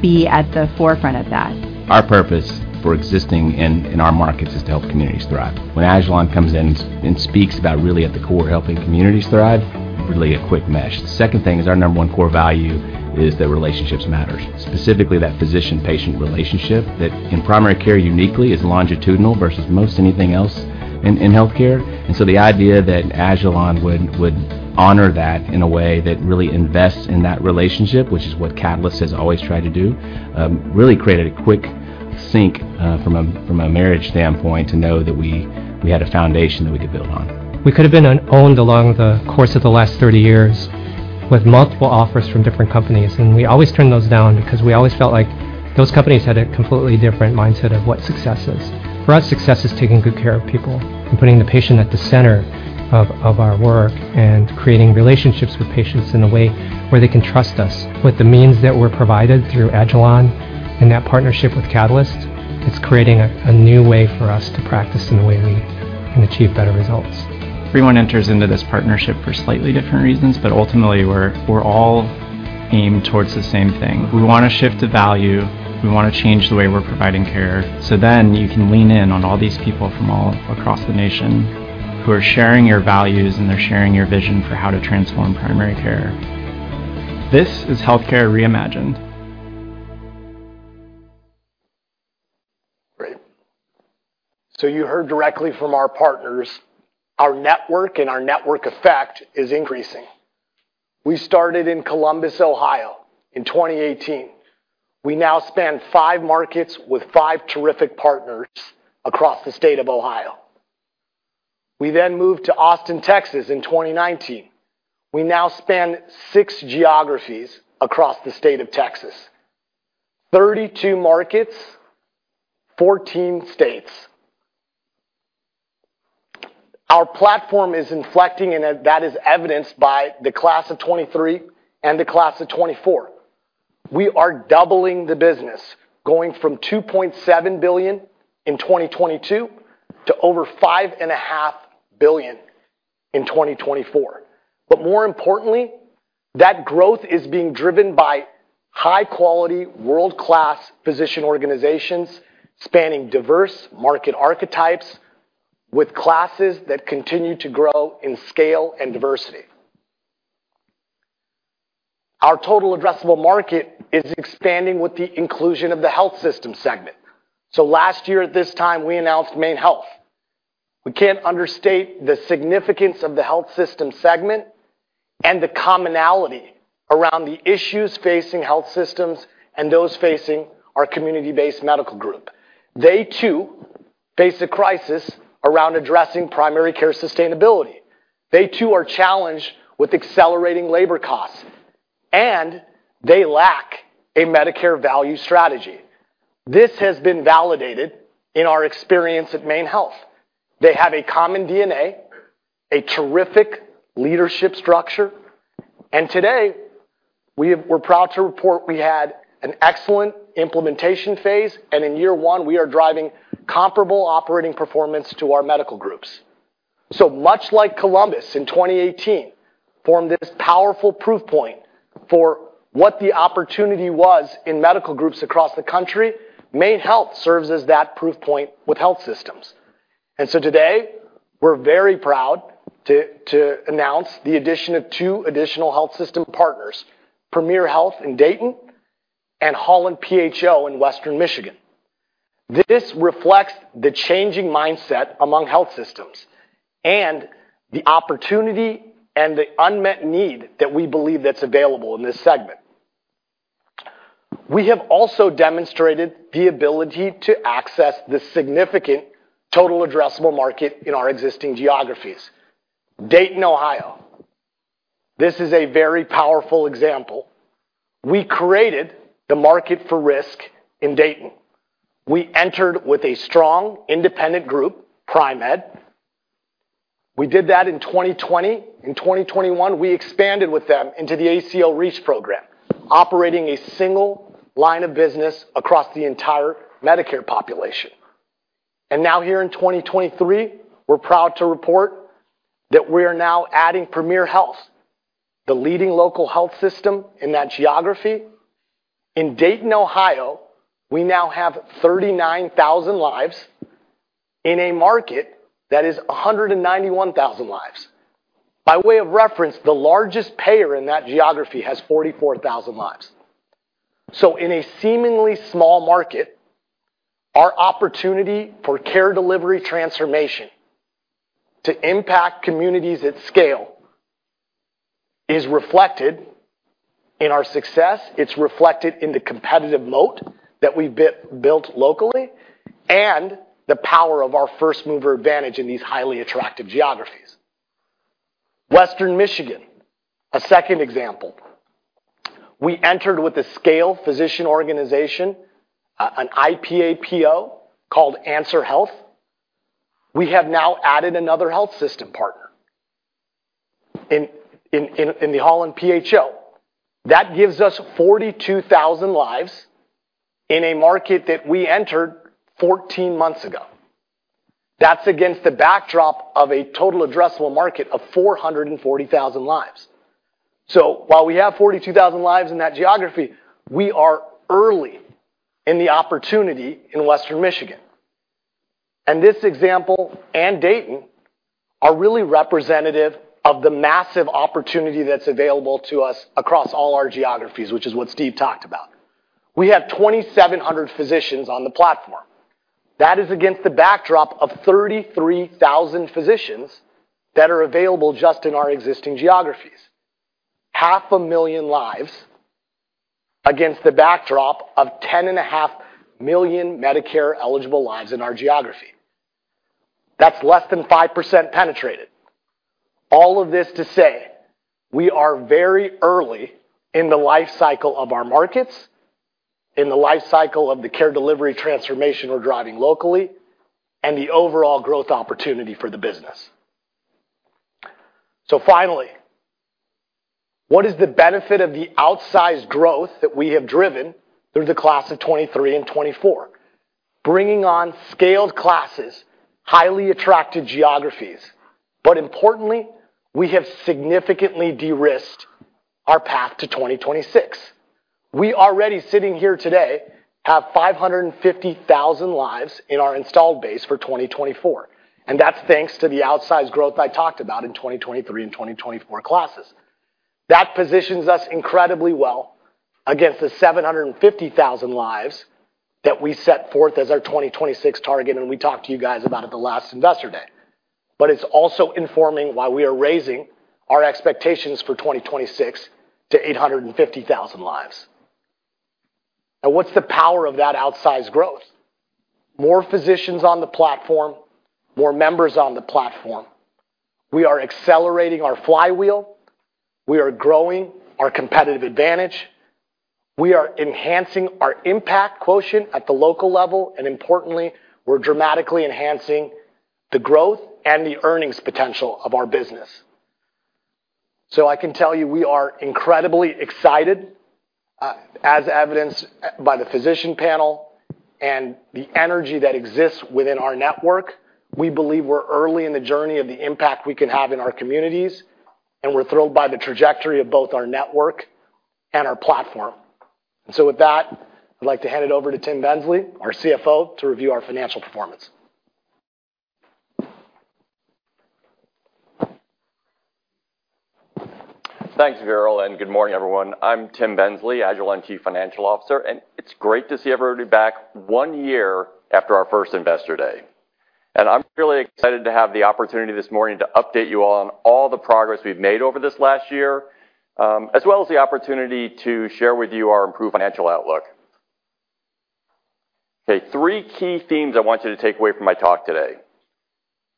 be at the forefront of that. Our purpose for existing in our markets is to help communities thrive. When agilon health comes in and speaks about really at the core helping communities thrive, really a quick mesh. The second thing is our number one core value is that relationships matter, specifically that physician-patient relationship that in primary care uniquely is longitudinal versus most anything else in healthcare. The idea that agilon health would honor that in a way that really invests in that relationship, which is what Catalyst has always tried to do, really created a quick sync from a marriage standpoint to know that we had a foundation that we could build on. We could have been owned along the course of the last 30 years with multiple offers from different companies. We always turn those down because we always felt like those companies had a completely different mindset of what success is. For us, success is taking good care of people and putting the patient at the center of our work and creating relationships with patients in a way where they can trust us. With the means that we're provided through agilon health and that partnership with Catalyst, it's creating a new way for us to practice in a way we can achieve better results. Everyone enters into this partnership for slightly different reasons, ultimately, we're all aimed towards the same thing. We wanna shift the value. We wanna change the way we're providing care. You can lean in on all these people from all across the nation who are sharing your values, and they're sharing your vision for how to transform primary care. This is healthcare reimagined. Great. You heard directly from our partners, our network and our network effect is increasing. We started in Columbus, Ohio in 2018. We now span five markets with five terrific partners across the state of Ohio. We moved to Austin, Texas in 2019. We now span six geographies across the state of Texas. 32 markets, 14 states. Our platform is inflecting, and that is evidenced by the class of 2023 and the class of 2024. We are doubling the business, going from $2.7 billion in 2022 to over $5.5 billion in 2024. More importantly, that growth is being driven by high quality, world-class physician organizations spanning diverse market archetypes with classes that continue to grow in scale and diversity. Our total addressable market is expanding with the inclusion of the health system segment. Last year at this time, we announced MaineHealth. We can't understate the significance of the health system segment and the commonality around the issues facing health systems and those facing our community-based medical group. They too face a crisis around addressing primary care sustainability. They too are challenged with accelerating labor costs, and they lack a Medicare value strategy. This has been validated in our experience at MaineHealth. They have a common DNA, a terrific leadership structure. Today, we're proud to report we had an excellent implementation phase, and in year one, we are driving comparable operating performance to our medical groups. Much like Columbus in 2018 formed this powerful proof point for what the opportunity was in medical groups across the country, MaineHealth serves as that proof point with health systems. Today, we're very proud to announce the addition of two additional health system partners, Premier Health in Dayton and Holland PHO in Western Michigan. This reflects the changing mindset among health systems and the opportunity and the unmet need that we believe that's available in this segment. We have also demonstrated the ability to access the significant total addressable market in our existing geographies. Dayton, Ohio, this is a very powerful example. We created the market for risk in Dayton. We entered with a strong independent group, PriMed. We did that in 2020. In 2021, we expanded with them into the ACO REACH program, operating a single line of business across the entire Medicare population. Here in 2023, we're proud to report that we are now adding Premier Health, the leading local health system in that geography. In Dayton, Ohio, we now have 39,000 lives in a market that is 191,000 lives. By way of reference, the largest payer in that geography has 44,000 lives. In a seemingly small market, our opportunity for care delivery transformation to impact communities at scale is reflected in our success. It's reflected in the competitive moat that we've built locally and the power of our first mover advantage in these highly attractive geographies. Western Michigan, a second example. We entered with a scale physician organization, an IPAPO called Answer Health. We have now added another health system partner in the Holland PHO. That gives us 42,000 lives in a market that we entered 14 months ago. That's against the backdrop of a total addressable market of 440,000 lives. While we have 42,000 lives in that geography, we are early in the opportunity in Western Michigan. This example and Dayton are really representative of the massive opportunity that's available to us across all our geographies, which is what Steve talked about. We have 2,700 physicians on the platform. That is against the backdrop of 33,000 physicians that are available just in our existing geographies. Half a million lives against the backdrop of 10.5 million Medicare-eligible lives in our geography. That's less than 5% penetrated. All of this to say we are very early in the life cycle of our markets, in the life cycle of the care delivery transformation we're driving locally, and the overall growth opportunity for the business. Finally, what is the benefit of the outsized growth that we have driven through the class of 23 and 24? Bringing on scaled classes, highly attractive geographies. Importantly, we have significantly de-risked our path to 2026. We already sitting here today have 550,000 lives in our installed base for 2024, and that's thanks to the outsized growth I talked about in 2023 and 2024 classes. That positions us incredibly well against the 750,000 lives that we set forth as our 2026 target, and we talked to you guys about at the last Investor Day. It's also informing why we are raising our expectations for 2026 to 850,000 lives. What's the power of that outsized growth? More physicians on the platform, more members on the platform. We are accelerating our flywheel. We are growing our competitive advantage. We are enhancing our impact quotient at the local level, and importantly, we're dramatically enhancing the growth and the earnings potential of our business. I can tell you we are incredibly excited, as evidenced by the physician panel and the energy that exists within our network. We believe we're early in the journey of the impact we can have in our communities, and we're thrilled by the trajectory of both our network and our platform. With that, I'd like to hand it over to Tim Bensley, our CFO, to review our financial performance. Thanks, Veeral. Good morning, everyone. I'm Tim Bensley, agilon health Chief Financial Officer. It's great to see everybody back one year after our first Investor Day. I'm really excited to have the opportunity this morning to update you on all the progress we've made over this last year, as well as the opportunity to share with you our improved financial outlook. Okay, three key themes I want you to take away from my talk today.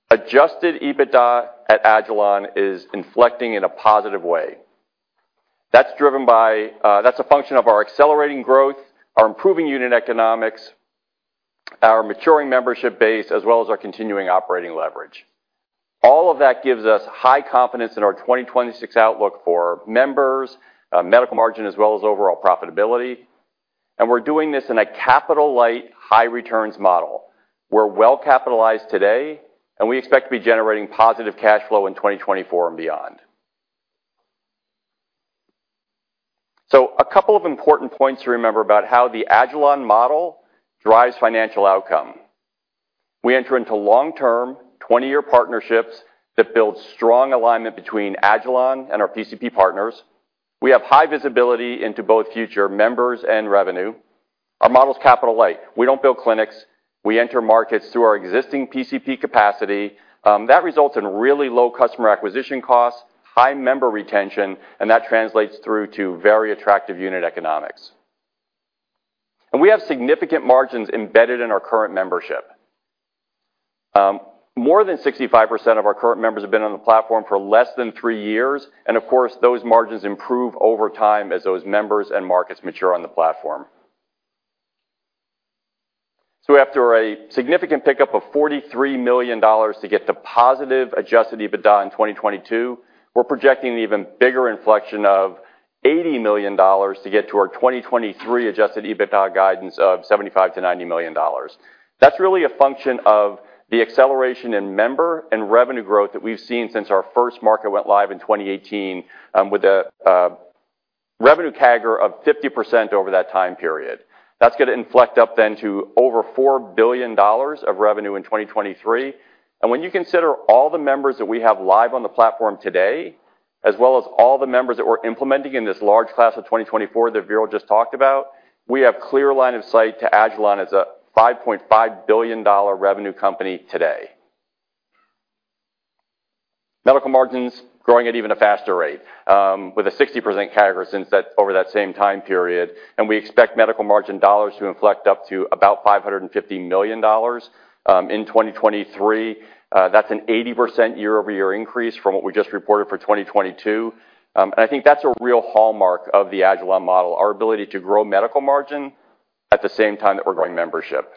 Adjusted EBITDA at agilon health is inflecting in a positive way. That's a function of our accelerating growth, our improving unit economics, our maturing membership base, as well as our continuing operating leverage. All of that gives us high confidence in our 2026 outlook for members, medical margin, as well as overall profitability. We're doing this in a capital-light, high-returns model. We're well-capitalized today, we expect to be generating positive cash flow in 2024 and beyond. A couple of important points to remember about how the agilon health model drives financial outcome. We enter into long-term, 20-year partnerships that build strong alignment between agilon health and our PCP partners. We have high visibility into both future members and revenue. Our model's capital light. We don't build clinics. We enter markets through our existing PCP capacity. That results in really low customer acquisition costs, high member retention, and that translates through to very attractive unit economics. We have significant margins embedded in our current membership. More than 65% of our current members have been on the platform for less than three years, and of course, those margins improve over time as those members and markets mature on the platform. After a significant pickup of $43 million to get to positive adjusted EBITDA in 2022, we're projecting an even bigger inflection of $80 million to get to our 2023 adjusted EBITDA guidance of $75 million-$90 million. That's really a function of the acceleration in member and revenue growth that we've seen since our first market went live in 2018, with a revenue CAGR of 50% over that time period. That's gonna inflect up then to over $4 billion of revenue in 2023. When you consider all the members that we have live on the platform today, as well as all the members that we're implementing in this large class of 2024 that Veeral just talked about, we have clear line of sight to agilon health as a $5.5 billion revenue company today. Medical margins growing at even a faster rate, with a 60% CAGR over that same time period, and we expect medical margin dollars to inflect up to about $550 million in 2023. That's an 80% year-over-year increase from what we just reported for 2022. I think that's a real hallmark of the agilon model, our ability to grow medical margin at the same time that we're growing membership.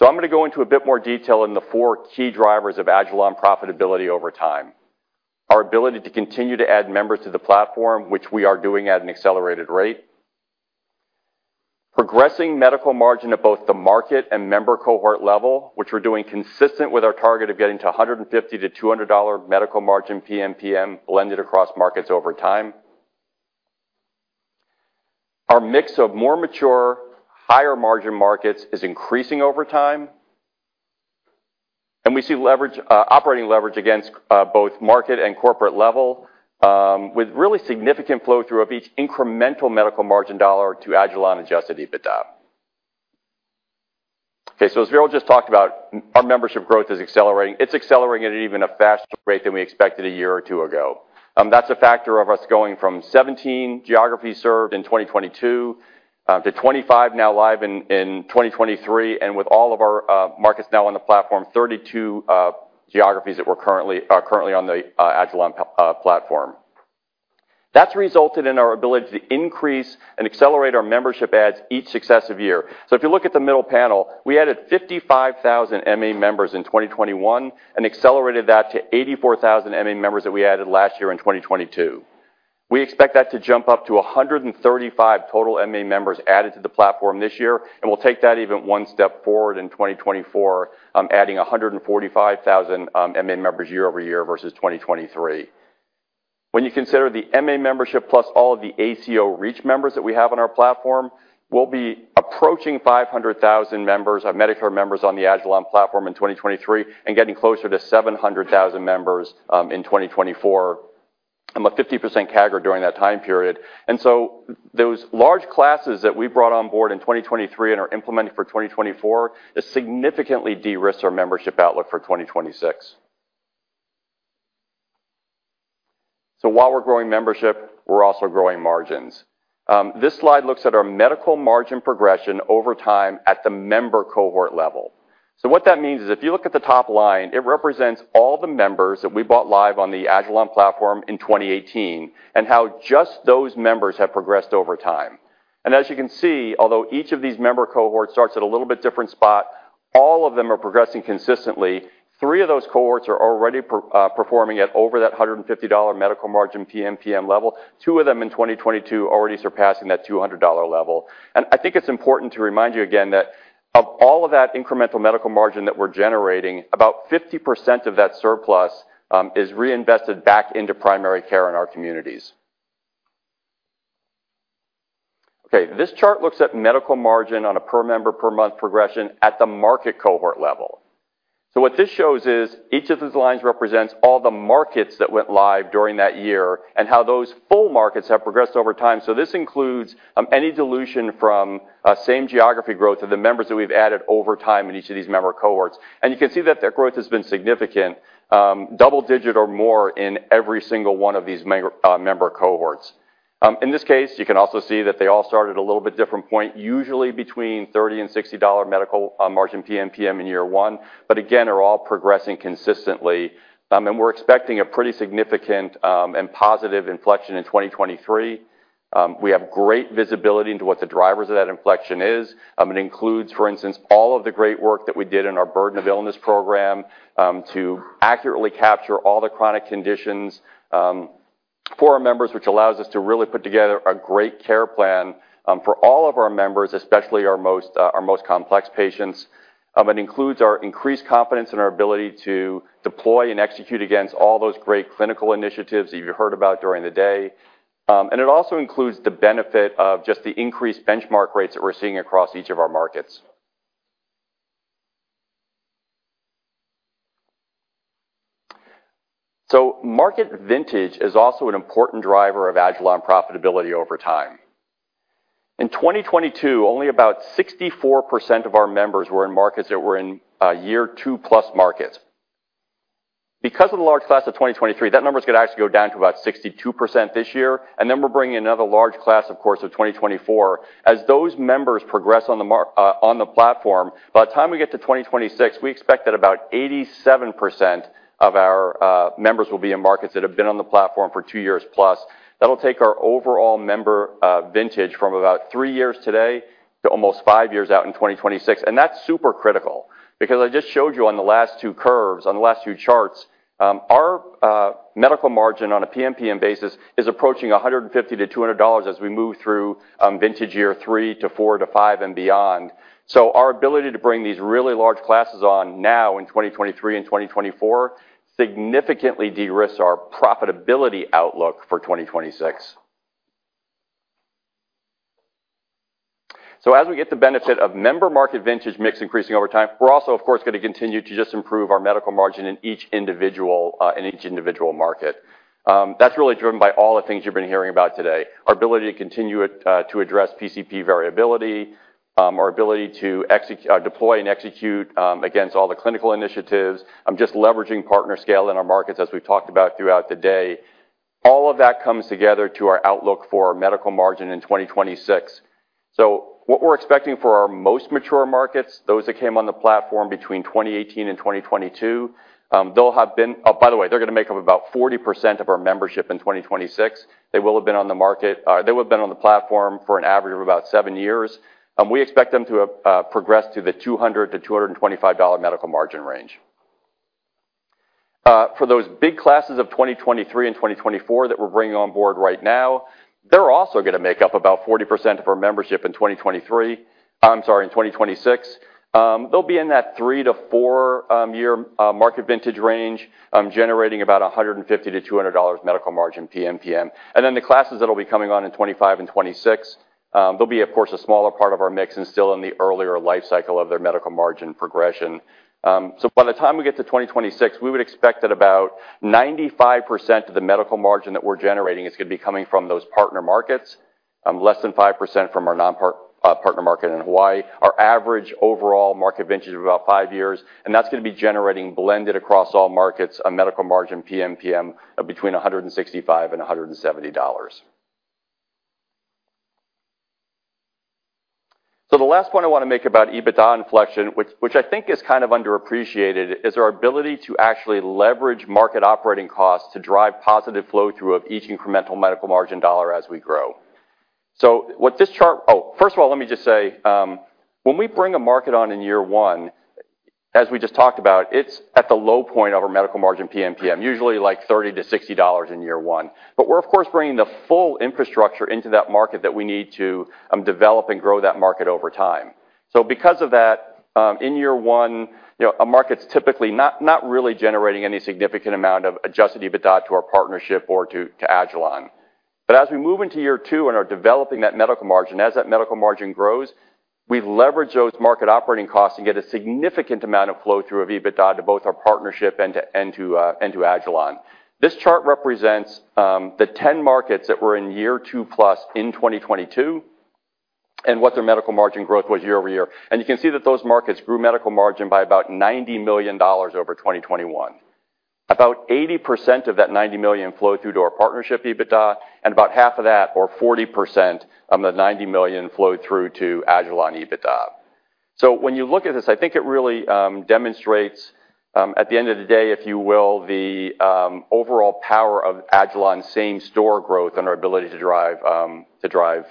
I'm gonna go into a bit more detail in the four key drivers of agilon profitability over time. Our ability to continue to add members to the platform, which we are doing at an accelerated rate. Progressing medical margin at both the market and member cohort level, which we're doing consistent with our target of getting to $150-$200 medical margin PMPM blended across markets over time. Our mix of more mature, higher-margin markets is increasing over time. We see leverage, operating leverage against both market and corporate level, with really significant flow-through of each incremental medical margin dollar to agilon health-adjusted EBITDA. As Veeral just talked about, our membership growth is accelerating. It's accelerating at an even a faster rate than we expected a year or two ago. That's a factor of us going from 17 geographies served in 2022 to 25 now live in 2023, and with all of our markets now on the platform, 32 geographies are currently on the agilon platform. That's resulted in our ability to increase and accelerate our membership adds each successive year. If you look at the middle panel, we added 55,000 MA members in 2021 and accelerated that to 84,000 MA members that we added last year in 2022. We expect that to jump up to 135 total MA members added to the platform this year, and we'll take that even one step forward in 2024, adding 145,000 MA members year over year versus 2023. When you consider the MA membership plus all of the ACO REACH members that we have on our platform, we'll be approaching 500,000 members, Medicare members on the agilon platform in 2023 and getting closer to 700,000 members, in 2024, a 50% CAGR during that time period. Those large classes that we brought on board in 2023 and are implementing for 2024, this significantly de-risks our membership outlook for 2026. While we're growing membership, we're also growing margins. This slide looks at our medical margin progression over time at the member cohort level. What that means is if you look at the top line, it represents all the members that we brought live on the agilon health platform in 2018, and how just those members have progressed over time. As you can see, although each of these member cohorts starts at a little bit different spot, all of them are progressing consistently. Three of those cohorts are already performing at over that $150 medical margin PMPM level, two of them in 2022 already surpassing that $200 level. I think it's important to remind you again that of all of that incremental medical margin that we're generating, about 50% of that surplus is reinvested back into primary care in our communities. Okay, this chart looks at medical margin on a per member per month progression at the market cohort level. What this shows is each of these lines represents all the markets that went live during that year and how those full markets have progressed over time. This includes any dilution from same geography growth of the members that we've added over time in each of these member cohorts. You can see that their growth has been significant, double-digit or more in every single one of these member member cohorts. In this case, you can also see that they all start at a little bit different point, usually between $30-$60 medical margin PMPM in year one, but again, are all progressing consistently. We're expecting a pretty significant and positive inflection in 2023. We have great visibility into what the drivers of that inflection is. It includes, for instance, all of the great work that we did in our burden of illness program, to accurately capture all the chronic conditions, for our members, which allows us to really put together a great care plan, for all of our members, especially our most, our most complex patients. It includes our increased confidence in our ability to deploy and execute against all those great clinical initiatives that you heard about during the day. It also includes the benefit of just the increased benchmark rates that we're seeing across each of our markets. Market vintage is also an important driver of agilon health profitability over time. In 2022, only about 64% of our members were in markets that were in a year 2+ market. Because of the large class of 2023, that number is gonna actually go down to about 62% this year, and then we're bringing another large class, of course, of 2024. As those members progress on the platform, by the time we get to 2026, we expect that about 87% of our members will be in markets that have been on the platform for two years+. That'll take our overall member vintage from about three years today to almost five years out in 2026, and that's super critical because I just showed you on the last two curves, on the last two charts, our medical margin on a PMPM basis is approaching $150-$200 as we move through vintage year three to four to five and beyond. Our ability to bring these really large classes on now in 2023 and 2024 significantly de-risks our profitability outlook for 2026. As we get the benefit of member market vintage mix increasing over time, we're also, of course, gonna continue to just improve our medical margin in each individual market. That's really driven by all the things you've been hearing about today, our ability to continue to address PCP variability, our ability to deploy and execute against all the clinical initiatives, just leveraging partner scale in our markets as we've talked about throughout the day. All of that comes together to our outlook for our medical margin in 2026. What we're expecting for our most mature markets, those that came on the platform between 2018 and 2022. By the way, they're gonna make up about 40% of our membership in 2026. They will have been on the platform for an average of about seven years. We expect them to progress to the $200-$225 medical margin range. For those big classes of 2023 and 2024 that we're bringing on board right now, they're also gonna make up about 40% of our membership in 2023-- I'm sorry, in 2026. They'll be in that three-four year market vintage range, generating about $150-$200 medical margin PMPM. The classes that'll be coming on in 2025 and 2026, they'll be, of course, a smaller part of our mix and still in the earlier life cycle of their medical margin progression. By the time we get to 2026, we would expect that about 95% of the medical margin that we're generating is gonna be coming from those partner markets, less than 5% from our partner market in Hawaii. Our average overall market vintage is about five years, and that's gonna be generating blended across all markets, a medical margin PMPM of between $165 and $170. The last point I wanna make about EBITDA inflection, which I think is kind of underappreciated, is our ability to actually leverage market operating costs to drive positive flow through of each incremental medical margin dollar as we grow. First of all, let me just say, when we bring a market on in year one, as we just talked about, it's at the low point of our medical margin PMPM, usually like $30-$60 in year one. We're of course bringing the full infrastructure into that market that we need to develop and grow that market over time. Because of that, in year one, you know, a market's typically not really generating any significant amount of adjusted EBITDA to our partnership or to agilon health. As we move into year two and are developing that medical margin, as that medical margin grows, we leverage those market operating costs and get a significant amount of flow through of EBITDA to both our partnership and to agilon health. This chart represents the 10 markets that were in year two plus in 2022, and what their medical margin growth was year-over-year. You can see that those markets grew medical margin by about $90 million over 2021. About 80% of that $90 million flowed through to our partnership EBITDA, about half of that or 40% of the $90 million flowed through to agilon health EBITDA. When you look at this, I think it really demonstrates, at the end of the day, if you will, the overall power of agilon same-store growth and our ability to drive, to drive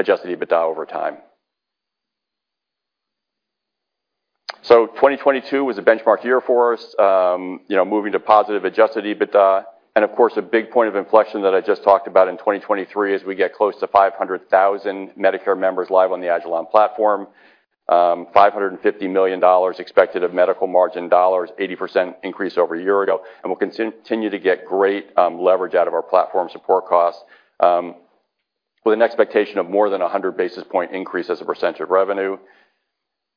adjusted EBITDA over time. 2022 was a benchmark year for us, you know, moving to positive adjusted EBITDA, and of course, a big point of inflection that I just talked about in 2023 as we get close to 500,000 Medicare members live on the agilon platform. $550 million expected of medical margin dollars, 80% increase over a year ago, and we'll continue to get great leverage out of our platform support costs, with an expectation of more than 100 basis point increase as a percentage of revenue.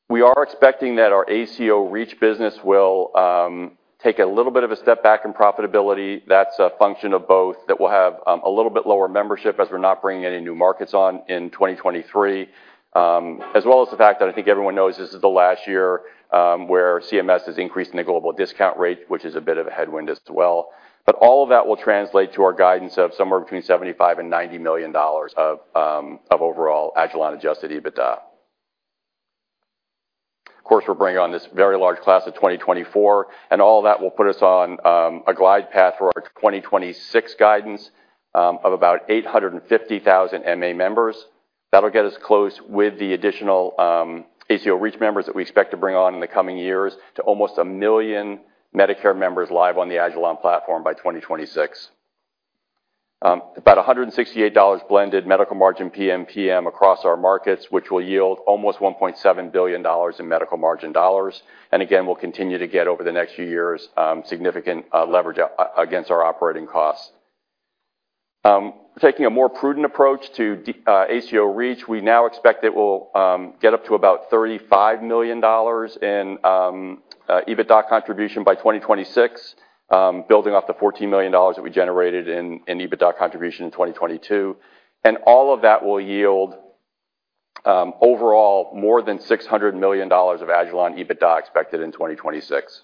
We are expecting that our ACO REACH business will take a little bit of a step back in profitability. That's a function of both, that we'll have a little bit lower membership as we're not bringing any new markets on in 2023, as well as the fact that I think everyone knows this is the last year, where CMS has increased negligible discount rate, which is a bit of a headwind as well. All of that will translate to our guidance of somewhere between $75 million and $90 million of overall agilon-adjusted EBITDA. Of course, we're bringing on this very large class of 2024, all that will put us on a glide path for our 2026 guidance of about 850,000 MA members. That'll get us close with the additional ACO REACH members that we expect to bring on in the coming years to almost 1 million Medicare members live on the agilon health platform by 2026. About $168 blended medical margin PMPM across our markets, which will yield almost $1.7 billion in medical margin dollars. Again, we'll continue to get over the next few years significant leverage against our operating costs. Taking a more prudent approach to the ACO REACH, we now expect it will get up to about $35 million in EBITDA contribution by 2026, building off the $14 million that we generated in EBITDA contribution in 2022. All of that will yield overall more than $600 million of agilon health EBITDA expected in 2026.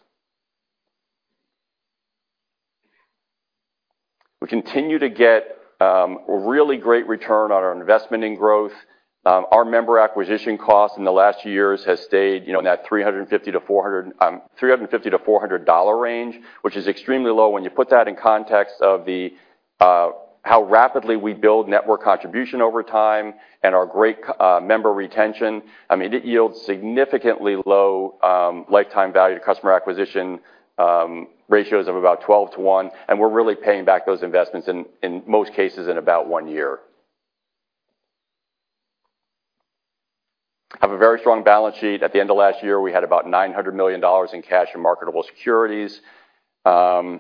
We continue to get really great return on our investment in growth. Our member acquisition cost in the last years has stayed, you know, in that $350-$400 range, which is extremely low. When you put that in context of the how rapidly we build network contribution over time and our great member retention, I mean, it yields significantly low lifetime value to customer acquisition ratios of about 12 to 1, and we're really paying back those investments in most cases in about one year. Have a very strong balance sheet. At the end of last year, we had about $900 million in cash and marketable securities. We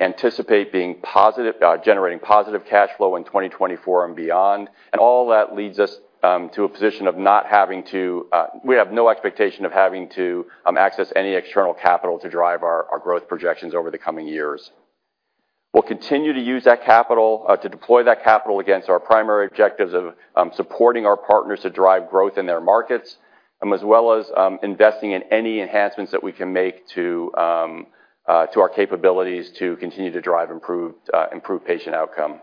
anticipate generating positive cash flow in 2024 and beyond. All that leads us to a position of not having to, we have no expectation of having to access any external capital to drive our growth projections over the coming years. We'll continue to use that capital to deploy that capital against our primary objectives of supporting our partners to drive growth in their markets, as well as investing in any enhancements that we can make to our capabilities to continue to drive improved patient outcome.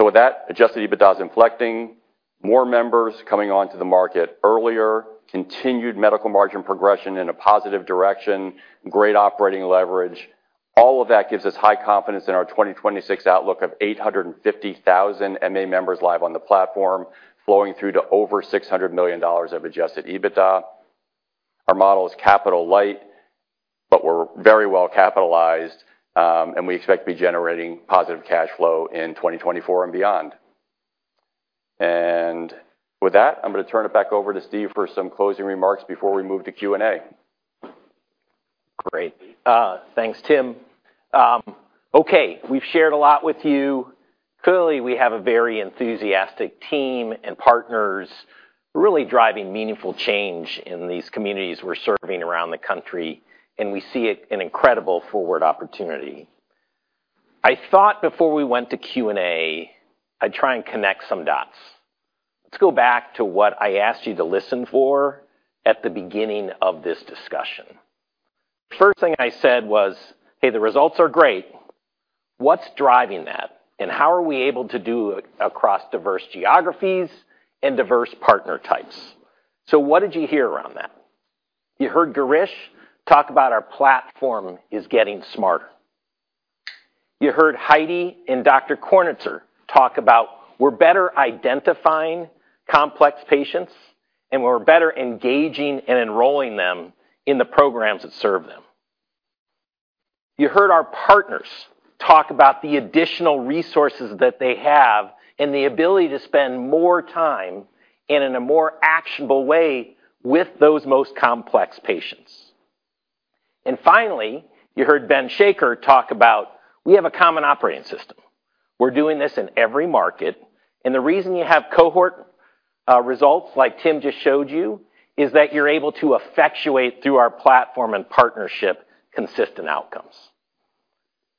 With that, adjusted EBITDA is inflecting, more members coming onto the market earlier, continued medical margin progression in a positive direction, great operating leverage. All of that gives us high confidence in our 2026 outlook of 850,000 MA members live on the platform, flowing through to over $600 million of adjusted EBITDA. Our model is capital light, but we're very well capitalized, and we expect to be generating positive cash flow in 2024 and beyond. With that, I'm gonna turn it back over to Steve for some closing remarks before we move to Q&A. Great. Thanks, Tim. We've shared a lot with you. Clearly, we have a very enthusiastic team and partners really driving meaningful change in these communities we're serving around the country, and we see it an incredible forward opportunity. I thought before we went to Q&A, I'd try and connect some dots. Let's go back to what I asked you to listen for at the beginning of this discussion. First thing I said was, "Hey, the results are great. What's driving that, and how are we able to do it across diverse geographies and diverse partner types?" What did you hear around that? You heard Girish talk about our platform is getting smarter. You heard Heidi and Dr. Kornitzer talk about we're better identifying complex patients, and we're better engaging and enrolling them in the programs that serve them. You heard our partners talk about the additional resources that they have and the ability to spend more time and in a more actionable way with those most complex patients. Finally, you heard Ben Shaker talk about we have a common operating system. We're doing this in every market, and the reason you have cohort results like Tim just showed you is that you're able to effectuate through our platform and partnership consistent outcomes.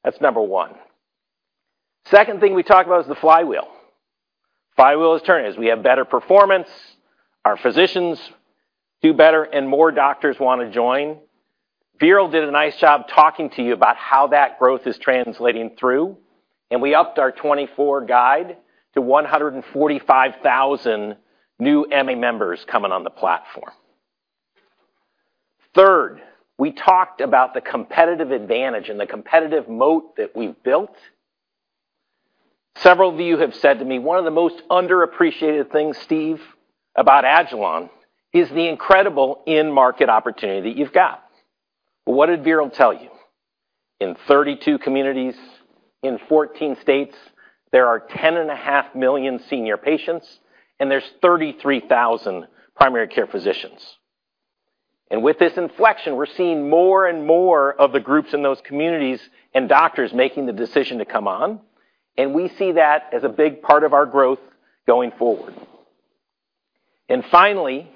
That's number one. Second thing we talked about is the flywheel. Flywheel is turning. As we have better performance, our physicians do better, and more doctors wanna join. Veeral did a nice job talking to you about how that growth is translating through, and we upped our 2024 guide to 145,000 new MA members coming on the platform. Third, we talked about the competitive advantage and the competitive moat that we've built. Several of you have said to me, "One of the most underappreciated things, Steve, about agilon health is the incredible end market opportunity that you've got." What did Veeral tell you? In 32 communities in 14 states, there are 10.5 million senior patients, and there's 33,000 primary care physicians. With this inflection, we're seeing more and more of the groups in those communities and doctors making the decision to come on, and we see that as a big part of our growth going forward. Finally,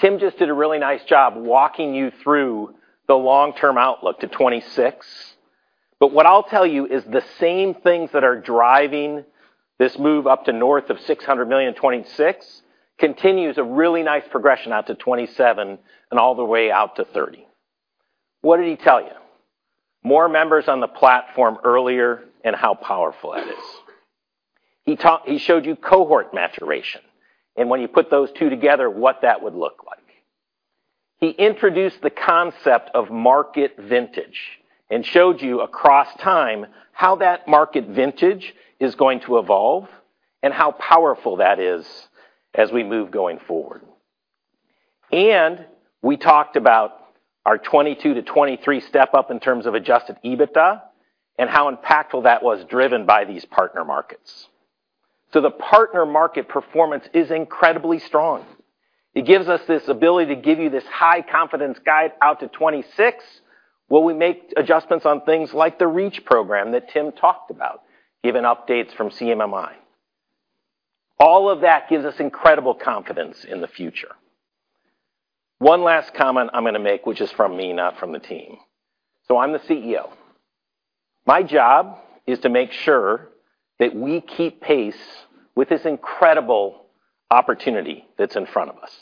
Tim just did a really nice job walking you through the long-term outlook to 2026. What I'll tell you is the same things that are driving this move up to north of $600 million in 2026 continues a really nice progression out to 2027 and all the way out to 2030. What did he tell you? More members on the platform earlier and how powerful that is. He showed you cohort maturation, and when you put those two together, what that would look like. He introduced the concept of market vintage and showed you across time how that market vintage is going to evolve and how powerful that is as we move going forward. We talked about our 2022 to 2023 step-up in terms of adjusted EBITDA and how impactful that was driven by these partner markets. The partner market performance is incredibly strong. It gives us this ability to give you this high-confidence guide out to 2026, where we make adjustments on things like the REACH program that Tim talked about, given updates from CMMI. All of that gives us incredible confidence in the future. One last comment I'm gonna make, which is from me, not from the team. I'm the CEO. My job is to make sure that we keep pace with this incredible opportunity that's in front of us.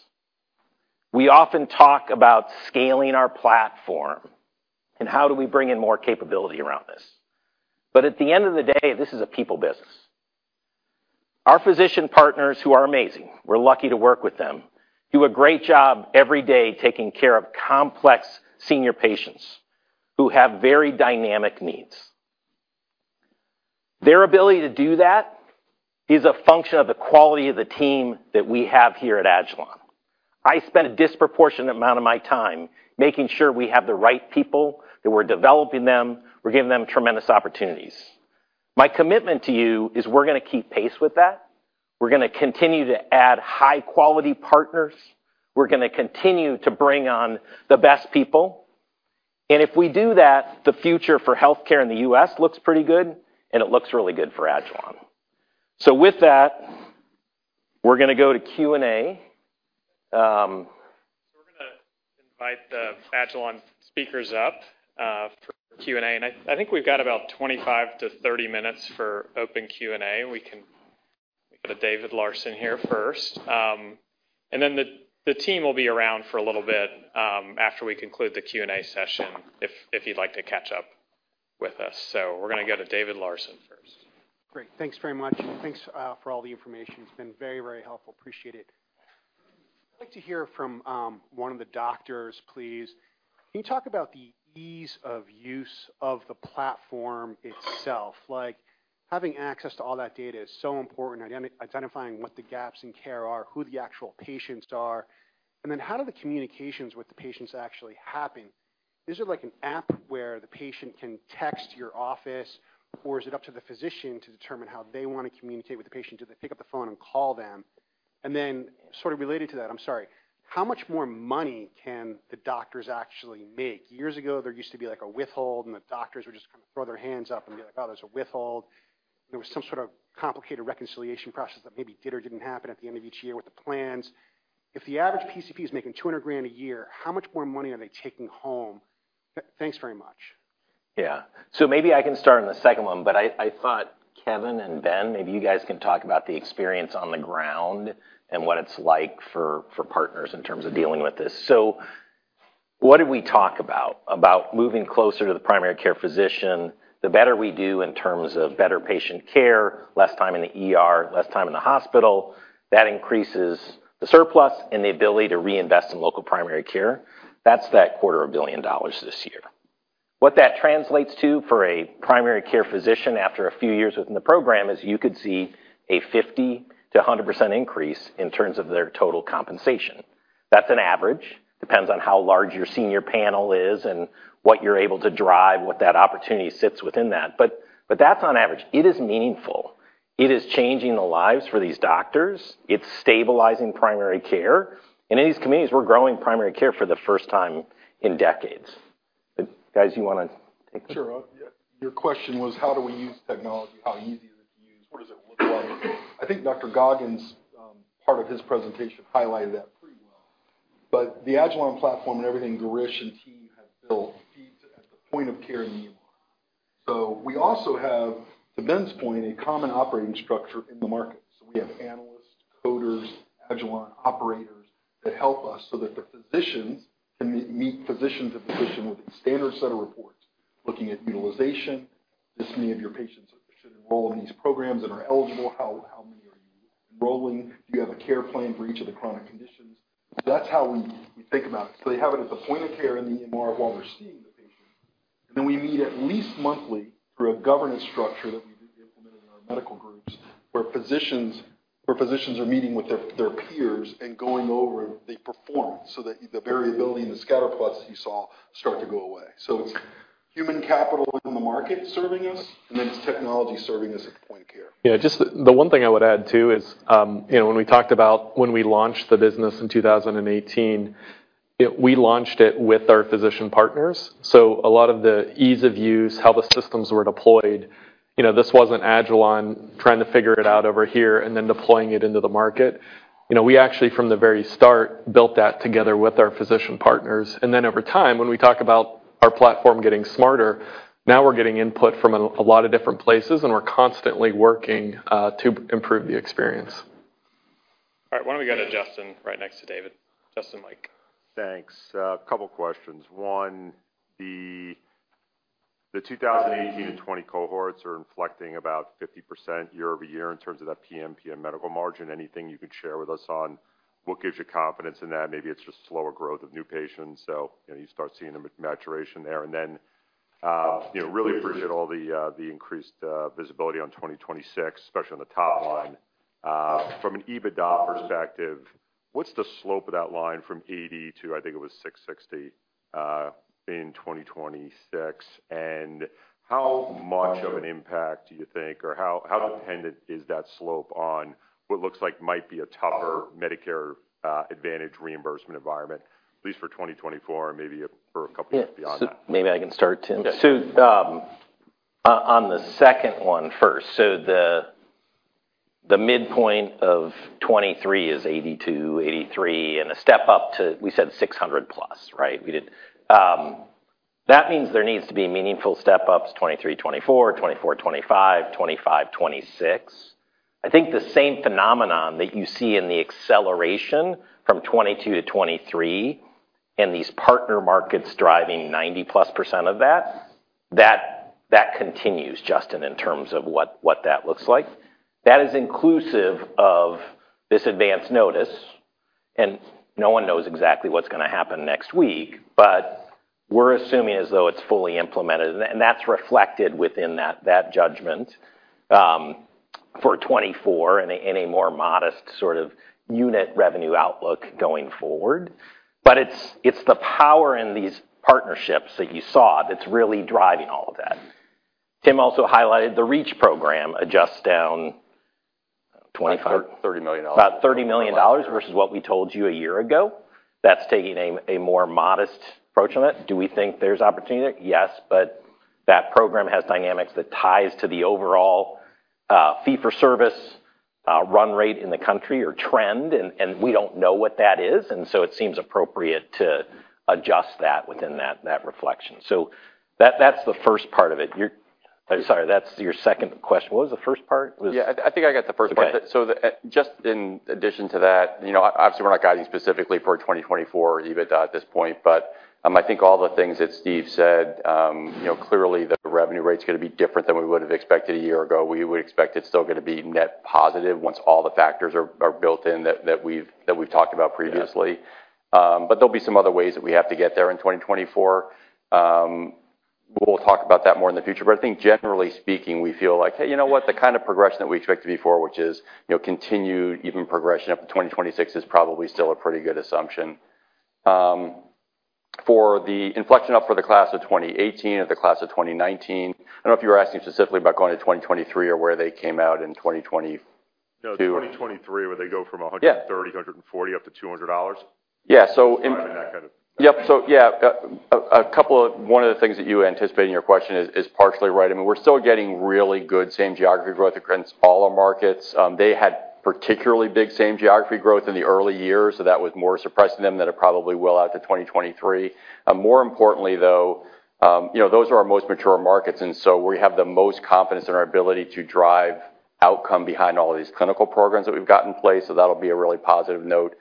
We often talk about scaling our platform and how do we bring in more capability around this. At the end of the day, this is a people business. Our physician partners, who are amazing, we're lucky to work with them, do a great job every day taking care of complex senior patients who have very dynamic needs. Their ability to do that is a function of the quality of the team that we have here at agilon health. I spend a disproportionate amount of my time making sure we have the right people, that we're developing them, we're giving them tremendous opportunities. My commitment to you is we're gonna keep pace with that. We're gonna continue to add high-quality partners. We're gonna continue to bring on the best people. If we do that, the future for healthcare in the U.S. looks pretty good, and it looks really good for agilon health. With that, we're gonna go to Q&A. We're gonna invite the agilon health speakers up for Q&A. I think we've got about 25 to 30 minutes for open Q&A. We can go to David Larsen here first. The team will be around for a little bit after we conclude the Q&A session if you'd like to catch up with us. We're gonna go to David Larsen first. Great. Thanks very much, and thanks for all the information. It's been very, very helpful. Appreciate it. I'd like to hear from one of the doctors, please. Can you talk about the ease of use of the platform itself? Like, having access to all that data is so important, identifying what the gaps in care are, who the actual patients are, and then how do the communications with the patients actually happen? Is it like an app where the patient can text your office, or is it up to the physician to determine how they wanna communicate with the patient? Do they pick up the phone and call them? Sort of related to that, I'm sorry, how much more money can the doctors actually make? Years ago, there used to be, like, a withhold, and the doctors would just kind of throw their hands up and be like, "Oh, there's a withhold." There was some sort of complicated reconciliation process that maybe did or didn't happen at the end of each year with the plans. If the average PCP is making $200,000 a year, how much more money are they taking home? Thanks very much. Maybe I can start on the second one, but I thought Kevin and Ben, maybe you guys can talk about the experience on the ground and what it's like for partners in terms of dealing with this. What did we talk about? About moving closer to the primary care physician. The better we do in terms of better patient care, less time in the ER, less time in the hospital, that increases the surplus and the ability to reinvest in local primary care. That's that quarter of a billion dollars this year. What that translates to for a primary care physician after a few years within the program is you could see a 50%-100% increase in terms of their total compensation. That's an average. Depends on how large your senior panel is and what you're able to drive, what that opportunity sits within that. That's on average. It is meaningful. It is changing the lives for these doctors. It's stabilizing primary care. In these communities, we're growing primary care for the first time in decades. Guys, you wanna take this? Sure. Yeah. Your question was how do we use technology? How easy is it to use? What does it look like? I think Dr. Goggin's part of his presentation highlighted that pretty well. The Agilon platform and everything Girish and team have built feeds at the point of care in the EMR. We also have, to Ben's point, a common operating structure in the markets. We have analysts, coders, Agilon operators that help us so that the physicians can meet physicians and physician with a standard set of reports looking at utilization. This many of your patients should enroll in these programs and are eligible. How many are you enrolling? Do you have a care plan for each of the chronic conditions? That's how we think about it. They have it at the point of care in the EMR while we're seeing the patient, and then we meet at least monthly through a governance structure that we've implemented in our medical groups, where physicians are meeting with their peers and going over the performance so that the variability and the scatter plots that you saw start to go away. It's human capital within the market serving us, and then it's technology serving us at the point of care. Yeah, just the one thing I would add too is, you know, when we talked about when we launched the business in 2018, we launched it with our physician partners. A lot of the ease of use, how the systems were deployed, you know, this wasn't agilon health trying to figure it out over here and then deploying it into the market. You know, we actually from the very start, built that together with our physician partners. Over time, when we talk about our platform getting smarter, now we're getting input from a lot of different places, and we're constantly working to improve the experience. All right. Why don't we go to Justin right next to David? Justin, Mike. Thanks. A couple questions. One, the 2018-2020 cohorts are inflecting about 50% year-over-year in terms of that PMPM medical margin. Anything you could share with us on what gives you confidence in that? Maybe it's just slower growth of new patients, so, you know, you start seeing the maturation there. You know, really appreciate all the increased visibility on 2026, especially on the top line. From an EBITDA perspective, what's the slope of that line from $80 to, I think it was $660 in 2026? How much of an impact do you think, or how dependent is that slope on what looks like might be a tougher Medicare Advantage reimbursement environment, at least for 2024 and maybe for a couple years beyond that? Yeah. Maybe I can start, Tim. Yeah. On the second one first. The midpoint of 2023 is 82, 83, and a step-up to, we said 600 plus, right? We did. That means there needs to be meaningful step-ups 2023, 2024, 2025, 2026. I think the same phenomenon that you see in the acceleration from 2022-2023 and these partner markets driving 90%+ of that continues, Justin, in terms of what that looks like. That is inclusive of this advance notice. No one knows exactly what's gonna happen next week, we're assuming as though it's fully implemented, and that's reflected within that judgment for 2024 in a more modest sort of unit revenue outlook going forward. It's the power in these partnerships that you saw that's really driving all of that. Tim also highlighted the REACH program adjusts down 25- Like $30 million.... about $30 million versus what we told you a year ago. That's taking a more modest approach on it. Do we think there's opportunity there? Yes, but that program has dynamics that ties to the overall fee-for-service run rate in the country or trend, and we don't know what that is. It seems appropriate to adjust that within that reflection. That's the first part of it. Sorry, that's your second question. What was the first part? Yeah, I think I got the first part. Okay. Just in addition to that, you know, obviously, we're not guiding specifically for 2024 EBITDA at this point. I think all the things that Steve said, you know, clearly the revenue rate's gonna be different than we would've expected a year ago. We would expect it's still gonna be net positive once all the factors are built in that we've talked about previously. Yeah. There'll be some other ways that we have to get there in 2024. We'll talk about that more in the future. I think generally speaking, we feel like, hey, you know what? The kind of progression that we expect to be for, which is, you know, continued even progression up to 2026 is probably still a pretty good assumption. For the inflection up for the class of 2018 or the class of 2019, I don't know if you were asking specifically about going to 2023 or where they came out in 2022. No, the 2023, where they go from $130-$140 up to $200. Yeah. I mean that kind of thing. Yep. Yeah. One of the things that you anticipate in your question is partially right. I mean, we're still getting really good same geography growth across all our markets. They had particularly big same geography growth in the early years, so that was more suppressing them than it probably will out to 2023. More importantly, though, you know, those are our most mature markets, and so we have the most confidence in our ability to drive outcome behind all of these clinical programs that we've got in place. That'll be a really positive note.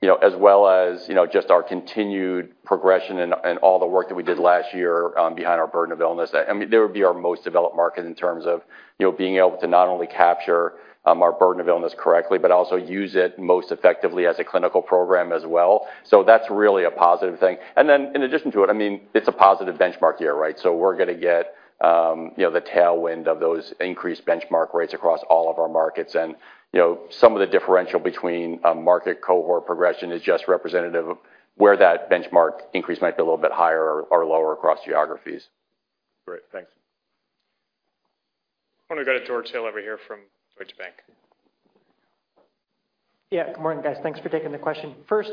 You know, as well as, you know, just our continued progression and all the work that we did last year, behind our burden of illness. I mean, they would be our most developed market in terms of, you know, being able to not only capture, our burden of illness correctly, but also use it most effectively as a clinical program as well. That's really a positive thing. In addition to it, I mean, it's a positive benchmark year, right? We're gonna get, you know, the tailwind of those increased benchmark rates across all of our markets. You know, some of the differential between a market cohort progression is just representative of where that benchmark increase might be a little bit higher or lower across geographies. Great. Thanks. Why don't we go to George Hill over here from Deutsche Bank? Yeah. Good morning, guys. Thanks for taking the question. First,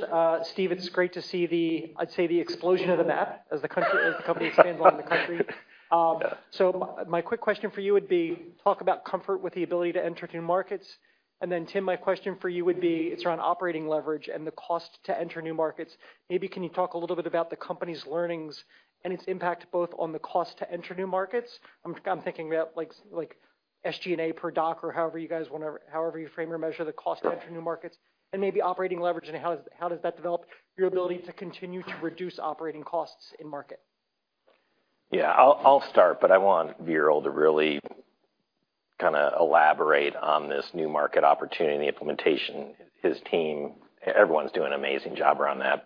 Steve, it's great to see the, I'd say, the explosion of the map as the company expands all over the country. My quick question for you would be talk about comfort with the ability to enter new markets. Tim, my question for you would be, it's around operating leverage and the cost to enter new markets. Maybe can you talk a little bit about the company's learnings and its impact both on the cost to enter new markets? I'm thinking about SG&A per doc or however you guys frame or measure the cost to enter new markets, and maybe operating leverage, and how does that develop your ability to continue to reduce operating costs in market? Yeah. I'll start, but I want Veeral to really kind of elaborate on this new market opportunity and the implementation. His team, everyone's doing an amazing job around that.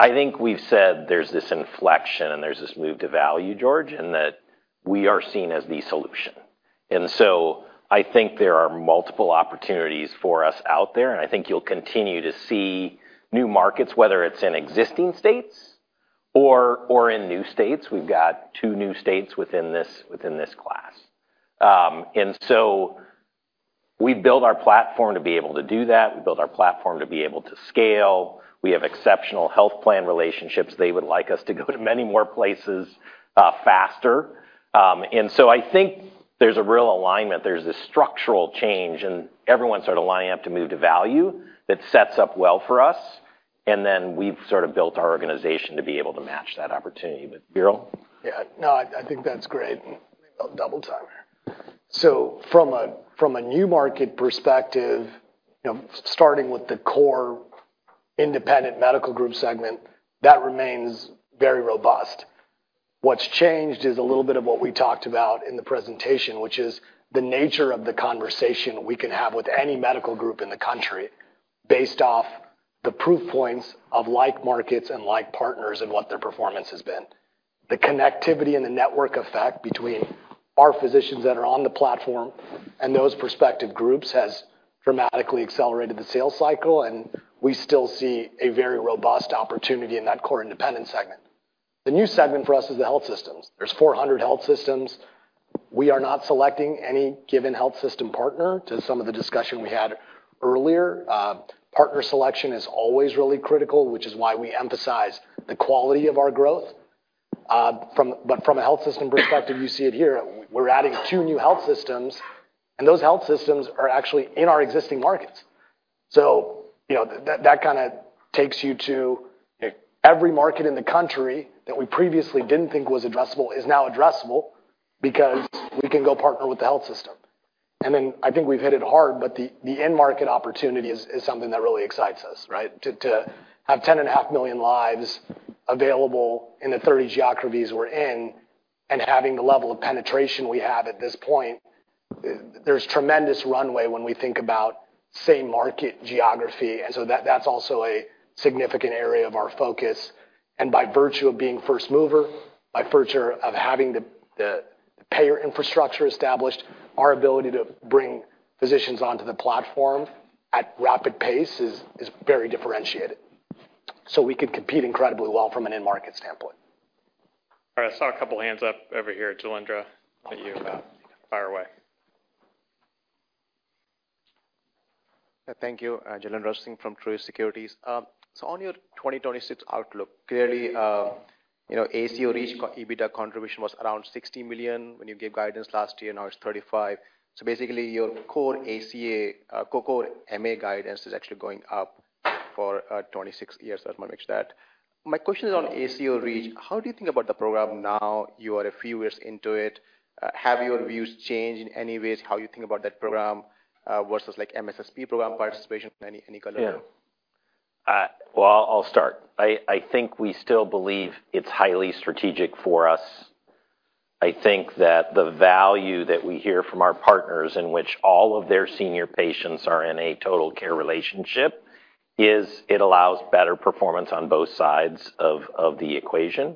I think we've said there's this inflection and there's this move to value, George, and that we are seen as the solution. I think there are multiple opportunities for us out there, I think you'll continue to see new markets, whether it's in existing states or in new states. We've got two new states within this class. We build our platform to be able to do that. We build our platform to be able to scale. We have exceptional health plan relationships. They would like us to go to many more places faster. I think there's a real alignment. There's a structural change, and everyone's sort of lining up to move to value that sets up well for us, and then we've sort of built our organization to be able to match that opportunity. Veeral? Yeah. No, I think that's great. I'll double time here. From a, from a new market perspective, you know, starting with the core independent medical group segment, that remains very robust. What's changed is a little bit of what we talked about in the presentation, which is the nature of the conversation we can have with any medical group in the country based off the proof points of like markets and like partners and what their performance has been. The connectivity and the network effect between our physicians that are on the platform and those prospective groups has dramatically accelerated the sales cycle, and we still see a very robust opportunity in that core independent segment. The new segment for us is the health systems. There's 400 health systems. We are not selecting any given health system partner to some of the discussion we had earlier. Partner selection is always really critical, which is why we emphasize the quality of our growth. From a health system perspective, you see it here. We're adding two new health systems, those health systems are actually in our existing markets. You know, that kinda takes you to every market in the country that we previously didn't think was addressable is now addressable because we can go partner with the health system. I think we've hit it hard, but the end market opportunity is something that really excites us, right? Have 10.5 million lives available in the 30 geographies we're in and having the level of penetration we have at this point, there's tremendous runway when we think about same market geography. That's also a significant area of our focus. By virtue of being first mover, by virtue of having the payer infrastructure established, our ability to bring physicians onto the platform at rapid pace is very differentiated. We can compete incredibly well from an end market standpoint. All right, I saw a couple hands up over here. Jailendra, you, fire away. Yeah. Thank you. Jailendra Singh from Truist Securities. On your 2026 outlook, clearly, ACO REACH EBITDA contribution was around $60 million when you gave guidance last year, now it's $35 million. Basically, your core ACA, core MA guidance is actually going up for 26 years, if I mixed that. My question is on ACO REACH. How do you think about the program now you are a few years into it? Have your views changed in any ways how you think about that program versus like MSSP program participation, any color there? Well, I'll start. I think we still believe it's highly strategic for us. I think that the value that we hear from our partners in which all of their senior patients are in a total care relationship is it allows better performance on both sides of the equation.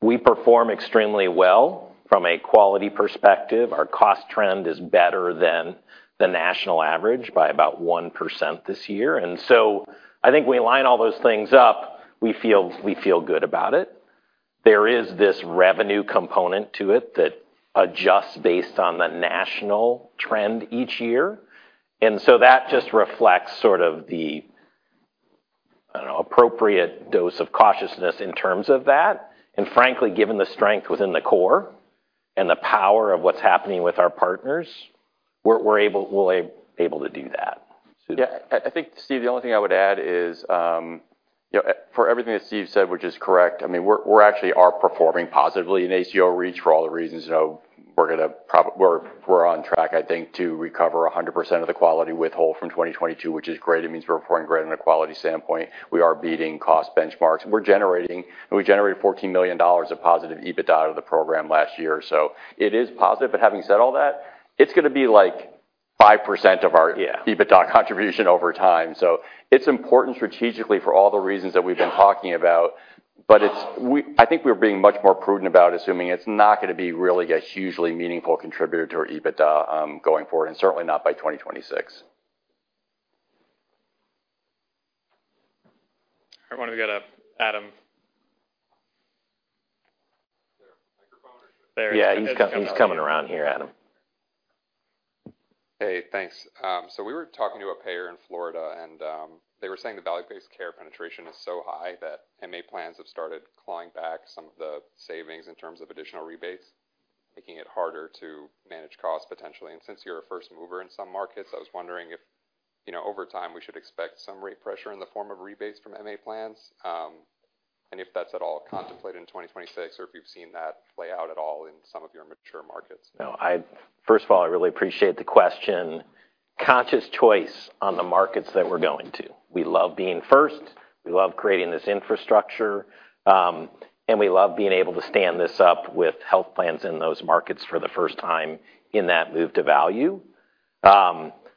We perform extremely well from a quality perspective. Our cost trend is better than the national average by about 1% this year. I think we line all those things up, we feel good about it. There is this revenue component to it that adjusts based on the national trend each year. That just reflects sort of the, I don't know, appropriate dose of cautiousness in terms of that. Frankly, given the strength within the core and the power of what's happening with our partners, we're able to do that. Yeah. I think, Steve, the only thing I would add is, you know, for everything that Steve said, which is correct, I mean, we actually are performing positively in ACO REACH for all the reasons, you know, we're on track, I think, to recover 100% of the quality withhold from 2022, which is great. It means we're performing great on a quality standpoint. We are beating cost benchmarks. And we generated $14 million of positive EBITDA out of the program last year. It is positive. Having said all that, it's gonna be like 5% of our- Yeah... EBITDA contribution over time. I think we're being much more prudent about assuming it's not going to be really a hugely meaningful contributor to our EBITDA going forward, and certainly not by 2026. I want to go to Adam. Is there a microphone or- There is. Yeah, he's coming, he's coming around here, Adam. Hey, thanks. We were talking to a payer in Florida, and they were saying the value-based care penetration is so high that MA plans have started clawing back some of the savings in terms of additional rebates, making it harder to manage costs potentially. Since you're a first mover in some markets, I was wondering if, you know, over time, we should expect some rate pressure in the form of rebates from MA plans, and if that's at all contemplated in 2026 or if you've seen that play out at all in some of your mature markets. No, I really appreciate the question. Conscious choice on the markets that we're going to. We love being first. We love creating this infrastructure, and we love being able to stand this up with health plans in those markets for the first time in that move to value.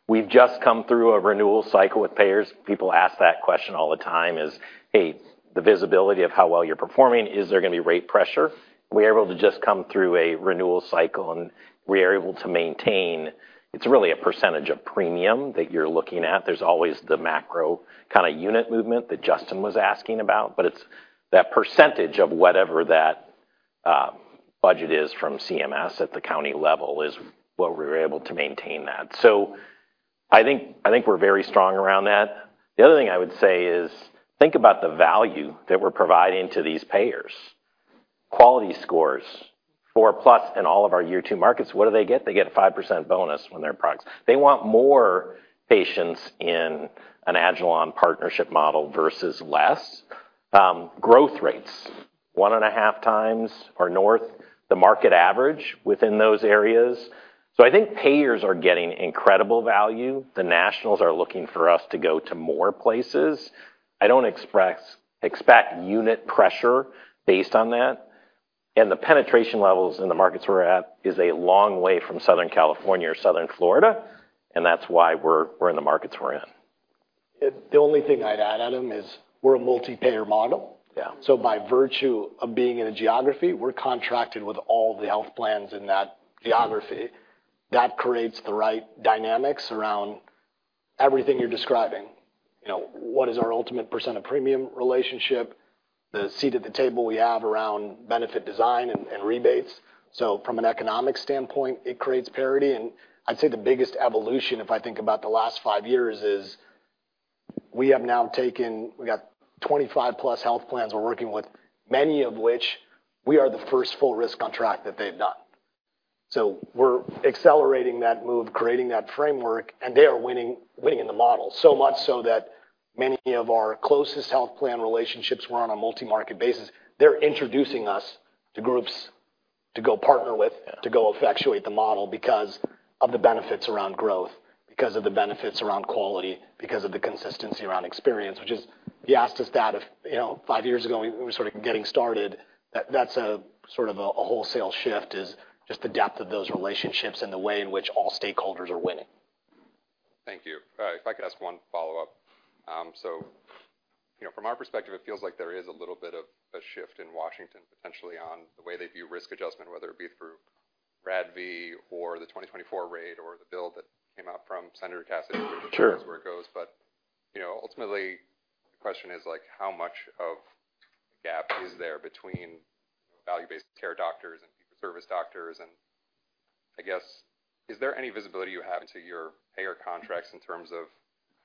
We've just come through a renewal cycle with payers. People ask that question all the time is, "Hey, the visibility of how well you're performing, is there gonna be rate pressure?" We're able to just come through a renewal cycle, and we are able to maintain. It's really a % of premium that you're looking at. There's always the macro kinda unit movement that Justin was asking about, but it's that % of whatever that budget is from CMS at the county level is where we're able to maintain that. I think we're very strong around that. The other thing I would say is, think about the value that we're providing to these payers. Quality scores, 4+ in all of our year two markets. What do they get? They get a 5% bonus when their products. They want more patients in an agilon health partnership model versus less. Growth rates, 1.5x or north, the market average within those areas. I think payers are getting incredible value. The nationals are looking for us to go to more places. I don't expect unit pressure based on that. The penetration levels in the markets we're at is a long way from Southern California or Southern Florida, and that's why we're in the markets we're in. The only thing I'd add, Adam, is we're a multi-payer model. Yeah. By virtue of being in a geography, we're contracted with all the health plans in that geography. That creates the right dynamics around everything you're describing. You know, what is our ultimate % of premium relationship, the seat at the table we have around benefit design and rebates. From an economic standpoint, it creates parity. I'd say the biggest evolution, if I think about the last five years, is we have now taken, we got 25+ health plans we're working with, many of which we are the first full risk contract that they've done. We're accelerating that move, creating that framework, and they are winning in the model, so much so that many of our closest health plan relationships were on a multi-market basis. They're introducing us to groups to go partner with. Yeah. -to go effectuate the model because of the benefits around growth, because of the benefits around quality, because of the consistency around experience, which is you asked us that if, you know, five years ago, we were sort of getting started, that's a sort of a wholesale shift, is just the depth of those relationships and the way in which all stakeholders are winning. Thank you. If I could ask one follow-up. You know, from our perspective, it feels like there is a little bit of a shift in Washington potentially on the way they view risk adjustment, whether it be through RADV or the 2024 rate or the bill that came out from Bill Cassidy- Sure. which is where it goes. You know, ultimately, the question is like how much of gap is there between value-based care doctors and service doctors? I guess, is there any visibility you have into your payer contracts in terms of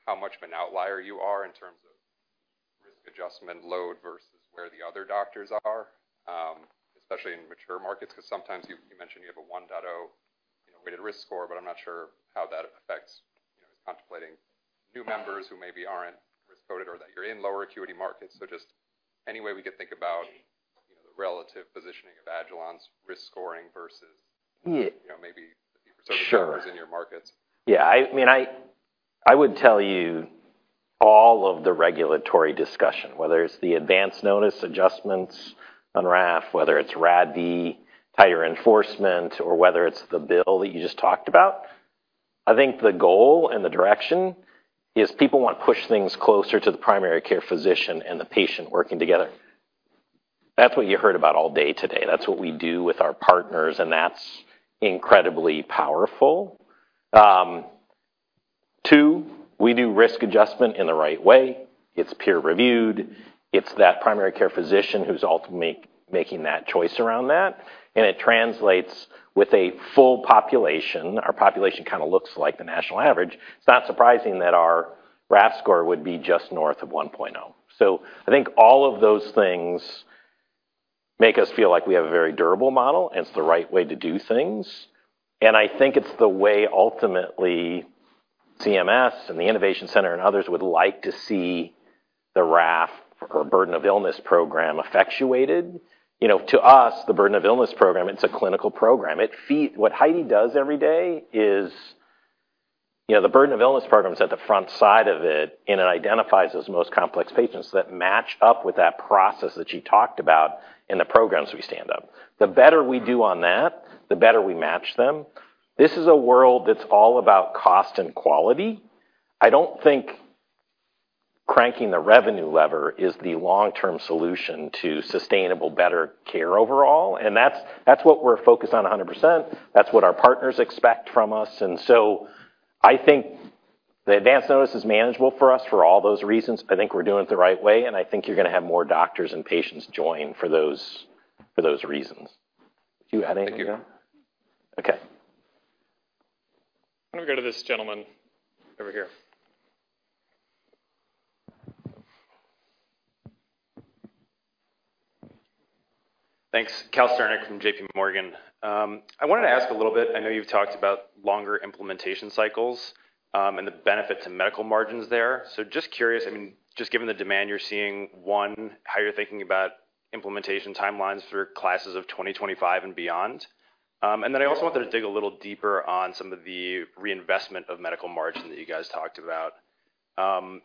how much of an outlier you are in terms of risk adjustment load versus where the other doctors are, especially in mature markets? 'Cause sometimes you mention you have a 1.0, you know, weighted risk score, but I'm not sure how that affects, you know, contemplating new members who maybe aren't risk-coded or that you're in lower acuity markets. Just any way we could think about, you know, the relative positioning of agilon's risk scoring versus. Yeah. You know, maybe service members in your markets. Sure. Yeah, I mean, I would tell you all of the regulatory discussion, whether it's the advance notice adjustments on RAF, whether it's RADV, tighter enforcement, or whether it's the bill that you just talked about, I think the goal and the direction is people wanna push things closer to the primary care physician and the patient working together. That's what you heard about all day today. That's what we do with our partners, and that's incredibly powerful. Two, we do risk adjustment in the right way. It's peer-reviewed. It's that primary care physician who's ultimately making that choice around that, and it translates with a full population. Our population kinda looks like the national average. It's not surprising that our RAF score would be just north of 1.0. I think all of those things make us feel like we have a very durable model, and it's the right way to do things. I think it's the way, ultimately, CMS and the Innovation Center and others would like to see the RAF or Burden of Illness Program effectuated. You know, to us, the Burden of Illness Program, it's a clinical program. What Heidi does every day is. You know, the Burden of Illness Program is at the front side of it, and it identifies those most complex patients that match up with that process that you talked about in the programs we stand up. The better we do on that, the better we match them. This is a world that's all about cost and quality. I don't think cranking the revenue lever is the long-term solution to sustainable better care overall, and that's what we're focused on 100%. That's what our partners expect from us. I think the advance notice is manageable for us for all those reasons. I think we're doing it the right way, and I think you're gonna have more doctors and patients join for those reasons. Do you add anything? Thank you. Okay. I'm gonna go to this gentleman over here. Thanks. Calvin Sternick from JPMorgan. I wanted to ask a little bit, I know you've talked about longer implementation cycles, and the benefits in medical margins there. Just curious, I mean, just given the demand you're seeing, one, how you're thinking about implementation timelines through classes of 2025 and beyond. Then I also wanted to dig a little deeper on some of the reinvestment of medical margin that you guys talked about.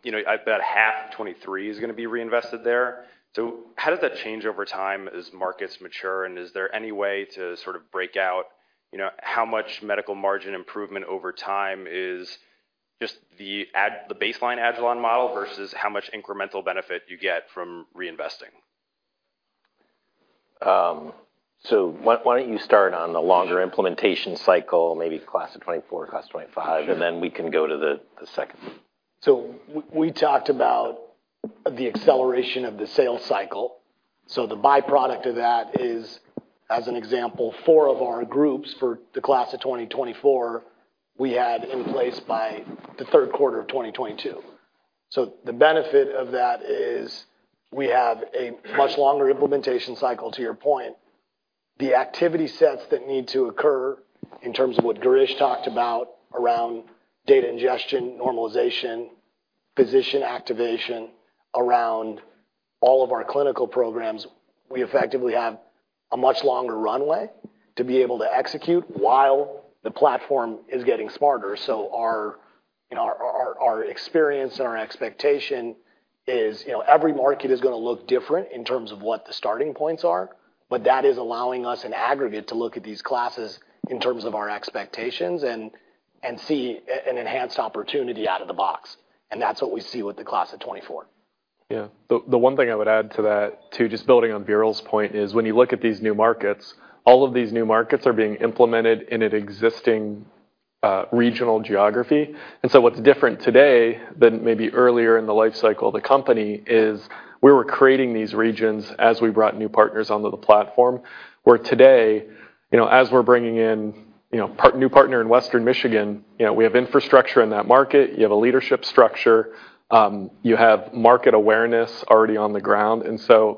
You know, about half of 2023 is gonna be reinvested there. How does that change over time as markets mature, and is there any way to sort of break out, you know, how much medical margin improvement over time is just the baseline agilon model versus how much incremental benefit you get from reinvesting? Why don't you start on the longer implementation cycle, maybe class of 24, class 25, and then we can go to the second. Sure. We talked about the acceleration of the sales cycle. The byproduct of that is, as an example, four of our groups for the class of 2024, we had in place by the third quarter of 2022. The benefit of that is we have a much longer implementation cycle, to your point. The activity sets that need to occur in terms of what Girish talked about around data ingestion, normalization, physician activation around all of our clinical programs, we effectively have a much longer runway to be able to execute while the platform is getting smarter. Our, you know, our experience and our expectation is, you know, every market is gonna look different in terms of what the starting points are, but that is allowing us in aggregate to look at these classes in terms of our expectations and see an enhanced opportunity out of the box. That's what we see with the class of 2024. Yeah. The one thing I would add to that, to just building on Veeral's point, is when you look at these new markets, all of these new markets are being implemented in an existing regional geography. What's different today than maybe earlier in the life cycle of the company is we were creating these regions as we brought new partners onto the platform. Where today, you know, as we're bringing in, you know, new partner in Western Michigan, you know, we have infrastructure in that market. You have a leadership structure. You have market awareness already on the ground.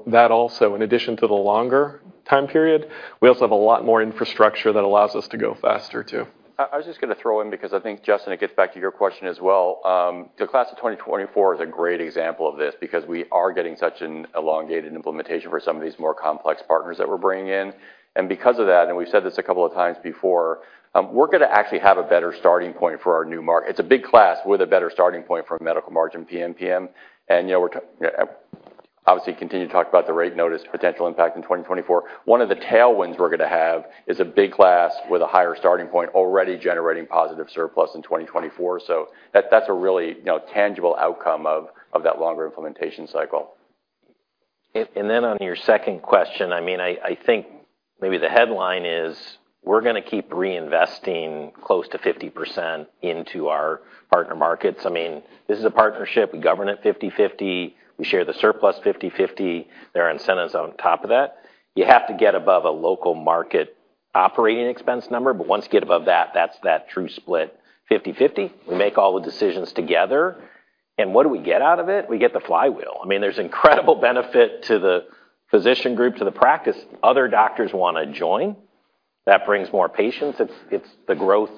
That also, in addition to the longer time period, we also have a lot more infrastructure that allows us to go faster too. I was just gonna throw in because I think, Justin, it gets back to your question as well. The class of 2024 is a great example of this because we are getting such an elongated implementation for some of these more complex partners that we're bringing in. Because of that, and we've said this a couple of times before, we're gonna actually have a better starting point. It's a big class with a better starting point for a medical margin PMPM. You know, we're obviously, continue to talk about the rate notice potential impact in 2024. One of the tailwinds we're gonna have is a big class with a higher starting point already generating positive surplus in 2024. That's a really, you know, tangible outcome of that longer implementation cycle. Then on your second question, I mean, I think maybe the headline is we're gonna keep reinvesting close to 50% into our partner markets. I mean, this is a partnership. We govern it 50/50. We share the surplus 50/50. There are incentives on top of that. You have to get above a local market operating expense number, but once you get above that's that true split 50/50. We make all the decisions together. What do we get out of it? We get the flywheel. I mean, there's incredible benefit to the physician group, to the practice. Other doctors wanna join. That brings more patients. It's the growth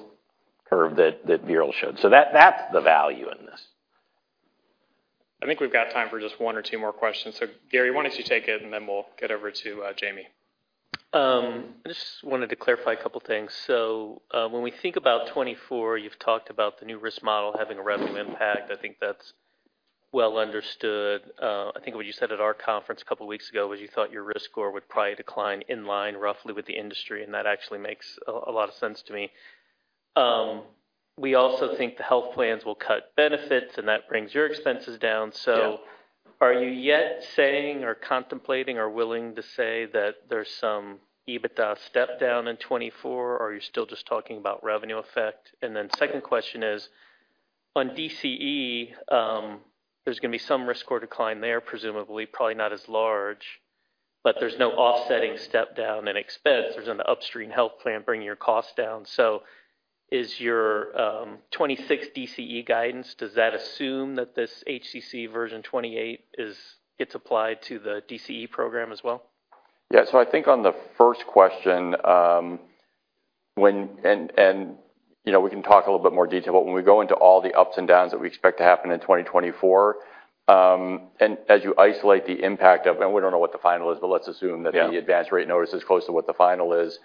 curve that Veeral showed. That's the value in this. I think we've got time for just one or two more questions. Gary, why don't you take it, and then we'll get over to Jamie. I just wanted to clarify two things. When we think about 2024, you've talked about the new risk model having a revenue impact. I think that's well understood. I think what you said at our conference two weeks ago was you thought your risk score would probably decline in line roughly with the industry, that actually makes a lot of sense to me. We also think the health plans will cut benefits, that brings your expenses down. Yeah. Are you yet saying or contemplating or willing to say that there's some EBITDA step down in 2024, or are you still just talking about revenue effect? Second question is, on DCE, there's going to be some risk score decline there, presumably, probably not as large, but there's no offsetting step down in expense. There's an upstream health plan bringing your cost down. Is your 2026 DCE guidance, does that assume that this HCC version 28 gets applied to the DCE program as well? Yeah. I think on the first question, And, you know, we can talk a little bit more detail, but when we go into all the ups and downs that we expect to happen in 2024, and as you isolate the impact of, and we don't know what the final is, but let's assume that- Yeah... the advanced rate notice is close to what the final is.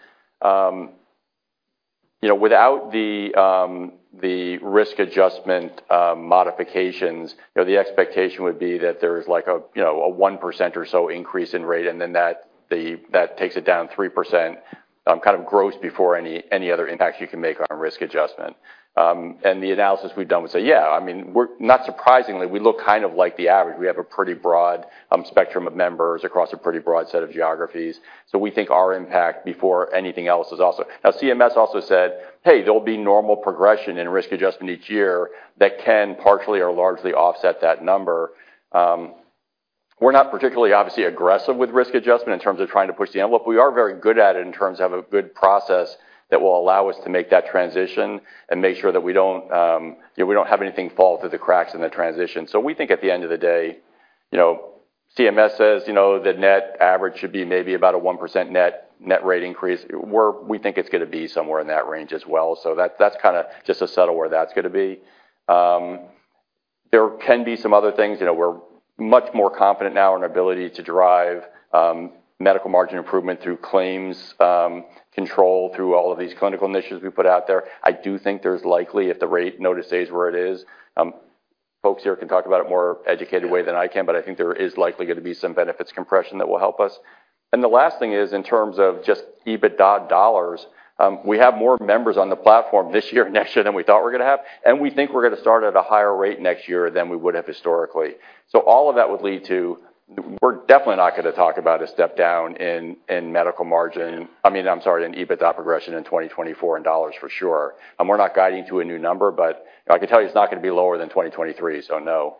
you know, without the risk adjustment modifications, you know, the expectation would be that there's like a, you know, a 1% or so increase in rate, and then that takes it down 3%, kind of gross before any other impacts you can make on risk adjustment. The analysis we've done would say, yeah, I mean, not surprisingly, we look kind of like the average. We have a pretty broad spectrum of members across a pretty broad set of geographies. We think our impact before anything else is also... CMS also said, "Hey, there'll be normal progression in risk adjustment each year that can partially or largely offset that number." We're not particularly obviously aggressive with risk adjustment in terms of trying to push the envelope. We are very good at it in terms of a good process that will allow us to make that transition and make sure that we don't, yeah, we don't have anything fall through the cracks in the transition. We think at the end of the day, you know, CMS says, you know, the net average should be maybe about a 1% net rate increase. We think it's gonna be somewhere in that range as well. That, that's kinda just a settle where that's gonna be. There can be some other things. You know, we're much more confident now in our ability to drive medical margin improvement through claims control through all of these clinical initiatives we put out there. I do think there's likely, if the rate notice stays where it is, folks here can talk about it in a more educated way than I can, but I think there is likely gonna be some benefits compression that will help us. The last thing is, in terms of just EBITDA dollars, we have more members on the platform this year and next year than we thought we were gonna have, and we think we're gonna start at a higher rate next year than we would have historically. All of that would lead to we're definitely not gonna talk about a step down in medical margin. I mean, I'm sorry, in EBITDA progression in 2024 in dollars for sure. We're not guiding to a new number, I can tell you it's not gonna be lower than 2023, no.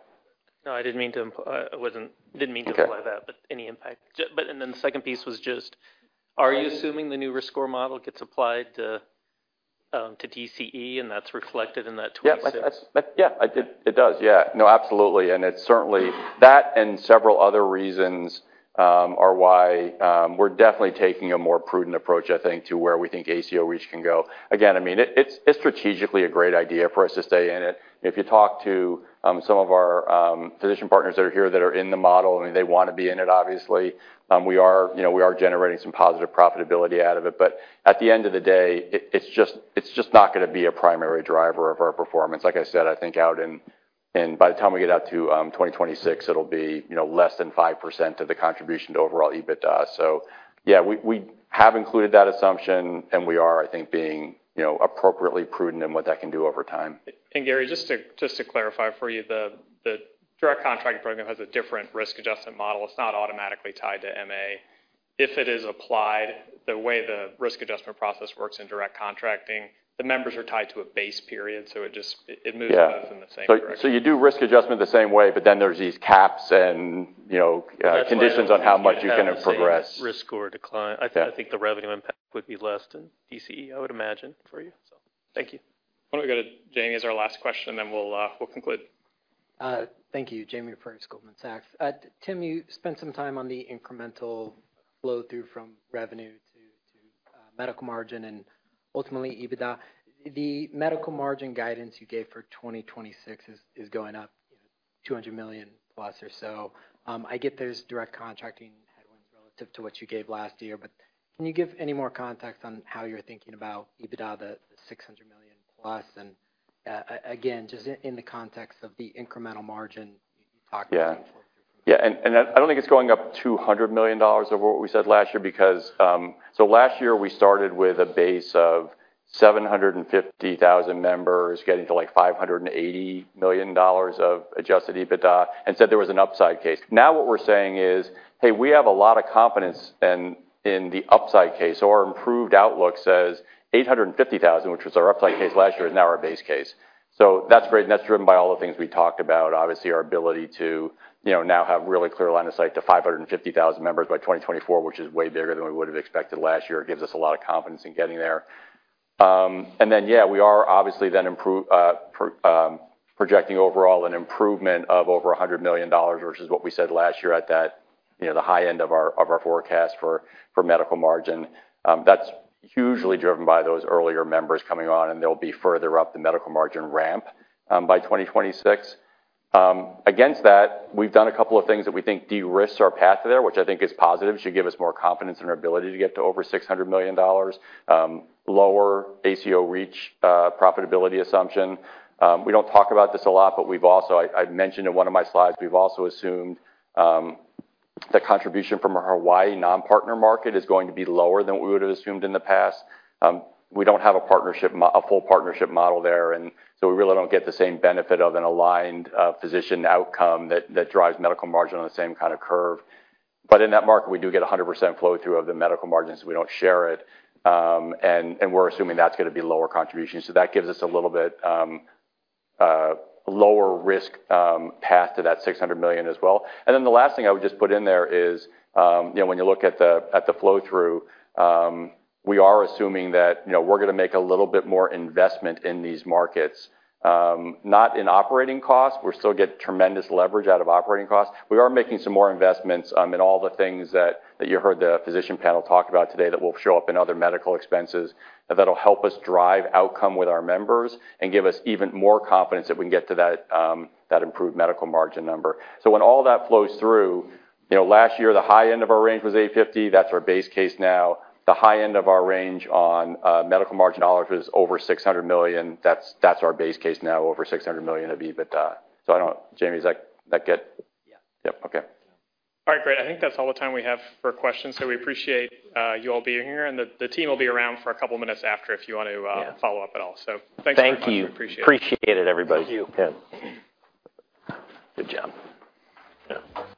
No, I didn't mean to imply that. Okay. Any impact. The second piece was just, are you assuming the new risk score model gets applied to DCE and that's reflected in that 26? Yes, that's yeah, it does. Yeah. No, absolutely. It's certainly that and several other reasons are why we're definitely taking a more prudent approach, I think, to where we think ACO REACH can go. Again, I mean, it's strategically a great idea for us to stay in it. If you talk to some of our physician partners that are here that are in the model, I mean, they wanna be in it, obviously. We are, you know, we are generating some positive profitability out of it. At the end of the day, it's just not gonna be a primary driver of our performance. Like I said, I think out in by the time we get out to 2026, it'll be, you know, less than 5% of the contribution to overall EBITDA. Yeah, we have included that assumption, and we are, I think, being, you know, appropriately prudent in what that can do over time. Gary, just to clarify for you, the direct contracting program has a different risk adjustment model. It's not automatically tied to MA. If it is applied the way the risk adjustment process works in direct contracting, the members are tied to a base period, so it just moves. Yeah. In the same direction. You do risk adjustment the same way, but then there's these caps and, you know, conditions on how much you can progress. That's why I don't think you'd have the same risk or decline. Yeah. I think the revenue impact would be less than DCE, I would imagine, for you, so. Thank you. Why don't we go to Jamie as our last question, then we'll conclude. Thank you. Jamie Perse, Goldman Sachs. Tim, you spent some time on the incremental flow through from revenue to medical margin and ultimately EBITDA. The medical margin guidance you gave for 2026 is going up $200 million plus or so. I get there's direct contracting headwinds relative to what you gave last year, but can you give any more context on how you're thinking about EBITDA, the $600 million plus? Again, just in the context of the incremental margin you talked about before. Yeah. Yeah, I don't think it's going up $200 million over what we said last year because last year we started with a base of 750,000 members getting to, like, $580 million of adjusted EBITDA and said there was an upside case. Now what we're saying is, "Hey, we have a lot of confidence in the upside case." Our improved outlook says 850,000, which was our upside case last year, is now our base case. That's great, and that's driven by all the things we talked about. Obviously, our ability to, you know, now have really clear line of sight to 550,000 members by 2024, which is way bigger than we would've expected last year. It gives us a lot of confidence in getting there. We are obviously then projecting overall an improvement of over $100 million, versus what we said last year at that, you know, the high end of our forecast for medical margin. That's hugely driven by those earlier members coming on, and they'll be further up the medical margin ramp by 2026. Against that, we've done a couple of things that we think de-risks our path there, which I think is positive. Should give us more confidence in our ability to get to over $600 million. Lower ACO REACH profitability assumption. We don't talk about this a lot, but we've also assumed the contribution from our Hawaii non-partner market is going to be lower than what we would've assumed in the past. We don't have a full partnership model there, we really don't get the same benefit of an aligned physician outcome that drives medical margin on the same kind of curve. In that market, we do get 100% flow through of the medical margins, we don't share it. We're assuming that's gonna be lower contribution. That gives us a little bit lower risk path to that $600 million as well. The last thing I would just put in there is, when you look at the, at the flow through, we are assuming that we're gonna make a little bit more investment in these markets. Not in operating costs. We still get tremendous leverage out of operating costs. We are making some more investments, in all the things that you heard the physician panel talk about today that will show up in other medical expenses, that'll help us drive outcome with our members and give us even more confidence that we can get to that improved medical margin number. When all that flows through, last year, the high end of our range was $850. That's our base case now. The high end of our range on medical margin dollars was over $600 million. That's our base case now, over $600 million EBITDA. I don't know, Jamie, does that get... Yeah. Yep. Okay. All right. Great. I think that's all the time we have for questions. We appreciate you all being here, and the team will be around for a couple of minutes after if you want to follow up at all. Thanks very much. Thank you. Appreciate it. Appreciate it, everybody. Thank you. Yeah. Good job. Yeah.